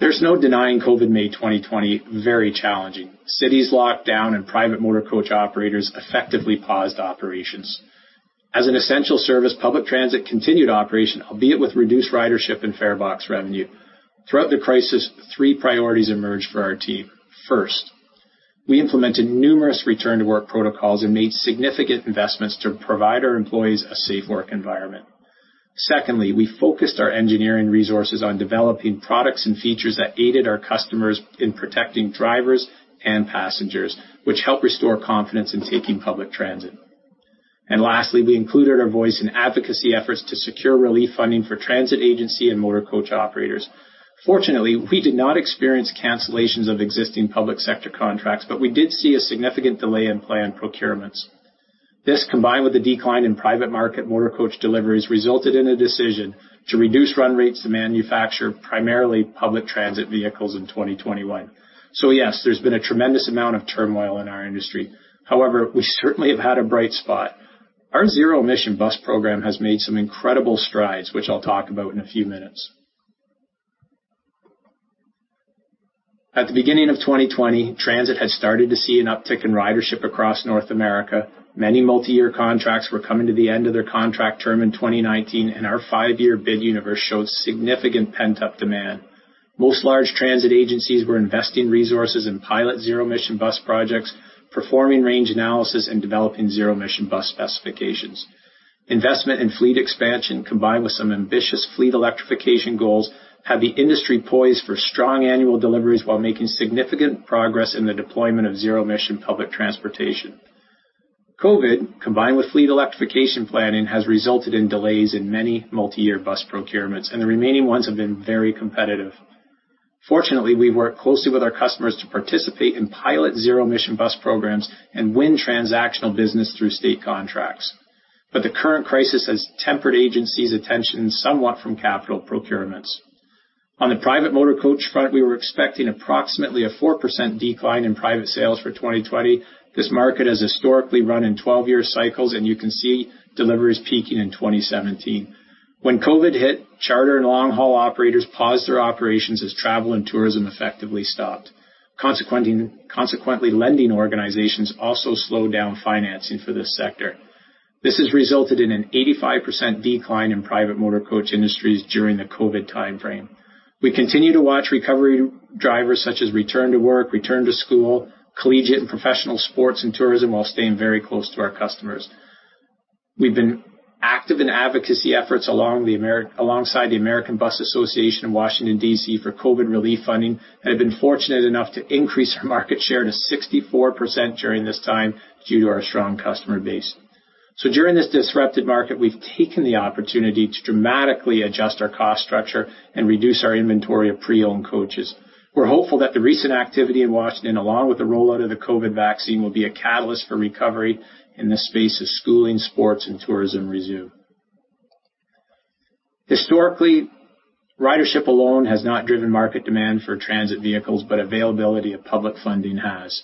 There's no denying COVID made 2020 very challenging. Cities locked down and private motor coach operators effectively paused operations. As an essential service, public transit continued operation, albeit with reduced ridership and farebox revenue. Throughout the crisis, three priorities emerged for our team. First, we implemented numerous return-to-work protocols and made significant investments to provide our employees a safe work environment. Secondly, we focused our engineering resources on developing products and features that aided our customers in protecting drivers and passengers, which helped restore confidence in taking public transit. Lastly, we included our voice in advocacy efforts to secure relief funding for transit agency and motor coach operators. Fortunately, we did not experience cancellations of existing public sector contracts, but we did see a significant delay in planned procurements. This, combined with the decline in private market motor coach deliveries, resulted in a decision to reduce run rates to manufacture primarily public transit vehicles in 2021. Yes, there's been a tremendous amount of turmoil in our industry. However, we certainly have had a bright spot. Our zero-emission bus program has made some incredible strides, which I'll talk about in a few minutes. At the beginning of 2020, transit had started to see an uptick in ridership across North America. Many multi-year contracts were coming to the end of their contract term in 2019, and our five-year bid universe showed significant pent-up demand. Most large transit agencies were investing resources in pilot zero-emission bus projects, performing range analysis, and developing zero-emission bus specifications. Investment in fleet expansion, combined with some ambitious fleet electrification goals, had the industry poised for strong annual deliveries while making significant progress in the deployment of zero-emission public transportation. COVID, combined with fleet electrification planning, has resulted in delays in many multi-year bus procurements, and the remaining ones have been very competitive. Fortunately, we've worked closely with our customers to participate in pilot zero-emission bus programs and win transactional business through state contracts. The current crisis has tempered agencies' attention somewhat from capital procurements. On the private motor coach front, we were expecting approximately a 4% decline in private sales for 2020. This market has historically run in 12-year cycles, and you can see deliveries peaking in 2017. When COVID hit, charter and long-haul operators paused their operations as travel and tourism effectively stopped. Consequently, lending organizations also slowed down financing for this sector. This has resulted in an 85% decline in private motor coach industries during the COVID timeframe. We continue to watch recovery drivers such as return to work, return to school, collegiate and professional sports, and tourism while staying very close to our customers. We've been active in advocacy efforts alongside the American Bus Association in Washington, D.C., for COVID relief funding and have been fortunate enough to increase our market share to 64% during this time due to our strong customer base. During this disrupted market, we've taken the opportunity to dramatically adjust our cost structure and reduce our inventory of pre-owned coaches. We're hopeful that the recent activity in Washington, along with the rollout of the COVID vaccine, will be a catalyst for recovery in the space as schooling, sports, and tourism resume. Historically, ridership alone has not driven market demand for transit vehicles, but availability of public funding has.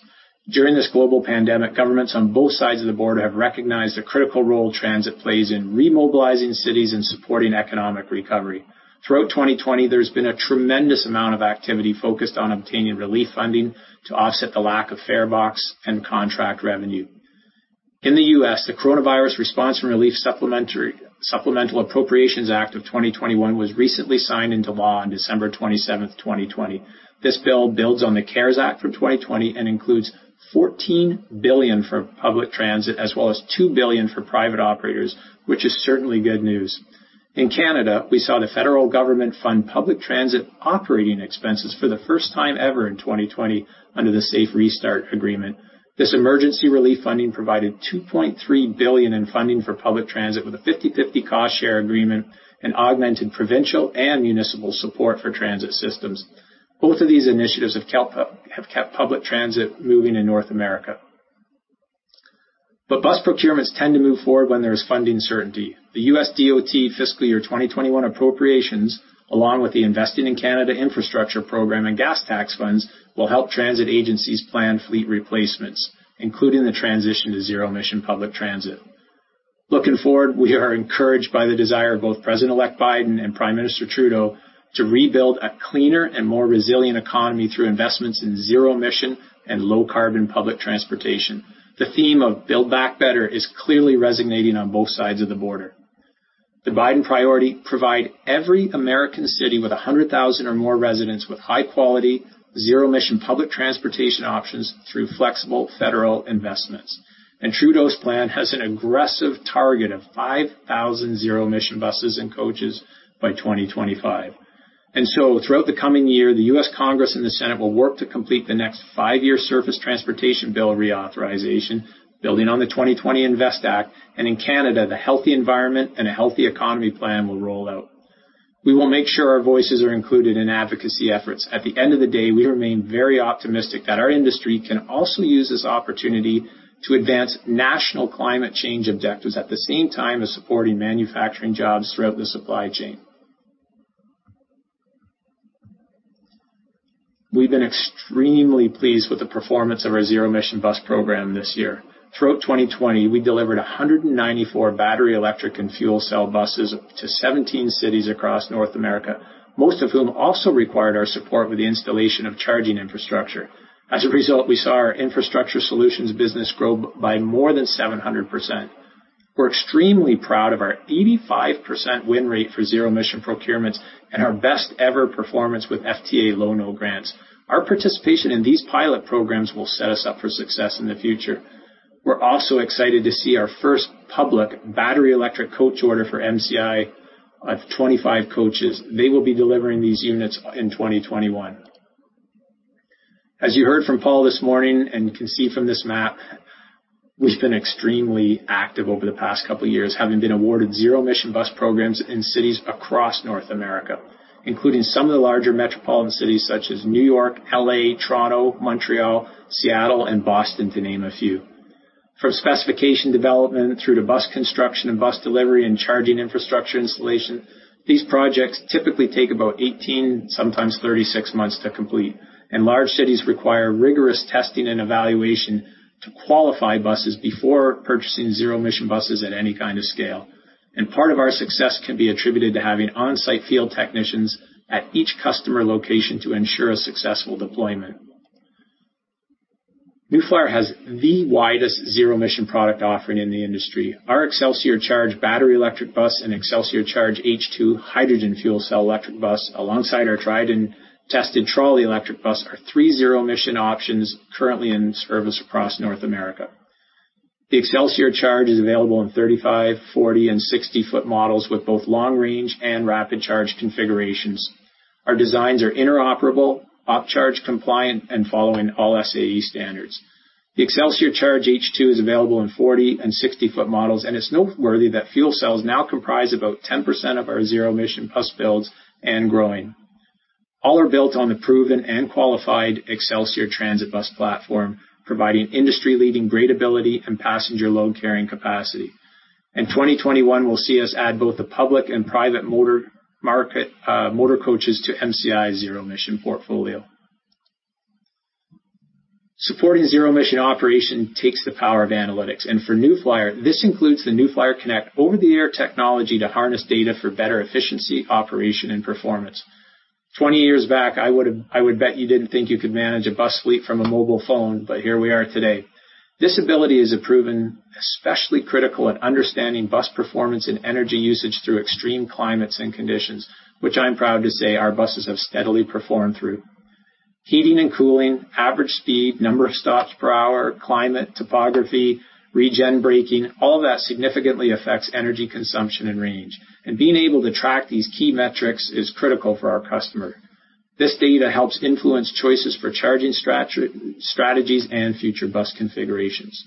During this global pandemic, governments on both sides of the border have recognized the critical role transit plays in remobilizing cities and supporting economic recovery. Throughout 2020, there's been a tremendous amount of activity focused on obtaining relief funding to offset the lack of farebox and contract revenue. In the U.S., the Coronavirus Response and Relief Supplemental Appropriations Act, 2021 was recently signed into law on December 27th, 2020. This bill builds on the CARES Act from 2020 and includes $14 billion for public transit, as well as $2 billion for private operators, which is certainly good news. In Canada, we saw the federal government fund public transit operating expenses for the first time ever in 2020 under the Safe Restart Agreement. This emergency relief funding provided 2.3 billion in funding for public transit with a 50/50 cost share agreement and augmented provincial and municipal support for transit systems. Both of these initiatives have kept public transit moving in North America. Bus procurements tend to move forward when there is funding certainty. The U.S. DOT Fiscal Year 2021 appropriations, along with the Investing in Canada Infrastructure program and gas tax funds, will help transit agencies plan fleet replacements, including the transition to zero-emission public transit. Looking forward, we are encouraged by the desire of both President-elect Biden and Prime Minister Trudeau to rebuild a cleaner and more resilient economy through investments in zero-emission and low-carbon public transportation. The theme of build back better is clearly resonating on both sides of the border. The Biden priority, provide every American city with 100,000 or more residents with high-quality, zero-emission public transportation options through flexible federal investments. Trudeau's plan has an aggressive target of 5,000 zero-emission buses and coaches by 2025.Throughout the coming year, the U.S. Congress and the Senate will work to complete the next five-year surface transportation bill reauthorization, building on the 2020 INVEST Act, and in Canada, A Healthy Environment and a Healthy Economy plan will roll out. We will make sure our voices are included in advocacy efforts. At the end of the day, we remain very optimistic that our industry can also use this opportunity to advance national climate change objectives at the same time as supporting manufacturing jobs throughout the supply chain. We've been extremely pleased with the performance of our zero-emission bus program this year. Throughout 2020, we delivered 194 battery electric and fuel cell buses to 17 cities across North America, most of whom also required our support with the installation of charging infrastructure. As a result, we saw our infrastructure solutions business grow by more than 700%. We're extremely proud of our 85% win rate for zero-emission procurements and our best-ever performance with FTA Low-No grants. Our participation in these pilot programs will set us up for success in the future. We're also excited to see our first public battery electric coach order for MCI of 25 coaches. They will be delivering these units in 2021. As you heard from Paul this morning and can see from this map, we've been extremely active over the past couple of years, having been awarded zero-emission bus programs in cities across North America, including some of the larger metropolitan cities such as New York, L.A., Toronto, Montreal, Seattle, and Boston, to name a few. From specification development through to bus construction and bus delivery and charging infrastructure installation, these projects typically take about 18-36 months to complete, and large cities require rigorous testing and evaluation to qualify buses before purchasing zero-emission buses at any kind of scale. Part of our success can be attributed to having on-site field technicians at each customer location to ensure a successful deployment. New Flyer has the widest zero-emission product offering in the industry. Our Xcelsior CHARGE battery electric bus and Xcelsior CHARGE H2 hydrogen fuel cell electric bus, alongside our tried and tested trolley electric bus, are three zero-emission options currently in service across North America. The Xcelsior CHARGE is available in 35, 40, and 60-foot models with both long range and rapid charge configurations. Our designs are interoperable, OppCharge compliant, and following all SAE standards. The Xcelsior CHARGE H2 is available in 40 and 60-foot models, and it's noteworthy that fuel cells now comprise about 10% of our zero-emission bus builds and growing. All are built on the proven and qualified Xcelsior transit bus platform, providing industry-leading gradability and passenger load carrying capacity. 2021 will see us add both the public and private motor coaches to MCI's zero-emission portfolio. Supporting zero-emission operation takes the power of analytics. For New Flyer, this includes the New Flyer Connect over-the-air technology to harness data for better efficiency, operation, and performance. 20 years back, I would bet you didn't think you could manage a bus fleet from a mobile phone. Here we are today. This ability has proven especially critical in understanding bus performance and energy usage through extreme climates and conditions, which I'm proud to say our buses have steadily performed through. Heating and cooling, average speed, number of stops per hour, climate, topography, regen braking, all that significantly affects energy consumption and range. Being able to track these key metrics is critical for our customer. This data helps influence choices for charging strategies and future bus configurations.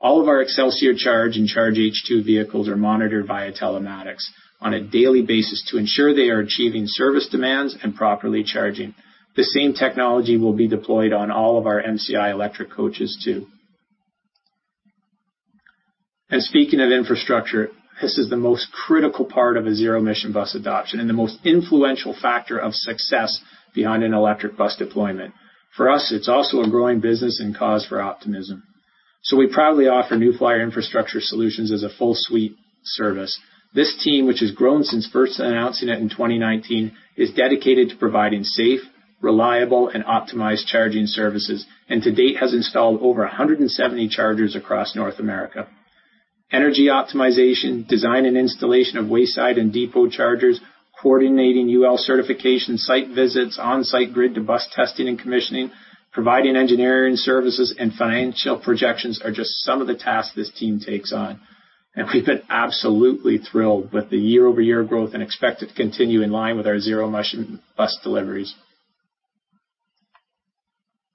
All of our Xcelsior CHARGE and Xcelsior CHARGE H2 vehicles are monitored via telematics on a daily basis to ensure they are achieving service demands and properly charging. The same technology will be deployed on all of our MCI electric coaches too. Speaking of infrastructure, this is the most critical part of a zero-emission bus adoption and the most influential factor of success behind an electric bus deployment. For us, it's also a growing business and cause for optimism. We proudly offer New Flyer infrastructure solutions as a full suite service. This team, which has grown since first announcing it in 2019, is dedicated to providing safe, reliable, and optimized charging services, and to date has installed over 170 chargers across North America. Energy optimization, design, and installation of wayside and depot chargers, coordinating UL certification, site visits, on-site grid to bus testing and commissioning, providing engineering services and financial projections are just some of the tasks this team takes on. We've been absolutely thrilled with the year-over-year growth and expect it to continue in line with our zero-emission bus deliveries.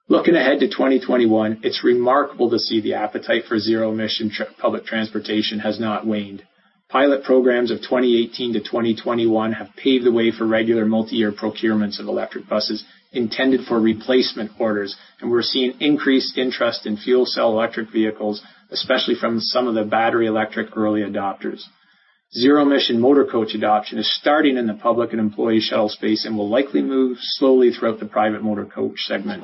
Looking ahead to 2021, it's remarkable to see the appetite for zero-emission public transportation has not waned. Pilot programs of 2018 to 2021 have paved the way for regular multi-year procurements of electric buses intended for replacement orders, and we're seeing increased interest in fuel cell electric vehicles, especially from some of the battery electric early adopters. Zero-emission motor coach adoption is starting in the public and employee shuttle space and will likely move slowly throughout the private motor coach segment.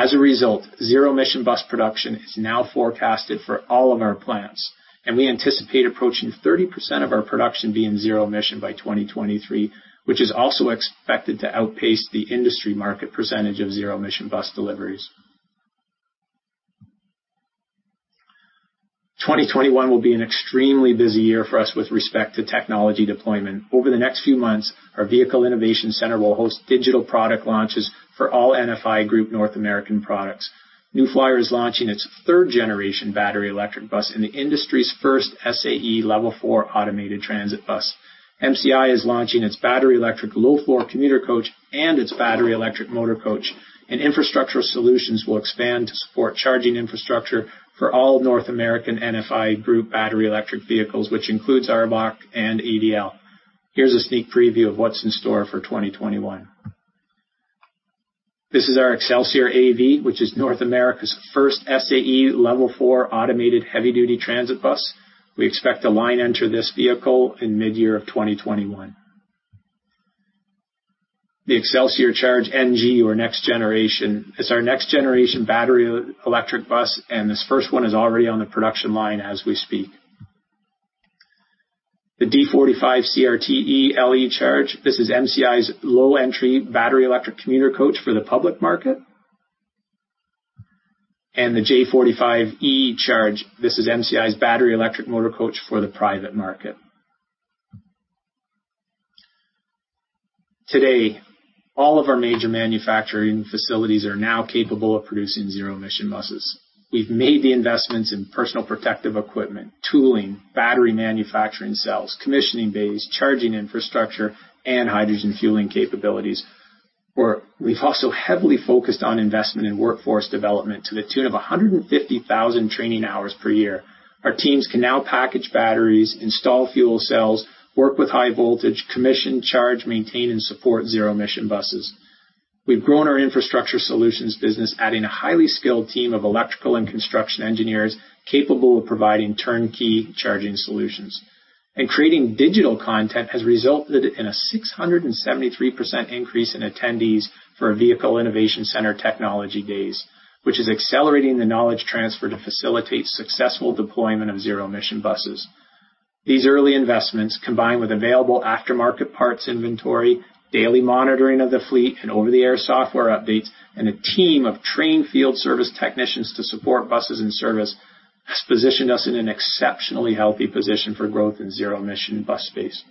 As a result, zero-emission bus production is now forecasted for all of our plants, and we anticipate approaching 30% of our production being zero-emission by 2023, which is also expected to outpace the industry market percentage of zero-emission bus deliveries. 2021 will be an extremely busy year for us with respect to technology deployment. Over the next few months, our Vehicle Innovation Center will host digital product launches for all NFI Group North American products. New Flyer is launching its 3rd-generation battery electric bus and the industry's first SAE Level four automated transit bus. MCI is launching its battery electric low-floor commuter coach and its battery electric motor coach, and infrastructure solutions will expand to support charging infrastructure for all North American NFI Group battery electric vehicles, which includes ARBOC and ADL. Here's a sneak preview of what's in store for 2021. This is our Xcelsior AV, which is North America's first SAE Level 4 automated heavy-duty transit bus. We expect to line enter this vehicle in mid-year of 2021. The Xcelsior CHARGE NG, or next generation, is our next-generation battery electric bus, and this first one is already on the production line as we speak. The D45 CRT LE CHARGE, this is MCI's low-entry battery electric commuter coach for the public market. The J4500 CHARGE, this is MCI's battery electric motor coach for the private market. Today, all of our major manufacturing facilities are now capable of producing zero-emission buses. We've made the investments in personal protective equipment, tooling, battery manufacturing cells, commissioning bays, charging infrastructure, and hydrogen fueling capabilities. We've also heavily focused on investment in workforce development to the tune of 150,000 training hours per year. Our teams can now package batteries, install fuel cells, work with high voltage, commission, charge, maintain, and support zero-emission buses. Creating digital content has resulted in a 673% increase in attendees for Vehicle Innovation Center technology days, which is accelerating the knowledge transfer to facilitate successful deployment of zero-emission buses. These early investments, combined with available aftermarket parts inventory, daily monitoring of the fleet, and over-the-air software updates, and a team of trained field service technicians to support buses and service, has positioned us in an exceptionally healthy position for growth in zero-emission bus space.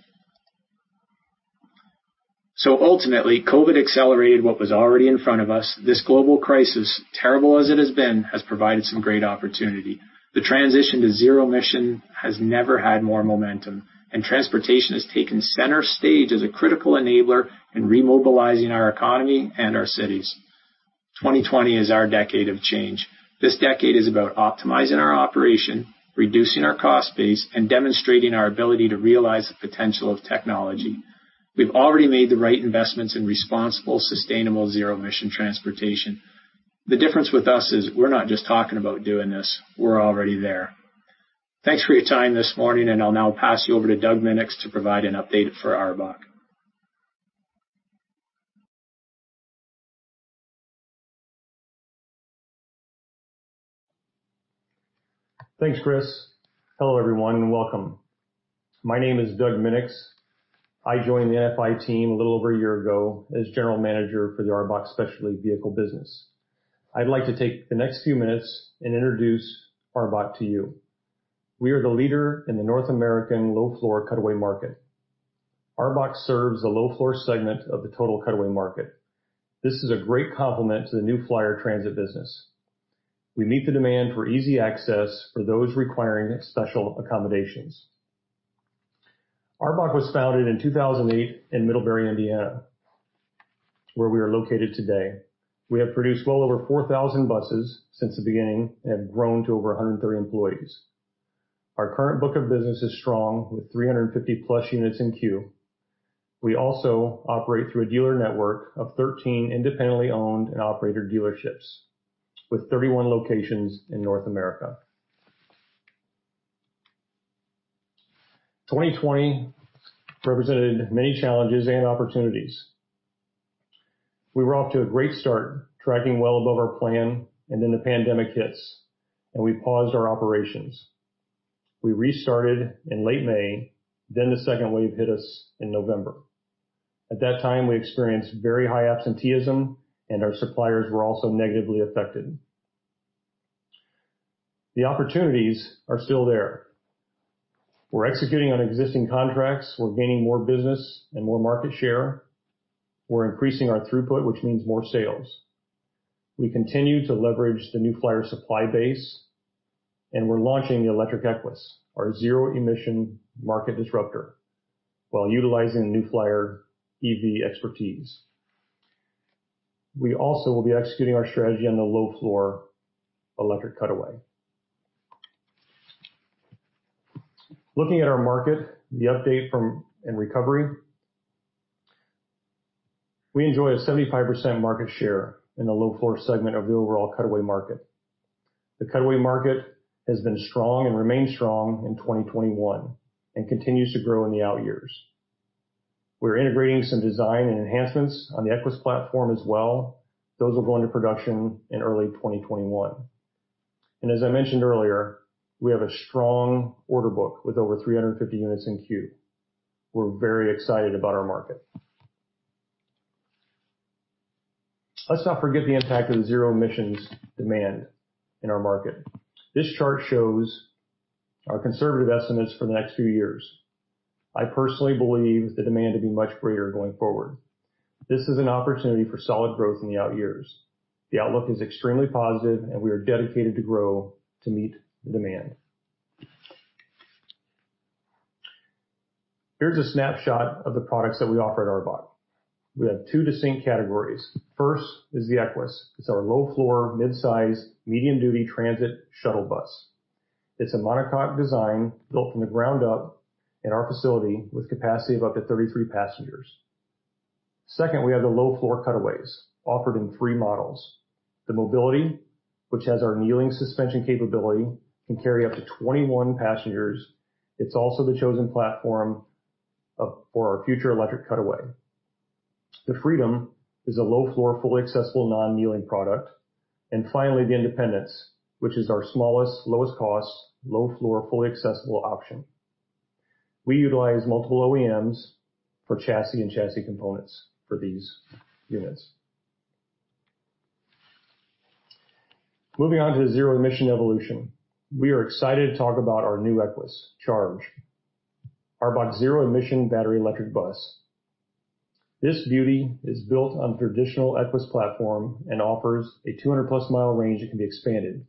Ultimately, COVID accelerated what was already in front of us. This global crisis, terrible as it has been, has provided some great opportunity. The transition to zero-emission has never had more momentum, and transportation has taken center stage as a critical enabler in remobilizing our economy and our cities. 2020 is our decade of change. This decade is about optimizing our operation, reducing our cost base, and demonstrating our ability to realize the potential of technology. We've already made the right investments in responsible, sustainable, zero-emission transportation. The difference with us is we're not just talking about doing this. We're already there. Thanks for your time this morning, and I'll now pass you over to Doug Minix to provide an update for ARBOC. Thanks, Chris. Hello, everyone, and welcome. My name is Doug Minix. I joined the NFI team a little over one year ago as General Manager for the ARBOC Specialty Vehicles business. I'd like to take the next few minutes and introduce ARBOC to you. We are the leader in the North American low-floor cutaway market. ARBOC serves the low-floor segment of the total cutaway market. This is a great complement to the New Flyer transit business. We meet the demand for easy access for those requiring special accommodations. ARBOC was founded in 2008 in Middlebury, Indiana, where we are located today. We have produced well over 4,000 buses since the beginning and have grown to over 130 employees. Our current book of business is strong with 350+ units in queue. We also operate through a dealer network of 13 independently owned and operated dealerships with 31 locations in North America. 2020 represented many challenges and opportunities. We were off to a great start, tracking well above our plan, the pandemic hits, and we paused our operations. We restarted in late May, the second wave hit us in November. At that time, we experienced very high absenteeism, and our suppliers were also negatively affected. The opportunities are still there. We're executing on existing contracts. We're gaining more business and more market share. We're increasing our throughput, which means more sales. We continue to leverage the New Flyer supply base, and we're launching the electric Equess, our zero-emission market disruptor, while utilizing New Flyer EV expertise. We also will be executing our strategy on the low-floor electric cutaway. Looking at our market, the update from and recovery, we enjoy a 75% market share in the low-floor segment of the overall cutaway market. The cutaway market has been strong and remains strong in 2021 and continues to grow in the out years. We're integrating some design and enhancements on the Equess platform as well. Those will go into production in early 2021. As I mentioned earlier, we have a strong order book with over 350 units in queue. We're very excited about our market. Let's not forget the impact of the zero-emission demand in our market. This chart shows our conservative estimates for the next few years. I personally believe the demand to be much greater going forward. This is an opportunity for solid growth in the out years. The outlook is extremely positive, and we are dedicated to grow to meet the demand. Here's a snapshot of the products that we offer at ARBOC. We have two distinct categories. First is the Equess. It's our low-floor, mid-size, medium-duty transit shuttle bus. It's a monocoque design built from the ground up in our facility with capacity of up to 33 passengers. Second, we have the low-floor cutaways offered in three models. The Mobility, which has our kneeling suspension capability, can carry up to 21 passengers. It's also the chosen platform for our future electric cutaway. The Freedom is a low-floor, fully accessible, non-kneeling product. Finally, the Independence, which is our smallest, lowest cost, low-floor, fully accessible option. We utilize multiple OEMs for chassis and chassis components for these units. Moving on to ZEvolution. We are excited to talk about our new Equess CHARGE, ARBOC zero-emission battery electric bus. This beauty is built on traditional Equess platform and offers a 200+ mile range that can be expanded.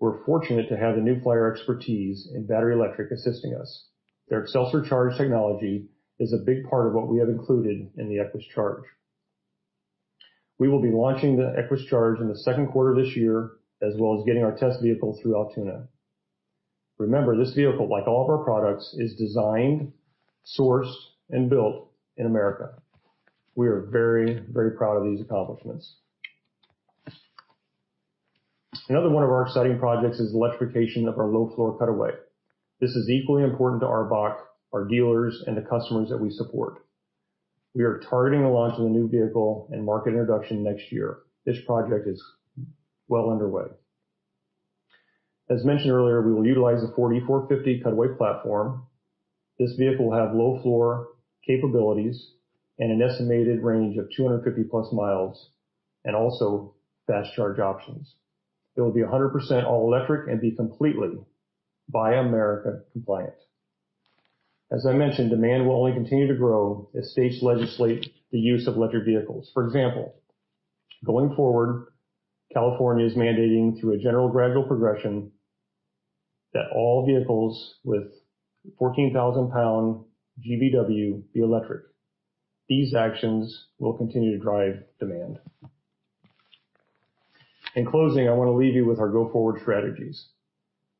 We're fortunate to have the New Flyer expertise in battery electric assisting us. Their Xcelsior CHARGE technology is a big part of what we have included in the Equess CHARGE. We will be launching the Equess CHARGE in the second quarter of this year, as well as getting our test vehicle through Altoona. Remember, this vehicle, like all of our products, is designed, sourced, and built in America. We are very proud of these accomplishments. Another one of our exciting projects is electrification of our low-floor cutaway. This is equally important to ARBOC, our dealers, and the customers that we support. We are targeting the launch of the new vehicle and market introduction next year. This project is well underway. As mentioned earlier, we will utilize the Ford E-450 cutaway platform. This vehicle will have low-floor capabilities and an estimated range of 250+ miles, and also fast charge options. It will be 100% all electric and be completely Buy America compliant. As I mentioned, demand will only continue to grow as states legislate the use of electric vehicles. For example, going forward, California is mandating through a general gradual progression that all vehicles with 14,000 pound GVW be electric. These actions will continue to drive demand. In closing, I want to leave you with our go-forward strategies.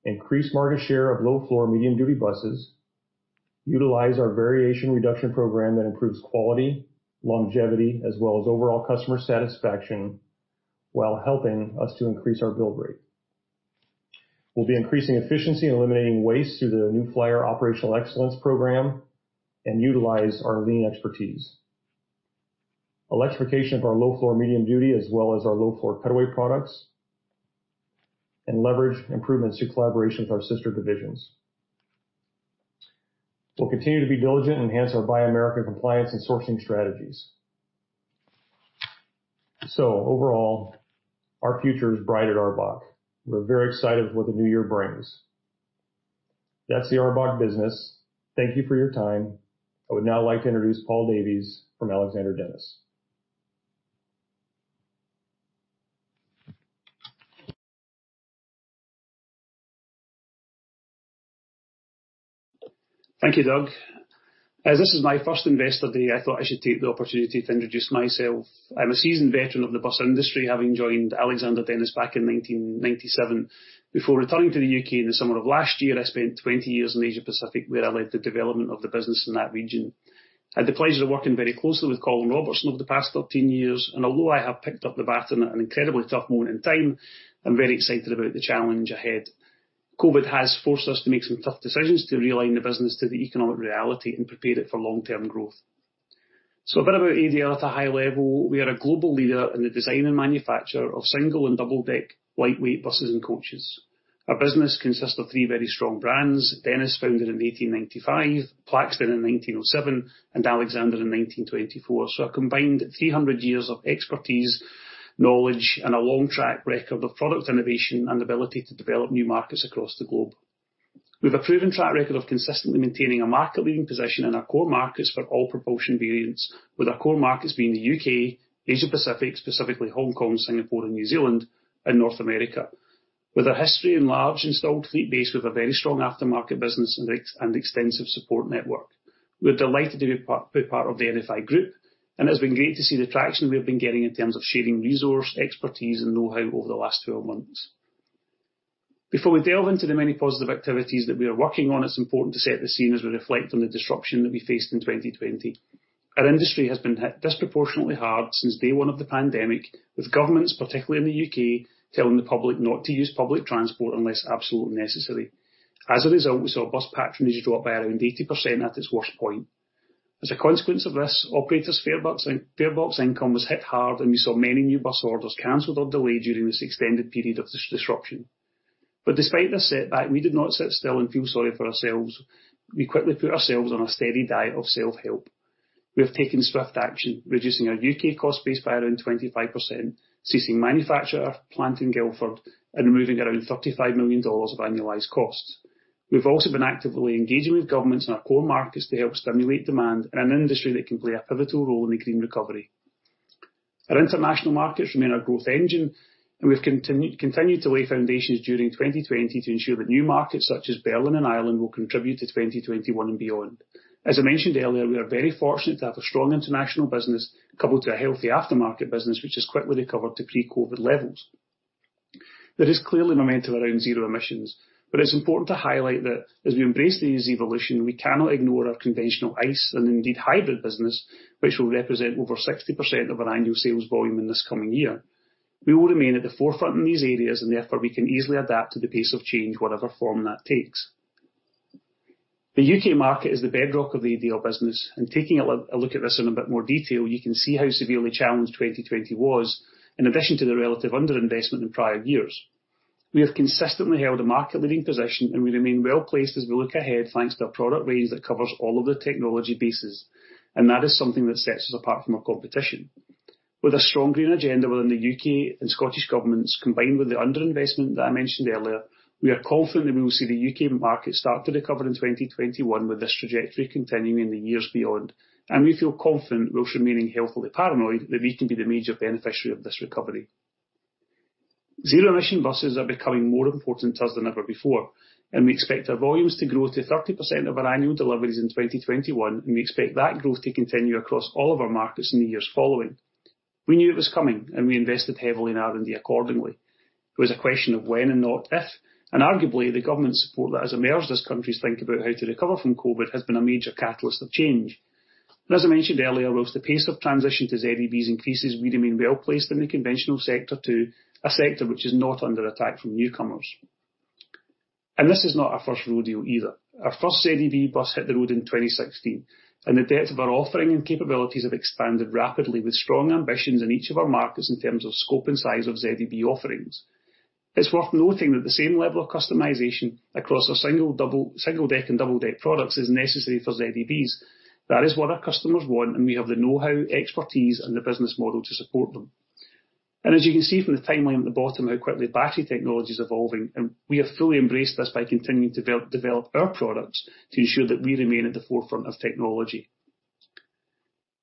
Increase market share of low-floor, medium-duty buses. Utilize our variation reduction program that improves quality, longevity, as well as overall customer satisfaction, while helping us to increase our build rate. We'll be increasing efficiency and eliminating waste through the New Flyer Operational Excellence program and utilize our lean expertise. Electrification of our low-floor medium-duty, as well as our low-floor cutaway products, and leverage improvements through collaboration with our sister divisions. We'll continue to be diligent and enhance our Buy America compliance and sourcing strategies. Overall, our future is bright at ARBOC. We're very excited for what the new year brings. That's the ARBOC business. Thank you for your time. I would now like to introduce Paul Davies from Alexander Dennis. Thank you, Doug. As this is my first Investor Day, I thought I should take the opportunity to introduce myself. I'm a seasoned veteran of the bus industry, having joined Alexander Dennis back in 1997. Before returning to the U.K. in the summer of last year, I spent 20 years in Asia Pacific, where I led the development of the business in that region. I had the pleasure of working very closely with Colin Robertson over the past 13 years, and although I have picked up the baton at an incredibly tough moment in time, I'm very excited about the challenge ahead. COVID has forced us to make some tough decisions to realign the business to the economic reality and prepare it for long-term growth. A bit about ADL at a high level. We are a global leader in the design and manufacture of single and double-deck, lightweight buses and coaches. Our business consists of three very strong brands, Dennis, founded in 1895, Plaxton in 1907, and Alexander in 1924. A combined 300 years of expertise, knowledge, and a long track record of product innovation and ability to develop new markets across the globe. We've a proven track record of consistently maintaining a market-leading position in our core markets for all propulsion variants, with our core markets being the U.K., Asia Pacific, specifically Hong Kong, Singapore, and New Zealand, and North America. With a history in large installed fleet base, we've a very strong aftermarket business and extensive support network. We're delighted to be part of the NFI Group, and it has been great to see the traction we have been getting in terms of sharing resource, expertise, and knowhow over the last 12 months. Before we delve into the many positive activities that we are working on, it's important to set the scene as we reflect on the disruption that we faced in 2020. Our industry has been hit disproportionately hard since day one of the pandemic, with governments, particularly in the U.K., telling the public not to use public transport unless absolutely necessary. As a result, we saw bus patronage drop by around 80% at its worst point. As a consequence of this, operators' farebox income was hit hard, and we saw many new bus orders canceled or delayed during this extended period of disruption. Despite this setback, we did not sit still and feel sorry for ourselves. We quickly put ourselves on a steady diet of self-help. We have taken swift action, reducing our U.K. cost base by around 25%, ceasing manufacture at our plant in Guildford and removing around 35 million dollars of annualized costs. We've also been actively engaging with governments in our core markets to help stimulate demand in an industry that can play a pivotal role in the green recovery. Our international markets remain our growth engine, we have continued to lay foundations during 2020 to ensure that new markets such as Berlin and Ireland will contribute to 2021 and beyond. As I mentioned earlier, we are very fortunate to have a strong international business coupled to a healthy aftermarket business, which has quickly recovered to pre-COVID levels. There is clearly momentum around zero emissions, it's important to highlight that as we embrace the ZEvolution, we cannot ignore our conventional ICE, and indeed hybrid business, which will represent over 60% of our annual sales volume in this coming year. We will remain at the forefront in these areas, therefore we can easily adapt to the pace of change, whatever form that takes. The U.K. market is the bedrock of the ADL business, taking a look at this in a bit more detail, you can see how severely challenged 2020 was in addition to the relative underinvestment in prior years. We have consistently held a market-leading position, we remain well-placed as we look ahead, thanks to our product range that covers all of the technology bases, that is something that sets us apart from our competition. With a strong green agenda within the U.K. and Scottish governments, combined with the underinvestment that I mentioned earlier, we are confident that we will see the U.K. market start to recover in 2021, with this trajectory continuing in the years beyond. We feel confident, whilst remaining healthily paranoid, that we can be the major beneficiary of this recovery. Zero-emission buses are becoming more important to us than ever before, and we expect our volumes to grow to 30% of our annual deliveries in 2021, and we expect that growth to continue across all of our markets in the years following. We knew it was coming, and we invested heavily in R&D accordingly. It was a question of when and not if, and arguably the government support that has emerged as countries think about how to recover from COVID has been a major catalyst of change. As I mentioned earlier, whilst the pace of transition to ZEBs increases, we remain well-placed in the conventional sector too, a sector which is not under attack from newcomers. This is not our first rodeo either. Our first ZEB bus hit the road in 2016, the depth of our offering and capabilities have expanded rapidly with strong ambitions in each of our markets in terms of scope and size of ZEB offerings. It's worth noting that the same level of customization across our single deck and double deck products is necessary for ZEBs. That is what our customers want, and we have the know-how, expertise, and the business model to support them. As you can see from the timeline at the bottom, how quickly battery technology is evolving, we have fully embraced this by continuing to develop our products to ensure that we remain at the forefront of technology.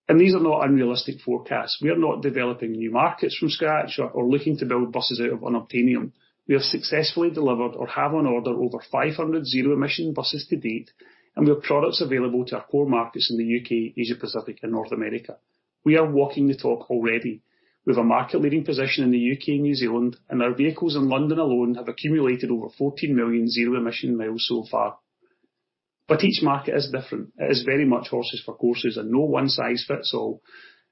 These are not unrealistic forecasts. We are not developing new markets from scratch or looking to build buses out of unobtainium. We have successfully delivered or have on order over 500 zero-emission buses to date, and we have products available to our core markets in the U.K., Asia Pacific, and North America. We are walking the talk already. We have a market-leading position in the U.K. and New Zealand, and our vehicles in London alone have accumulated over 14 million zero-emission miles so far. Each market is different. It is very much horses for courses and no one size fits all,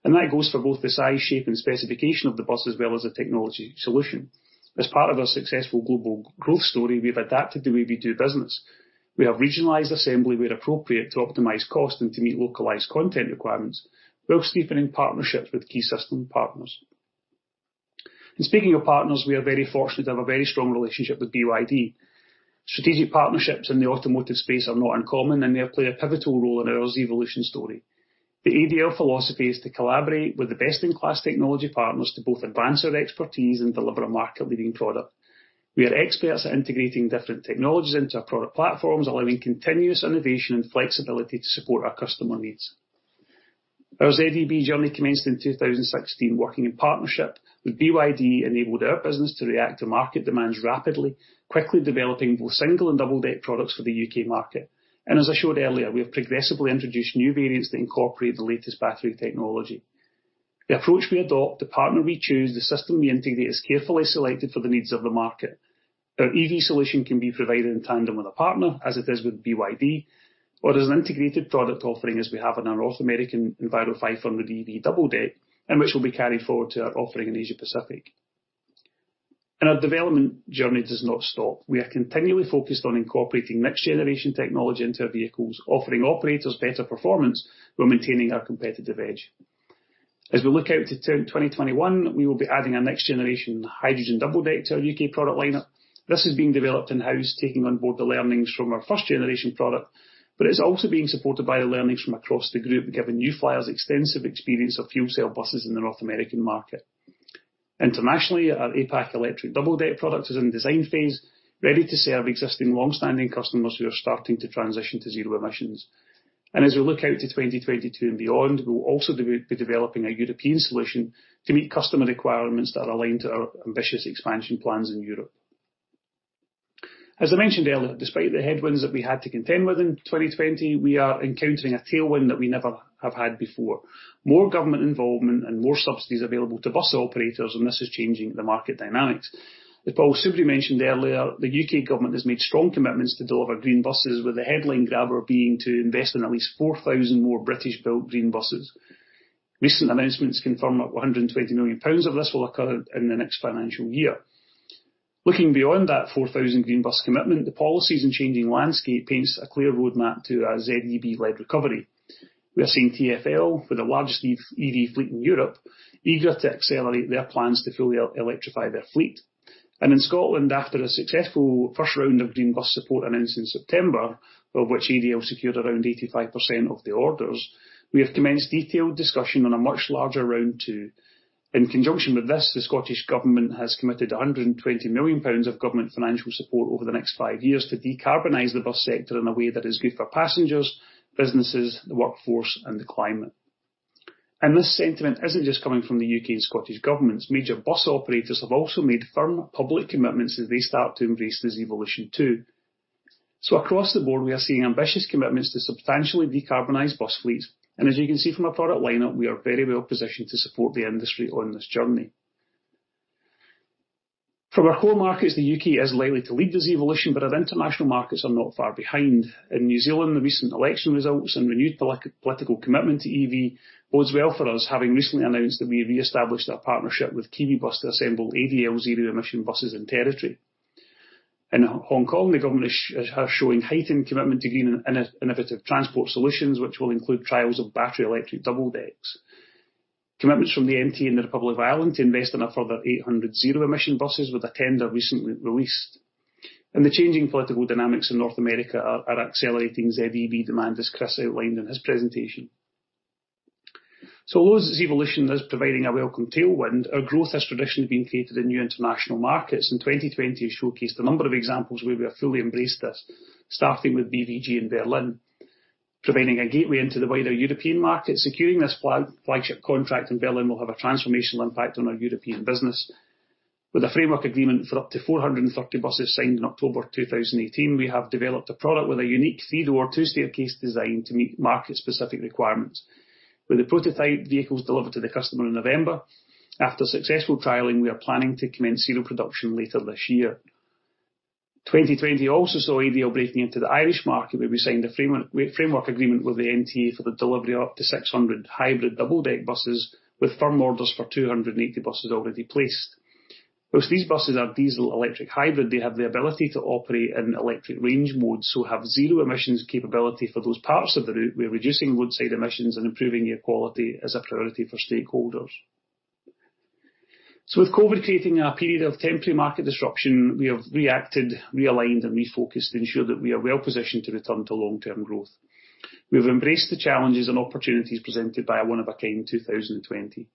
and that goes for both the size, shape, and specification of the bus, as well as the technology solution. As part of our successful global growth story, we have adapted the way we do business. We have regionalized assembly where appropriate to optimize cost and to meet localized content requirements whilst deepening partnerships with key system partners. Speaking of partners, we are very fortunate to have a very strong relationship with BYD. Strategic partnerships in the automotive space are not uncommon, and they play a pivotal role in our ZEvolution story. The ADL philosophy is to collaborate with the best-in-class technology partners to both advance our expertise and deliver a market-leading product. We are experts at integrating different technologies into our product platforms, allowing continuous innovation and flexibility to support our customer needs. Our ZEB journey commenced in 2016. Working in partnership with BYD enabled our business to react to market demands rapidly, quickly developing both single and double deck products for the U.K. market. As I showed earlier, we have progressively introduced new variants that incorporate the latest battery technology. The approach we adopt, the partner we choose, the system we integrate is carefully selected for the needs of the market. Our EV solution can be provided in tandem with a partner, as it is with BYD, or as an integrated product offering as we have in our North American Enviro500EV double deck and which will be carried forward to our offering in Asia-Pacific. Our development journey does not stop. We are continually focused on incorporating next-generation technology into our vehicles, offering operators better performance while maintaining our competitive edge. As we look out to 2021, we will be adding a next-generation hydrogen double deck to our U.K. product lineup. This is being developed in-house, taking on board the learnings from our first-generation product, but it's also being supported by the learnings from across the group, given New Flyer's extensive experience of fuel cell buses in the North American market. Internationally, our APAC electric double deck product is in the design phase, ready to serve existing longstanding customers who are starting to transition to zero emissions. As we look out to 2022 and beyond, we will also be developing a European solution to meet customer requirements that are aligned to our ambitious expansion plans in Europe. As I mentioned earlier, despite the headwinds that we had to contend with in 2020, we are encountering a tailwind that we never have had before. More government involvement and more subsidies available to bus operators, this is changing the market dynamics. As Paul Soubry mentioned earlier, the U.K. government has made strong commitments to deliver green buses with the headline grabber being to invest in at least 4,000 more British-built green buses. Recent announcements confirm that GBP 120 million of this will occur in the next financial year. Looking beyond that 4,000 green bus commitment, the policies and changing landscape paints a clear roadmap to a ZEB-led recovery. We are seeing TfL, with the largest EV fleet in Europe, eager to accelerate their plans to fully electrify their fleet. In Scotland, after a successful first round of green bus support announced in September, of which ADL secured around 85% of the orders, we have commenced detailed discussion on a much larger round 2. In conjunction with this, the Scottish government has committed 120 million pounds of government financial support over the next five years to decarbonize the bus sector in a way that is good for passengers, businesses, the workforce, and the climate. This sentiment isn't just coming from the U.K. and Scottish governments. Major bus operators have also made firm public commitments as they start to embrace this evolution too. Across the board, we are seeing ambitious commitments to substantially decarbonize bus fleets. As you can see from our product lineup, we are very well-positioned to support the industry on this journey. From our core markets, the U.K. is likely to lead this evolution, but our international markets are not far behind. In New Zealand, the recent election results and renewed political commitment to EV bodes well for us, having recently announced that we reestablished our partnership with Kiwi Bus to assemble ADL zero-emission buses in territory. In Hong Kong, the government is showing heightened commitment to green and innovative transport solutions, which will include trials of battery electric double-decks. Commitments from the NTA in the Republic of Ireland to invest in a further 800 zero-emission buses, with a tender recently released. The changing political dynamics in North America are accelerating ZEB demand, as Chris outlined in his presentation. Although this evolution is providing a welcome tailwind, our growth has traditionally been created in new international markets, and 2020 has showcased a number of examples where we have fully embraced this, starting with BVG in Berlin. Providing a gateway into the wider European market, securing this flagship contract in Berlin will have a transformational impact on our European business. With a framework agreement for up to 430 buses signed in October 2018, we have developed a product with a unique three-door, two-staircase design to meet market-specific requirements. With the prototype vehicles delivered to the customer in November, after successful trialing, we are planning to commence serial production later this year. 2020 also saw ADL breaking into the Irish market, where we signed a framework agreement with the NTA for the delivery of up to 600 hybrid double-deck buses, with firm orders for 280 buses already placed. While these buses are diesel electric hybrid, they have the ability to operate in electric range mode, so have zero emissions capability for those parts of the route. We are reducing roadside emissions and improving air quality as a priority for stakeholders. With COVID creating a period of temporary market disruption, we have reacted, realigned, and refocused to ensure that we are well-positioned to return to long-term growth. We have embraced the challenges and opportunities presented by a one-of-a-kind 2020.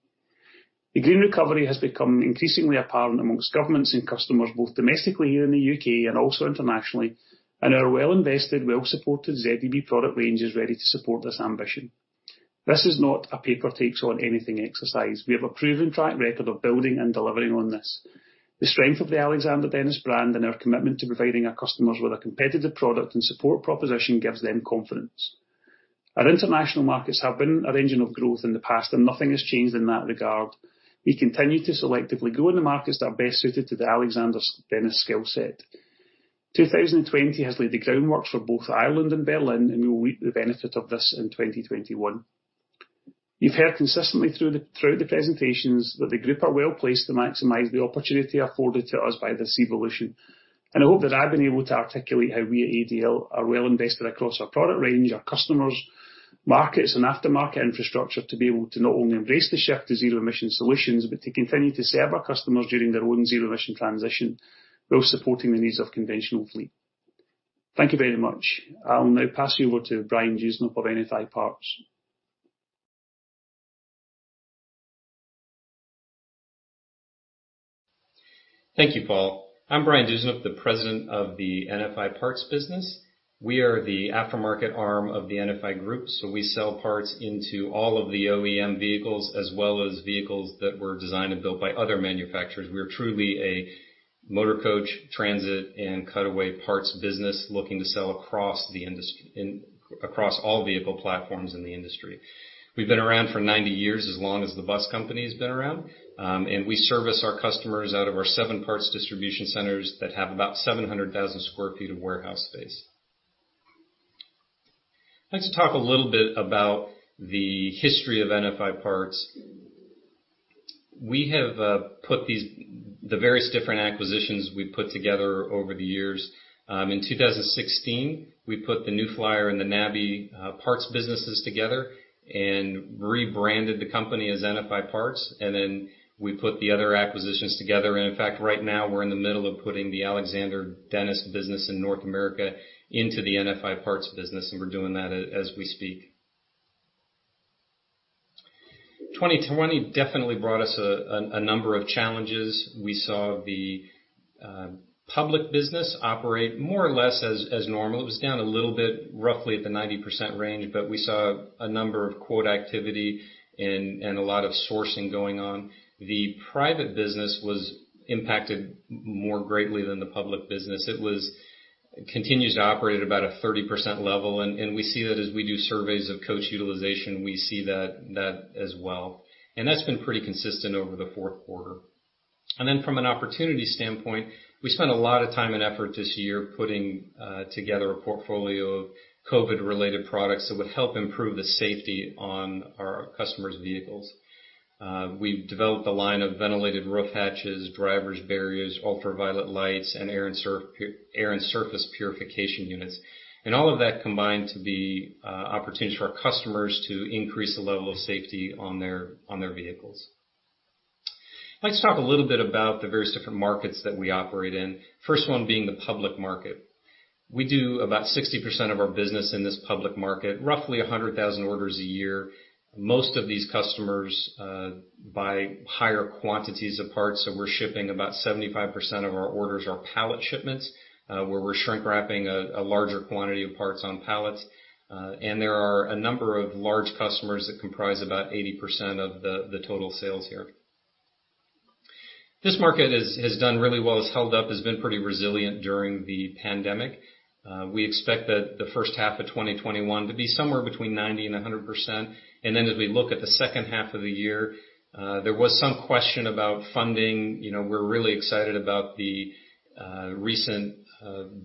The green recovery has become increasingly apparent amongst governments and customers, both domestically here in the U.K. and also internationally, and our well-invested, well-supported ZEB product range is ready to support this ambition. This is not a paper takes on anything exercise. We have a proven track record of building and delivering on this. The strength of the Alexander Dennis brand and our commitment to providing our customers with a competitive product and support proposition gives them confidence. Our international markets have been an engine of growth in the past, and nothing has changed in that regard. We continue to selectively go in the markets that are best suited to the Alexander Dennis skill set. 2020 has laid the groundwork for both Ireland and Berlin, and we will reap the benefit of this in 2021. You've heard consistently throughout the presentations that the group are well-placed to maximize the opportunity afforded to us by this evolution, and I hope that I've been able to articulate how we at ADL are well-invested across our product range, our customers, markets, and aftermarket infrastructure to be able to not only embrace the shift to zero-emission solutions but to continue to serve our customers during their own zero-emission transition, while supporting the needs of conventional fleet. Thank you very much. I'll now pass you over to Brian Dewsnup of NFI Parts. Thank you, Paul. I'm Brian Dewsnup, the President of the NFI Parts business. We are the aftermarket arm of the NFI Group, so we sell parts into all of the OEM vehicles, as well as vehicles that were designed and built by other manufacturers. We are truly a motor coach, transit, and cutaway parts business looking to sell across all vehicle platforms in the industry. We've been around for 90 years, as long as the bus company has been around, and we service our customers out of our seven parts distribution centers that have about 700,000sq ft of warehouse space. I'd like to talk a little bit about the history of NFI Parts. We have put the various different acquisitions we put together over the years. In 2016, we put the New Flyer and the NABI parts businesses together and rebranded the company as NFI Parts, then we put the other acquisitions together. In fact, right now we're in the middle of putting the Alexander Dennis business in North America into the NFI Parts business, and we're doing that as we speak. 2020 definitely brought us a number of challenges. We saw the public business operate more or less as normal. It was down a little bit, roughly at the 90% range, but we saw a number of quote activity and a lot of sourcing going on. The private business was impacted more greatly than the public business. It continues to operate at about a 30% level, and we see that as we do surveys of coach utilization, we see that as well. That's been pretty consistent over the fourth quarter. From an opportunity standpoint, we spent a lot of time and effort this year putting together a portfolio of COVID-related products that would help improve the safety on our customers' vehicles. We've developed a line of ventilated roof hatches, drivers' barriers, ultraviolet lights, and air and surface purification units. All of that combined to be an opportunity for our customers to increase the level of safety on their vehicles. I'd like to talk a little bit about the various different markets that we operate in. First one being the public market. We do about 60% of our business in this public market, roughly 100,000 orders a year. Most of these customers buy higher quantities of parts, so we're shipping about 75% of our orders are pallet shipments, where we're shrink-wrapping a larger quantity of parts on pallets. There are a number of large customers that comprise about 80% of the total sales here. This market has done really well. It's held up, it's been pretty resilient during the pandemic. We expect that the first half of 2021 to be somewhere between 90%-100%, and then as we look at the second half of the year, there was some question about funding. We're really excited about the recent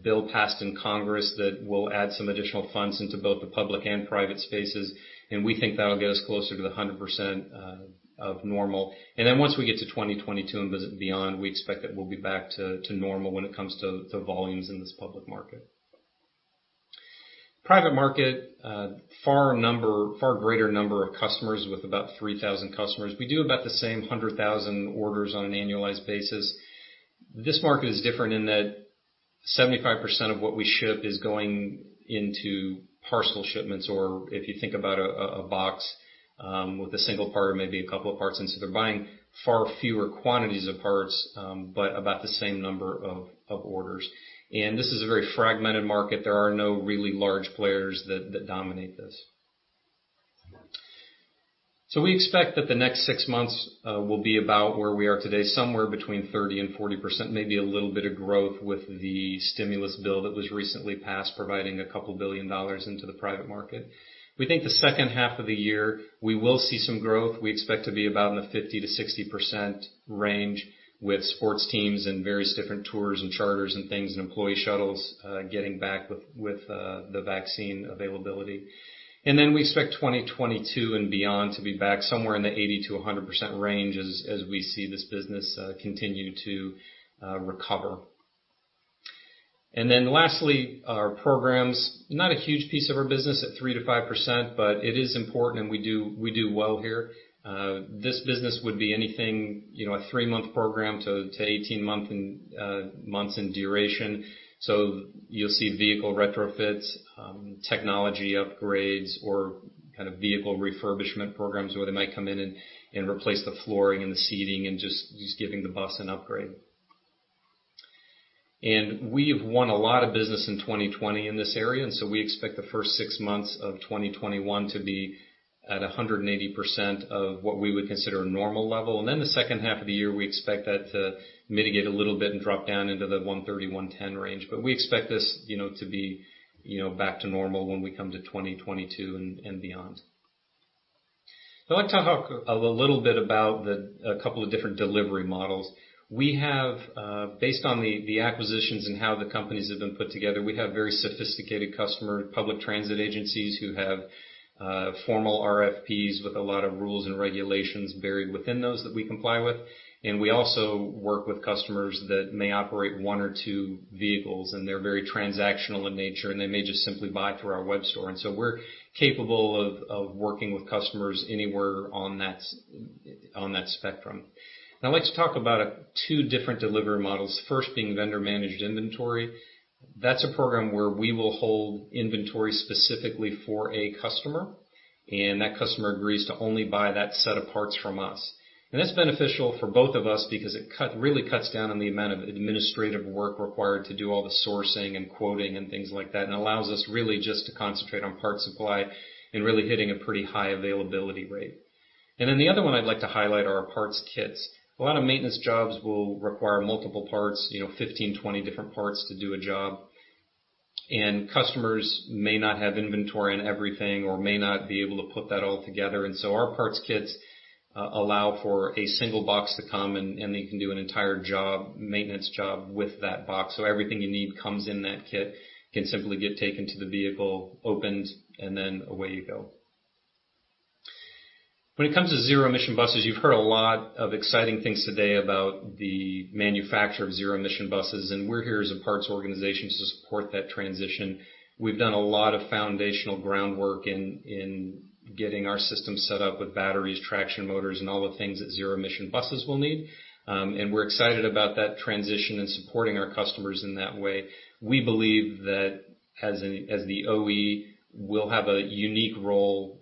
bill passed in Congress that will add some additional funds into both the public and private spaces, and we think that'll get us closer to the 100% of normal. Once we get to 2022 and beyond, we expect that we'll be back to normal when it comes to volumes in this public market. Private market, far greater number of customers with about 3,000 customers. We do about the same 100,000 orders on an annualized basis. This market is different in that 75% of what we ship is going into parcel shipments or if you think about a box with a single part or maybe a couple of parts in, so they're buying far fewer quantities of parts, but about the same number of orders. This is a very fragmented market. There are no really large players that dominate this. We expect that the next six months will be about where we are today, somewhere between 30%-40%, maybe a little bit of growth with the stimulus bill that was recently passed, providing $2 billion into the private market. We think the second half of the year, we will see some growth. We expect to be about in the 50%-60% range with sports teams and various different tours and charters and things and employee shuttles getting back with the vaccine availability. We expect 2022 and beyond to be back somewhere in the 80%-100% range as we see this business continue to recover. Lastly, our programs. Not a huge piece of our business at 3%-5%, but it is important and we do well here. This business would be anything, a three-month program to 18 months in duration. You'll see vehicle retrofits, technology upgrades, or kind of vehicle refurbishment programs where they might come in and replace the flooring and the seating and just giving the bus an upgrade. We have won a lot of business in 2020 in this area, so we expect the first six months of 2021 to be at 180% of what we would consider a normal level. The second half of the year, we expect that to mitigate a little bit and drop down into the 130, 110 range. We expect this to be back to normal when we come to 2022 and beyond. I'd like to talk a little bit about a couple of different delivery models. Based on the acquisitions and how the companies have been put together, we have very sophisticated customer public transit agencies who have formal RFPs with a lot of rules and regulations buried within those that we comply with. We also work with customers that may operate one or two vehicles, and they're very transactional in nature, and they may just simply buy through our web store. We're capable of working with customers anywhere on that spectrum. Now I'd like to talk about two different delivery models. First being vendor-managed inventory. That's a program where we will hold inventory specifically for a customer, and that customer agrees to only buy that set of parts from us. That's beneficial for both of us because it really cuts down on the amount of administrative work required to do all the sourcing and quoting and things like that, and allows us really just to concentrate on parts supply and really hitting a pretty high availability rate. The other one I'd like to highlight are our parts kits. A lot of maintenance jobs will require multiple parts, 15-20 different parts to do a job. Customers may not have inventory in everything or may not be able to put that all together. Our parts kits allow for a single box to come and they can do an entire maintenance job with that box. Everything you need comes in that kit, can simply get taken to the vehicle, opened, and then away you go. When it comes to zero-emission buses, you've heard a lot of exciting things today about the manufacture of zero-emission buses, and we're here as a parts organization to support that transition. We've done a lot of foundational groundwork in getting our system set up with batteries, traction motors, and all the things that zero-emission buses will need. We're excited about that transition and supporting our customers in that way. We believe that as the OE, we'll have a unique role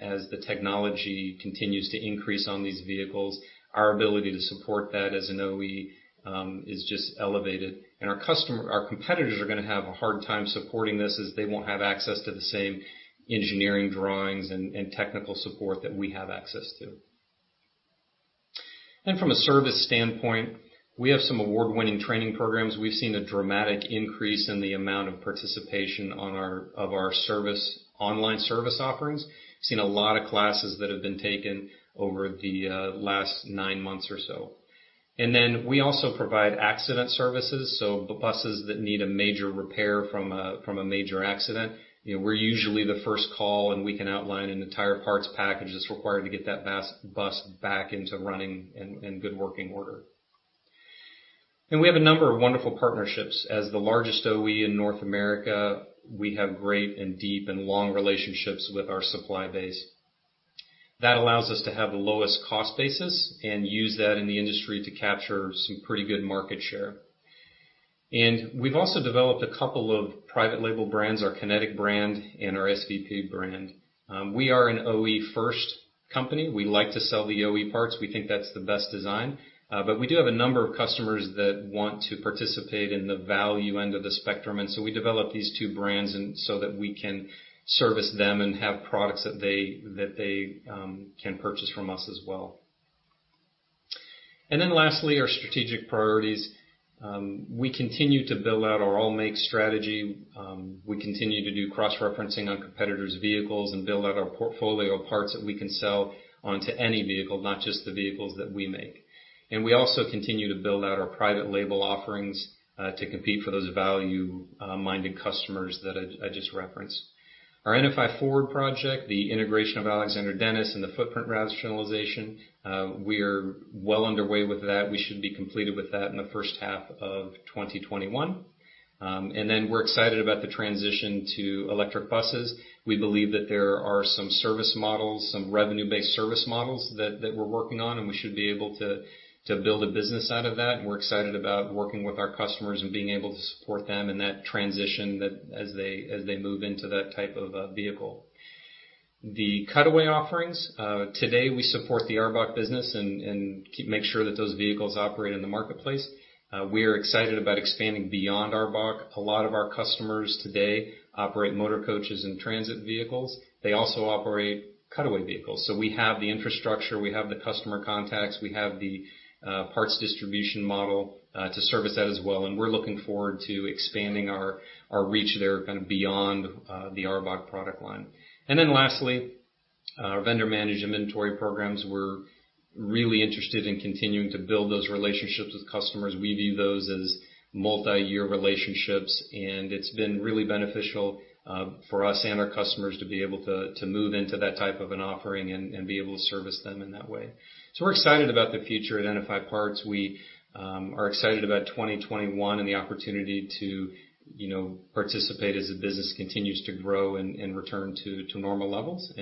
as the technology continues to increase on these vehicles. Our ability to support that as an OE is just elevated. Our competitors are going to have a hard time supporting this as they won't have access to the same engineering drawings and technical support that we have access to. From a service standpoint. We have some award-winning training programs. We've seen a dramatic increase in the amount of participation of our online service offerings. We've seen a lot of classes that have been taken over the last nine months or so. We also provide accident services, so the buses that need a major repair from a major accident, we're usually the first call, and we can outline an entire parts package that's required to get that bus back into running and good working order. We have a number of wonderful partnerships. As the largest OE in North America, we have great and deep and long relationships with our supply base. That allows us to have the lowest cost basis and use that in the industry to capture some pretty good market share. We've also developed a couple of private label brands, our Kinetik brand and our SVP brand. We are an OE first company. We like to sell the OE parts. We think that's the best design. We do have a number of customers that want to participate in the value end of the spectrum. We developed these two brands so that we can service them and have products that they can purchase from us as well. Lastly, our strategic priorities. We continue to build out our all-make strategy. We continue to do cross-referencing on competitors' vehicles and build out our portfolio of parts that we can sell onto any vehicle, not just the vehicles that we make. We also continue to build out our private label offerings to compete for those value-minded customers that I just referenced. Our NFI Forward project, the integration of Alexander Dennis, and the footprint rationalization, we are well underway with that. We should be completed with that in the first half of 2021. We're excited about the transition to electric buses. We believe that there are some service models, some revenue-based service models that we're working on, and we should be able to build a business out of that. We're excited about working with our customers and being able to support them in that transition as they move into that type of a vehicle. The cutaway offerings. Today, we support the ARBOC business and make sure that those vehicles operate in the marketplace. We are excited about expanding beyond ARBOC. A lot of our customers today operate motor coaches and transit vehicles. They also operate cutaway vehicles. We have the infrastructure, we have the customer contacts, we have the parts distribution model to service that as well, and we're looking forward to expanding our reach there kind of beyond the ARBOC product line. Lastly, our vendor managed inventory programs. We're really interested in continuing to build those relationships with customers. We view those as multi-year relationships, it's been really beneficial for us and our customers to be able to move into that type of an offering and be able to service them in that way. We're excited about the future at NFI Parts. We are excited about 2021 and the opportunity to participate as the business continues to grow and return to normal levels.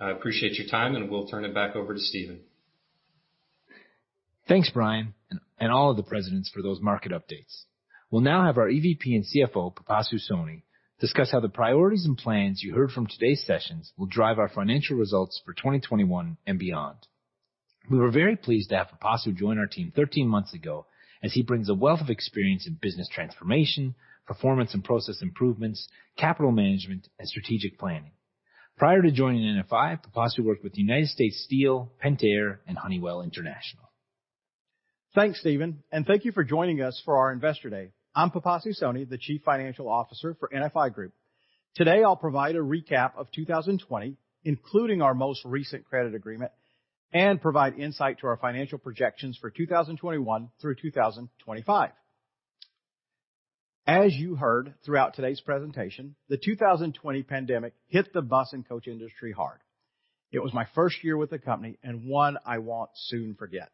I appreciate your time, and we'll turn it back over to Stephen. Thanks, Brian, and all of the presidents for those market updates. We'll now have our EVP and CFO, Pipasu Soni, discuss how the priorities and plans you heard from today's sessions will drive our financial results for 2021 and beyond. We were very pleased to have Pipasu join our team 13 months ago, as he brings a wealth of experience in business transformation, performance and process improvements, capital management, and strategic planning. Prior to joining NFI, Pipasu worked with United States Steel, Pentair, and Honeywell International. Thanks, Stephen. Thank you for joining us for our Investor Day. I'm Pipasu Soni, the Chief Financial Officer for NFI Group. Today, I'll provide a recap of 2020, including our most recent credit agreement, and provide insight to our financial projections for 2021 through 2025. As you heard throughout today's presentation, the 2020 pandemic hit the bus and coach industry hard. It was my first year with the company and one I won't soon forget.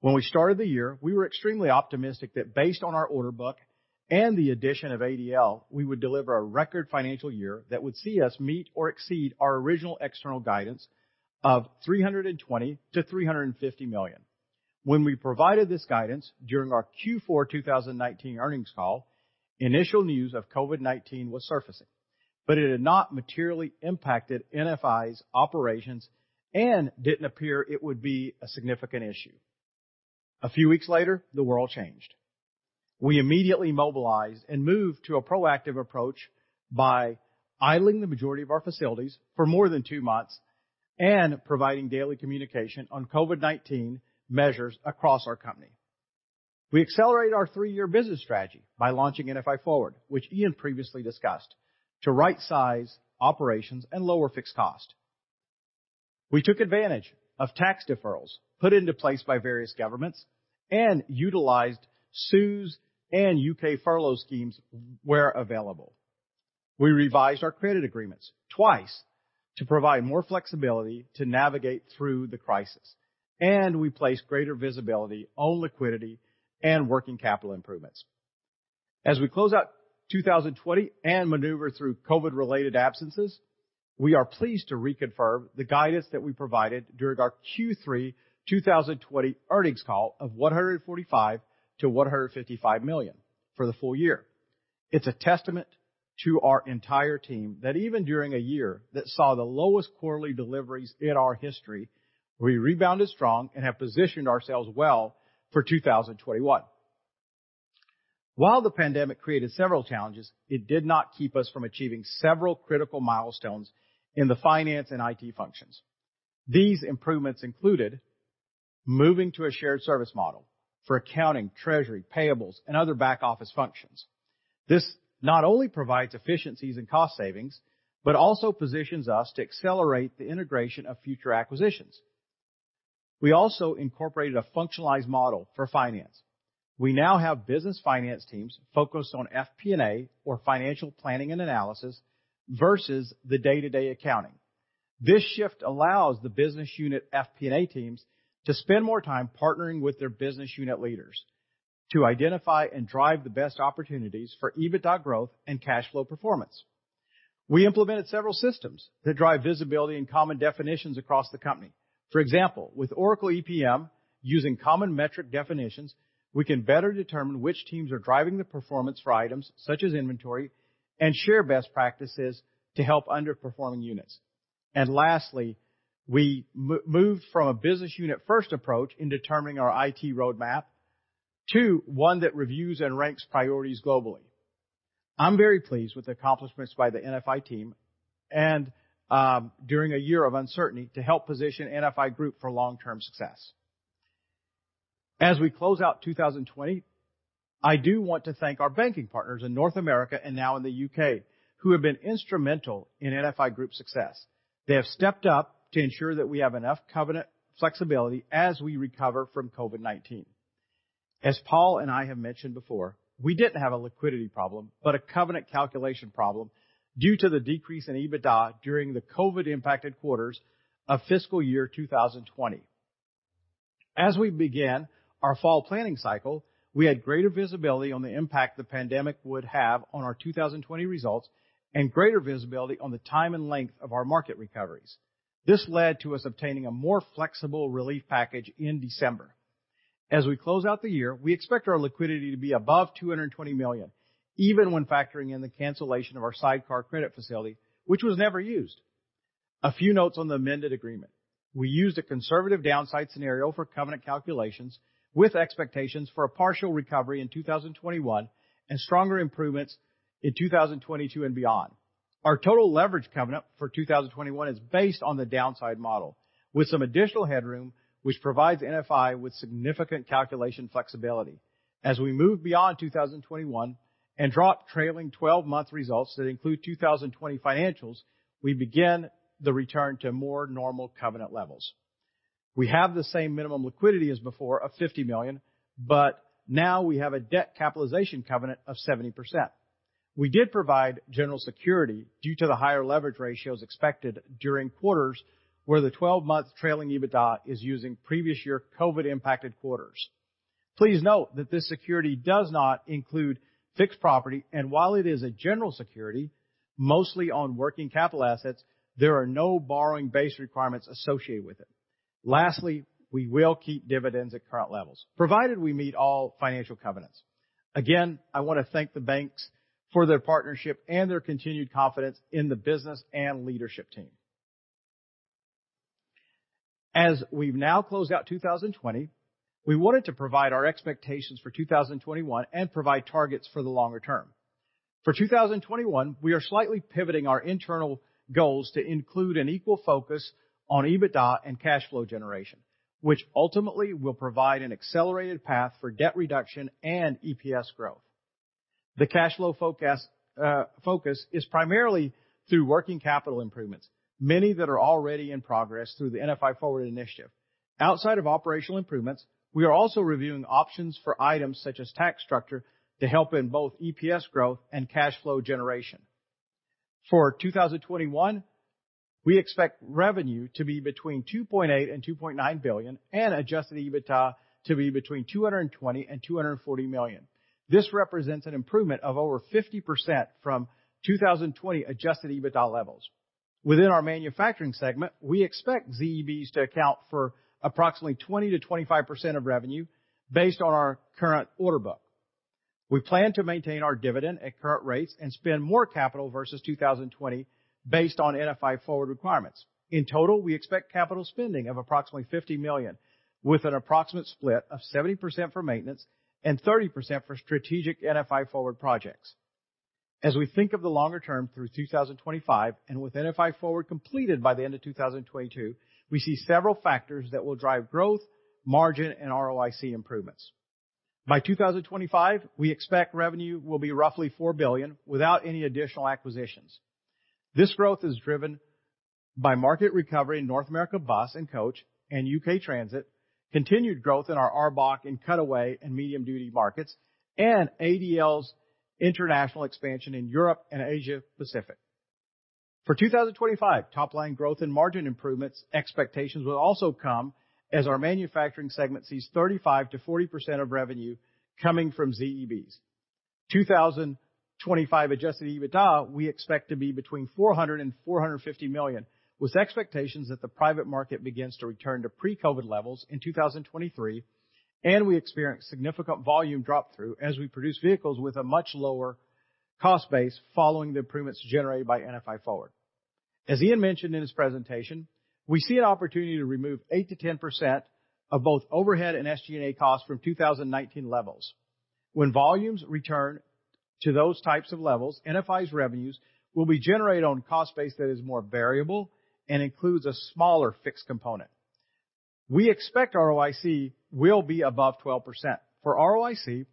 When we started the year, we were extremely optimistic that based on our order book and the addition of ADL, we would deliver a record financial year that would see us meet or exceed our original external guidance of $320 million-$350 million. When we provided this guidance during our Q4 2019 earnings call, initial news of COVID-19 was surfacing. It had not materially impacted NFI's operations and didn't appear it would be a significant issue. A few weeks later, the world changed. We immediately mobilized and moved to a proactive approach by idling the majority of our facilities for more than two months and providing daily communication on COVID-19 measures across our company. We accelerated our three-year business strategy by launching NFI Forward, which Ian previously discussed, to rightsize operations and lower fixed cost. We took advantage of tax deferrals put into place by various governments and utilized CEWS and U.K. furlough schemes where available. We revised our credit agreements twice to provide more flexibility to navigate through the crisis, and we placed greater visibility on liquidity and working capital improvements. As we close out 2020 and maneuver through COVID-related absences, we are pleased to reconfirm the guidance that we provided during our Q3 2020 earnings call of 145 million-155 million for the full year. It's a testament to our entire team that even during a year that saw the lowest quarterly deliveries in our history, we rebounded strong and have positioned ourselves well for 2021. While the pandemic created several challenges, it did not keep us from achieving several critical milestones in the finance and IT functions. These improvements included moving to a shared service model for accounting, treasury, payables, and other back-office functions. This not only provides efficiencies and cost savings, but also positions us to accelerate the integration of future acquisitions. We also incorporated a functionalized model for finance. We now have business finance teams focused on FP&A, or financial planning and analysis, versus the day-to-day accounting. This shift allows the business unit FP&A teams to spend more time partnering with their business unit leaders to identify and drive the best opportunities for EBITDA growth and cash flow performance. We implemented several systems that drive visibility and common definitions across the company. For example, with Oracle EPM, using common metric definitions, we can better determine which teams are driving the performance for items such as inventory and share best practices to help underperforming units. Lastly, we moved from a business unit first approach in determining our IT roadmap to one that reviews and ranks priorities globally. I'm very pleased with the accomplishments by the NFI team and during a year of uncertainty to help position NFI Group for long-term success. As we close out 2020, I do want to thank our banking partners in North America and now in the U.K. who have been instrumental in NFI Group's success. They have stepped up to ensure that we have enough covenant flexibility as we recover from COVID-19. As Paul and I have mentioned before, we didn't have a liquidity problem, but a covenant calculation problem due to the decrease in EBITDA during the COVID-impacted quarters of fiscal year 2020. As we began our fall planning cycle, we had greater visibility on the impact the pandemic would have on our 2020 results and greater visibility on the time and length of our market recoveries. This led to us obtaining a more flexible relief package in December. As we close out the year, we expect our liquidity to be above 220 million, even when factoring in the cancellation of our sidecar credit facility, which was never used. A few notes on the amended agreement. We used a conservative downside scenario for covenant calculations with expectations for a partial recovery in 2021 and stronger improvements in 2022 and beyond. Our total leverage covenant for 2021 is based on the downside model, with some additional headroom which provides NFI with significant calculation flexibility. As we move beyond 2021 and drop trailing 12-month results that include 2020 financials, we begin the return to more normal covenant levels. We have the same minimum liquidity as before of 50 million, but now we have a debt capitalization covenant of 70%. We did provide general security due to the higher leverage ratios expected during quarters where the 12-month trailing EBITDA is using previous year COVID-impacted quarters. Please note that this security does not include fixed property, and while it is a general security, mostly on working capital assets, there are no borrowing base requirements associated with it. We will keep dividends at current levels, provided we meet all financial covenants. I want to thank the banks for their partnership and their continued confidence in the business and leadership team. As we've now closed out 2020, we wanted to provide our expectations for 2021 and provide targets for the longer term. For 2021, we are slightly pivoting our internal goals to include an equal focus on EBITDA and cash flow generation, which ultimately will provide an accelerated path for debt reduction and EPS growth. The cash flow focus is primarily through working capital improvements, many that are already in progress through the NFI Forward initiative. Outside of operational improvements, we are also reviewing options for items such as tax structure to help in both EPS growth and cash flow generation. For 2021, we expect revenue to be between 2.8 billion-2.9 billion and adjusted EBITDA to be between 220 million-240 million. This represents an improvement of over 50% from 2020 adjusted EBITDA levels. Within our manufacturing segment, we expect ZEB to account for approximately 20%-25% of revenue based on our current order book. We plan to maintain our dividend at current rates and spend more capital versus 2020 based on NFI Forward requirements. In total, we expect capital spending of approximately 50 million, with an approximate split of 70% for maintenance and 30% for strategic NFI Forward projects. As we think of the longer term through 2025, and with NFI Forward completed by the end of 2022, we see several factors that will drive growth, margin, and ROIC improvements. By 2025, we expect revenue will be roughly 4 billion without any additional acquisitions. This growth is driven by market recovery in North America bus and coach and U.K. transit, continued growth in our ARBOC in cutaway and medium-duty markets, and ADL's international expansion in Europe and Asia-Pacific. For 2025, top-line growth and margin improvements expectations will also come as our manufacturing segment sees 35%-40% of revenue coming from ZEBs. 2025 adjusted EBITDA, we expect to be between 400 million-450 million, with expectations that the private market begins to return to pre-COVID levels in 2023, and we experience significant volume drop through as we produce vehicles with a much lower cost base following the improvements generated by NFI Forward. As Ian mentioned in his presentation, we see an opportunity to remove 8%-10% of both overhead and SG&A costs from 2019 levels. When volumes return to those types of levels, NFI's revenues will be generated on a cost base that is more variable and includes a smaller fixed component. We expect ROIC will be above 12%. For ROIC,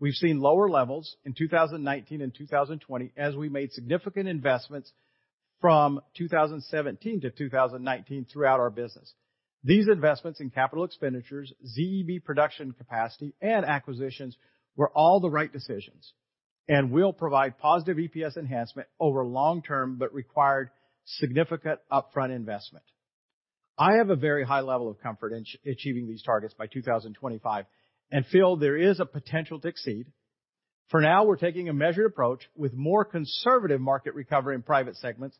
we've seen lower levels in 2019 and 2020 as we made significant investments from 2017 to 2019 throughout our business. These investments in capital expenditures, ZEV production capacity, and acquisitions were all the right decisions and will provide positive EPS enhancement over long term, but required significant upfront investment. I have a very high level of comfort in achieving these targets by 2025 and feel there is a potential to exceed. For now, we're taking a measured approach with more conservative market recovery in private segments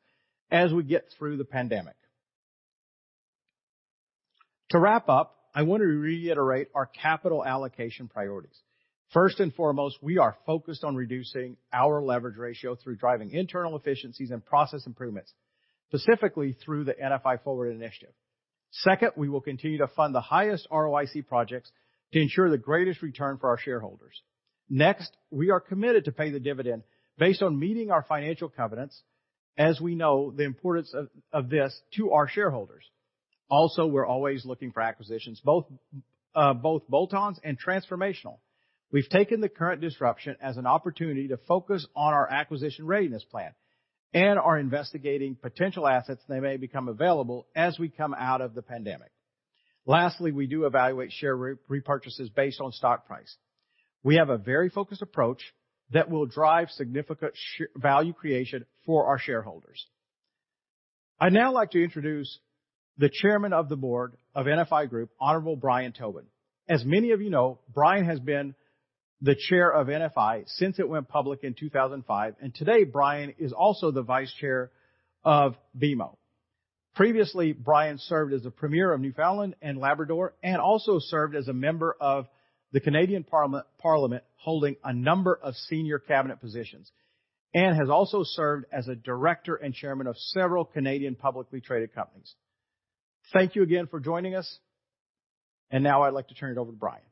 as we get through the pandemic. To wrap up, I want to reiterate our capital allocation priorities. First and foremost, we are focused on reducing our leverage ratio through driving internal efficiencies and process improvements, specifically through the NFI Forward initiative. Second, we will continue to fund the highest ROIC projects to ensure the greatest return for our shareholders. Next, we are committed to pay the dividend based on meeting our financial covenants, as we know the importance of this to our shareholders. Also, we're always looking for acquisitions, both bolt-ons and transformational. We've taken the current disruption as an opportunity to focus on our acquisition readiness plan and are investigating potential assets that may become available as we come out of the pandemic. Lastly, we do evaluate share repurchases based on stock price. We have a very focused approach that will drive significant value creation for our shareholders. I'd now like to introduce the Chairman of the Board of NFI Group, Honorable Brian Tobin. As many of you know, Brian has been the chair of NFI since it went public in 2005, and today, Brian is also the vice chair of BMO. Previously, Brian served as the Premier of Newfoundland and Labrador and also served as a member of the Canadian Parliament, holding a number of senior cabinet positions, and has also served as a director and chairman of several Canadian publicly traded companies. Thank you again for joining us, and now I'd like to turn it over to Brian.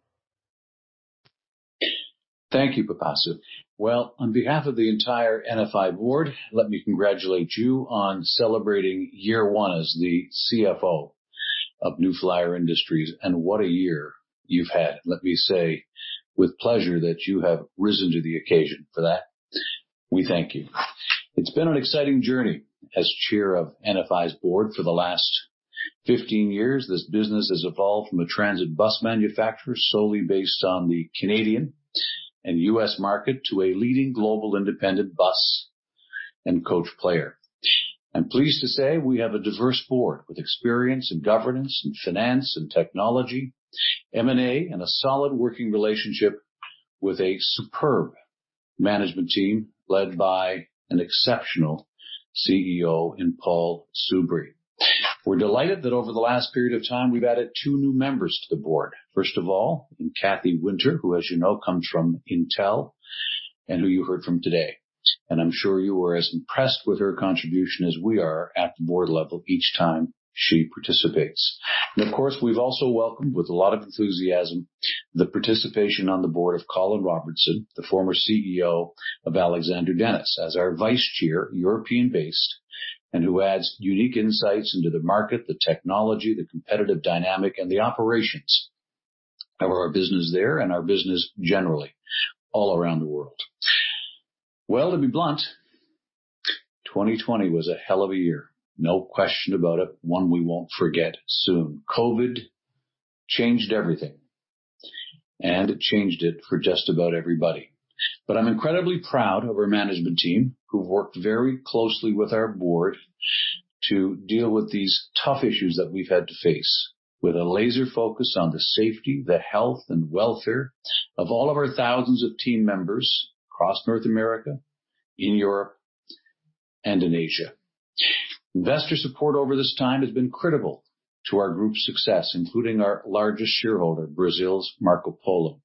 Thank you, Pipasu. Well, on behalf of the entire NFI board, let me congratulate you on celebrating year one as the CFO of NFI Group, and what a year you've had. Let me say with pleasure that you have risen to the occasion. For that, we thank you. It's been an exciting journey as chair of NFI's board for the last 15 years. This business has evolved from a transit bus manufacturer solely based on the Canadian and U.S. market to a leading global independent bus and coach player. I'm pleased to say we have a diverse board with experience in governance and finance and technology, M&A, and a solid working relationship with a superb management team led by an exceptional CEO in Paul Soubry. We're delighted that over the last period of time, we've added two new members to the board. First of all, in Cathy Winter, who, as you know, comes from Intel and who you heard from today, and I'm sure you were as impressed with her contribution as we are at the board level each time she participates. Of course, we've also welcomed with a lot of enthusiasm the participation on the board of Colin Robertson, the former CEO of Alexander Dennis, as our Vice Chair, European-based, and who adds unique insights into the market, the technology, the competitive dynamic, and the operations of our business there and our business generally all around the world. Well, to be blunt, 2020 was a hell of a year, no question about it, one we won't forget soon. COVID changed everything, and it changed it for just about everybody. I'm incredibly proud of our management team who've worked very closely with our board to deal with these tough issues that we've had to face with a laser focus on the safety, the health, and welfare of all of our thousands of team members across North America, in Europe, and in Asia. Investor support over this time has been critical to our group's success, including our largest shareholder, Brazil's Marcopolo.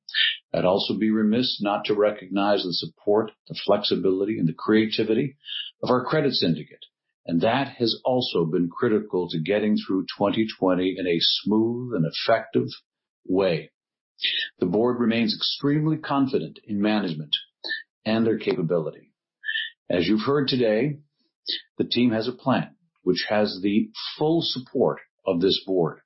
I'd also be remiss not to recognize and support the flexibility and the creativity of our credit syndicate, that has also been critical to getting through 2020 in a smooth and effective way. The board remains extremely confident in management and their capability. As you've heard today, the team has a plan which has the full support of this board.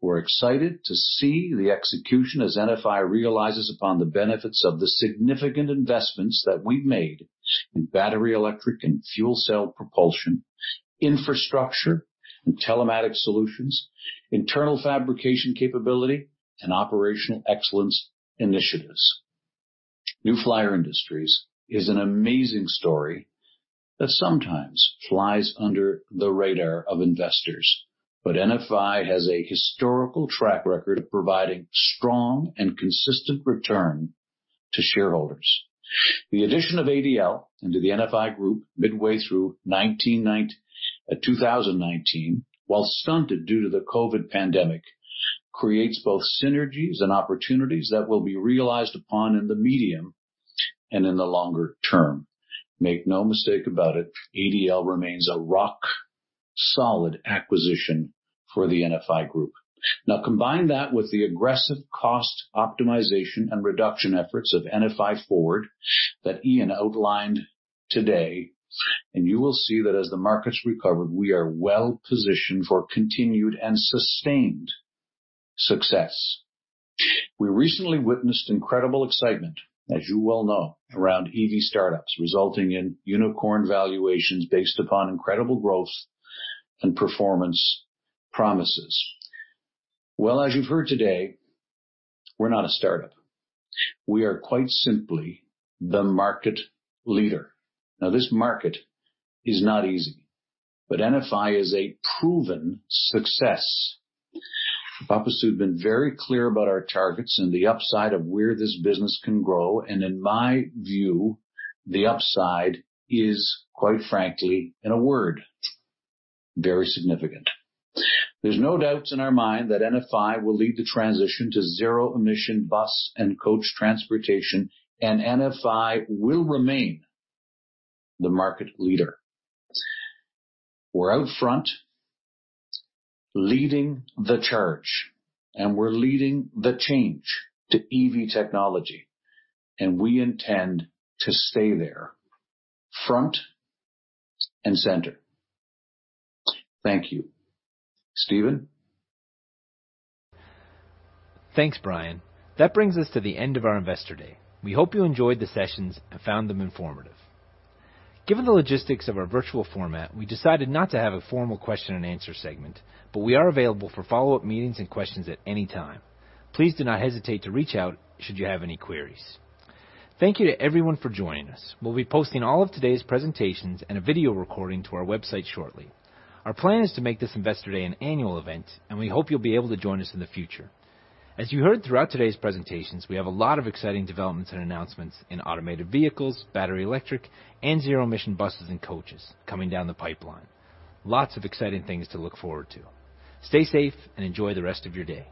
We're excited to see the execution as NFI realizes upon the benefits of the significant investments that we've made in battery, electric, and fuel cell propulsion, infrastructure and telematic solutions, internal fabrication capability, and operational excellence initiatives. New Flyer Industries is an amazing story that sometimes flies under the radar of investors. NFI has a historical track record of providing strong and consistent return to shareholders. The addition of ADL into the NFI Group midway through 2019, while stunted due to the COVID pandemic, creates both synergies and opportunities that will be realized upon in the medium and in the longer term, make no mistake about it, ADL remains a rock-solid acquisition for the NFI Group. Combine that with the aggressive cost optimization and reduction efforts of NFI Forward that Ian outlined today, and you will see that as the markets recover, we are well-positioned for continued and sustained success. We recently witnessed incredible excitement, as you well know, around EV startups resulting in unicorn valuations based upon incredible growth and performance promises. Well, as you've heard today, we're not a startup. We are quite simply the market leader. This market is not easy, but NFI is a proven success. Pipasu has been very clear about our targets and the upside of where this business can grow, and in my view, the upside is, quite frankly, in a word, very significant. There are no doubts in our mind that NFI will lead the transition to zero-emission bus and coach transportation, and NFI will remain the market leader. We're out front leading the charge, and we're leading the change to EV technology, and we intend to stay there, front and center. Thank you. Stephen? Thanks, Brian. That brings us to the end of our Investor Day. We hope you enjoyed the sessions and found them informative. Given the logistics of our virtual format, we decided not to have a formal question and answer segment, but we are available for follow-up meetings and questions at any time. Please do not hesitate to reach out should you have any queries. Thank you to everyone for joining us. We'll be posting all of today's presentations and a video recording to our website shortly. Our plan is to make this Investor Day an annual event, and we hope you'll be able to join us in the future. As you heard throughout today's presentations, we have a lot of exciting developments and announcements in automated vehicles, battery, electric, and zero-emission buses and coaches coming down the pipeline. Lots of exciting things to look forward to. Stay safe and enjoy the rest of your day.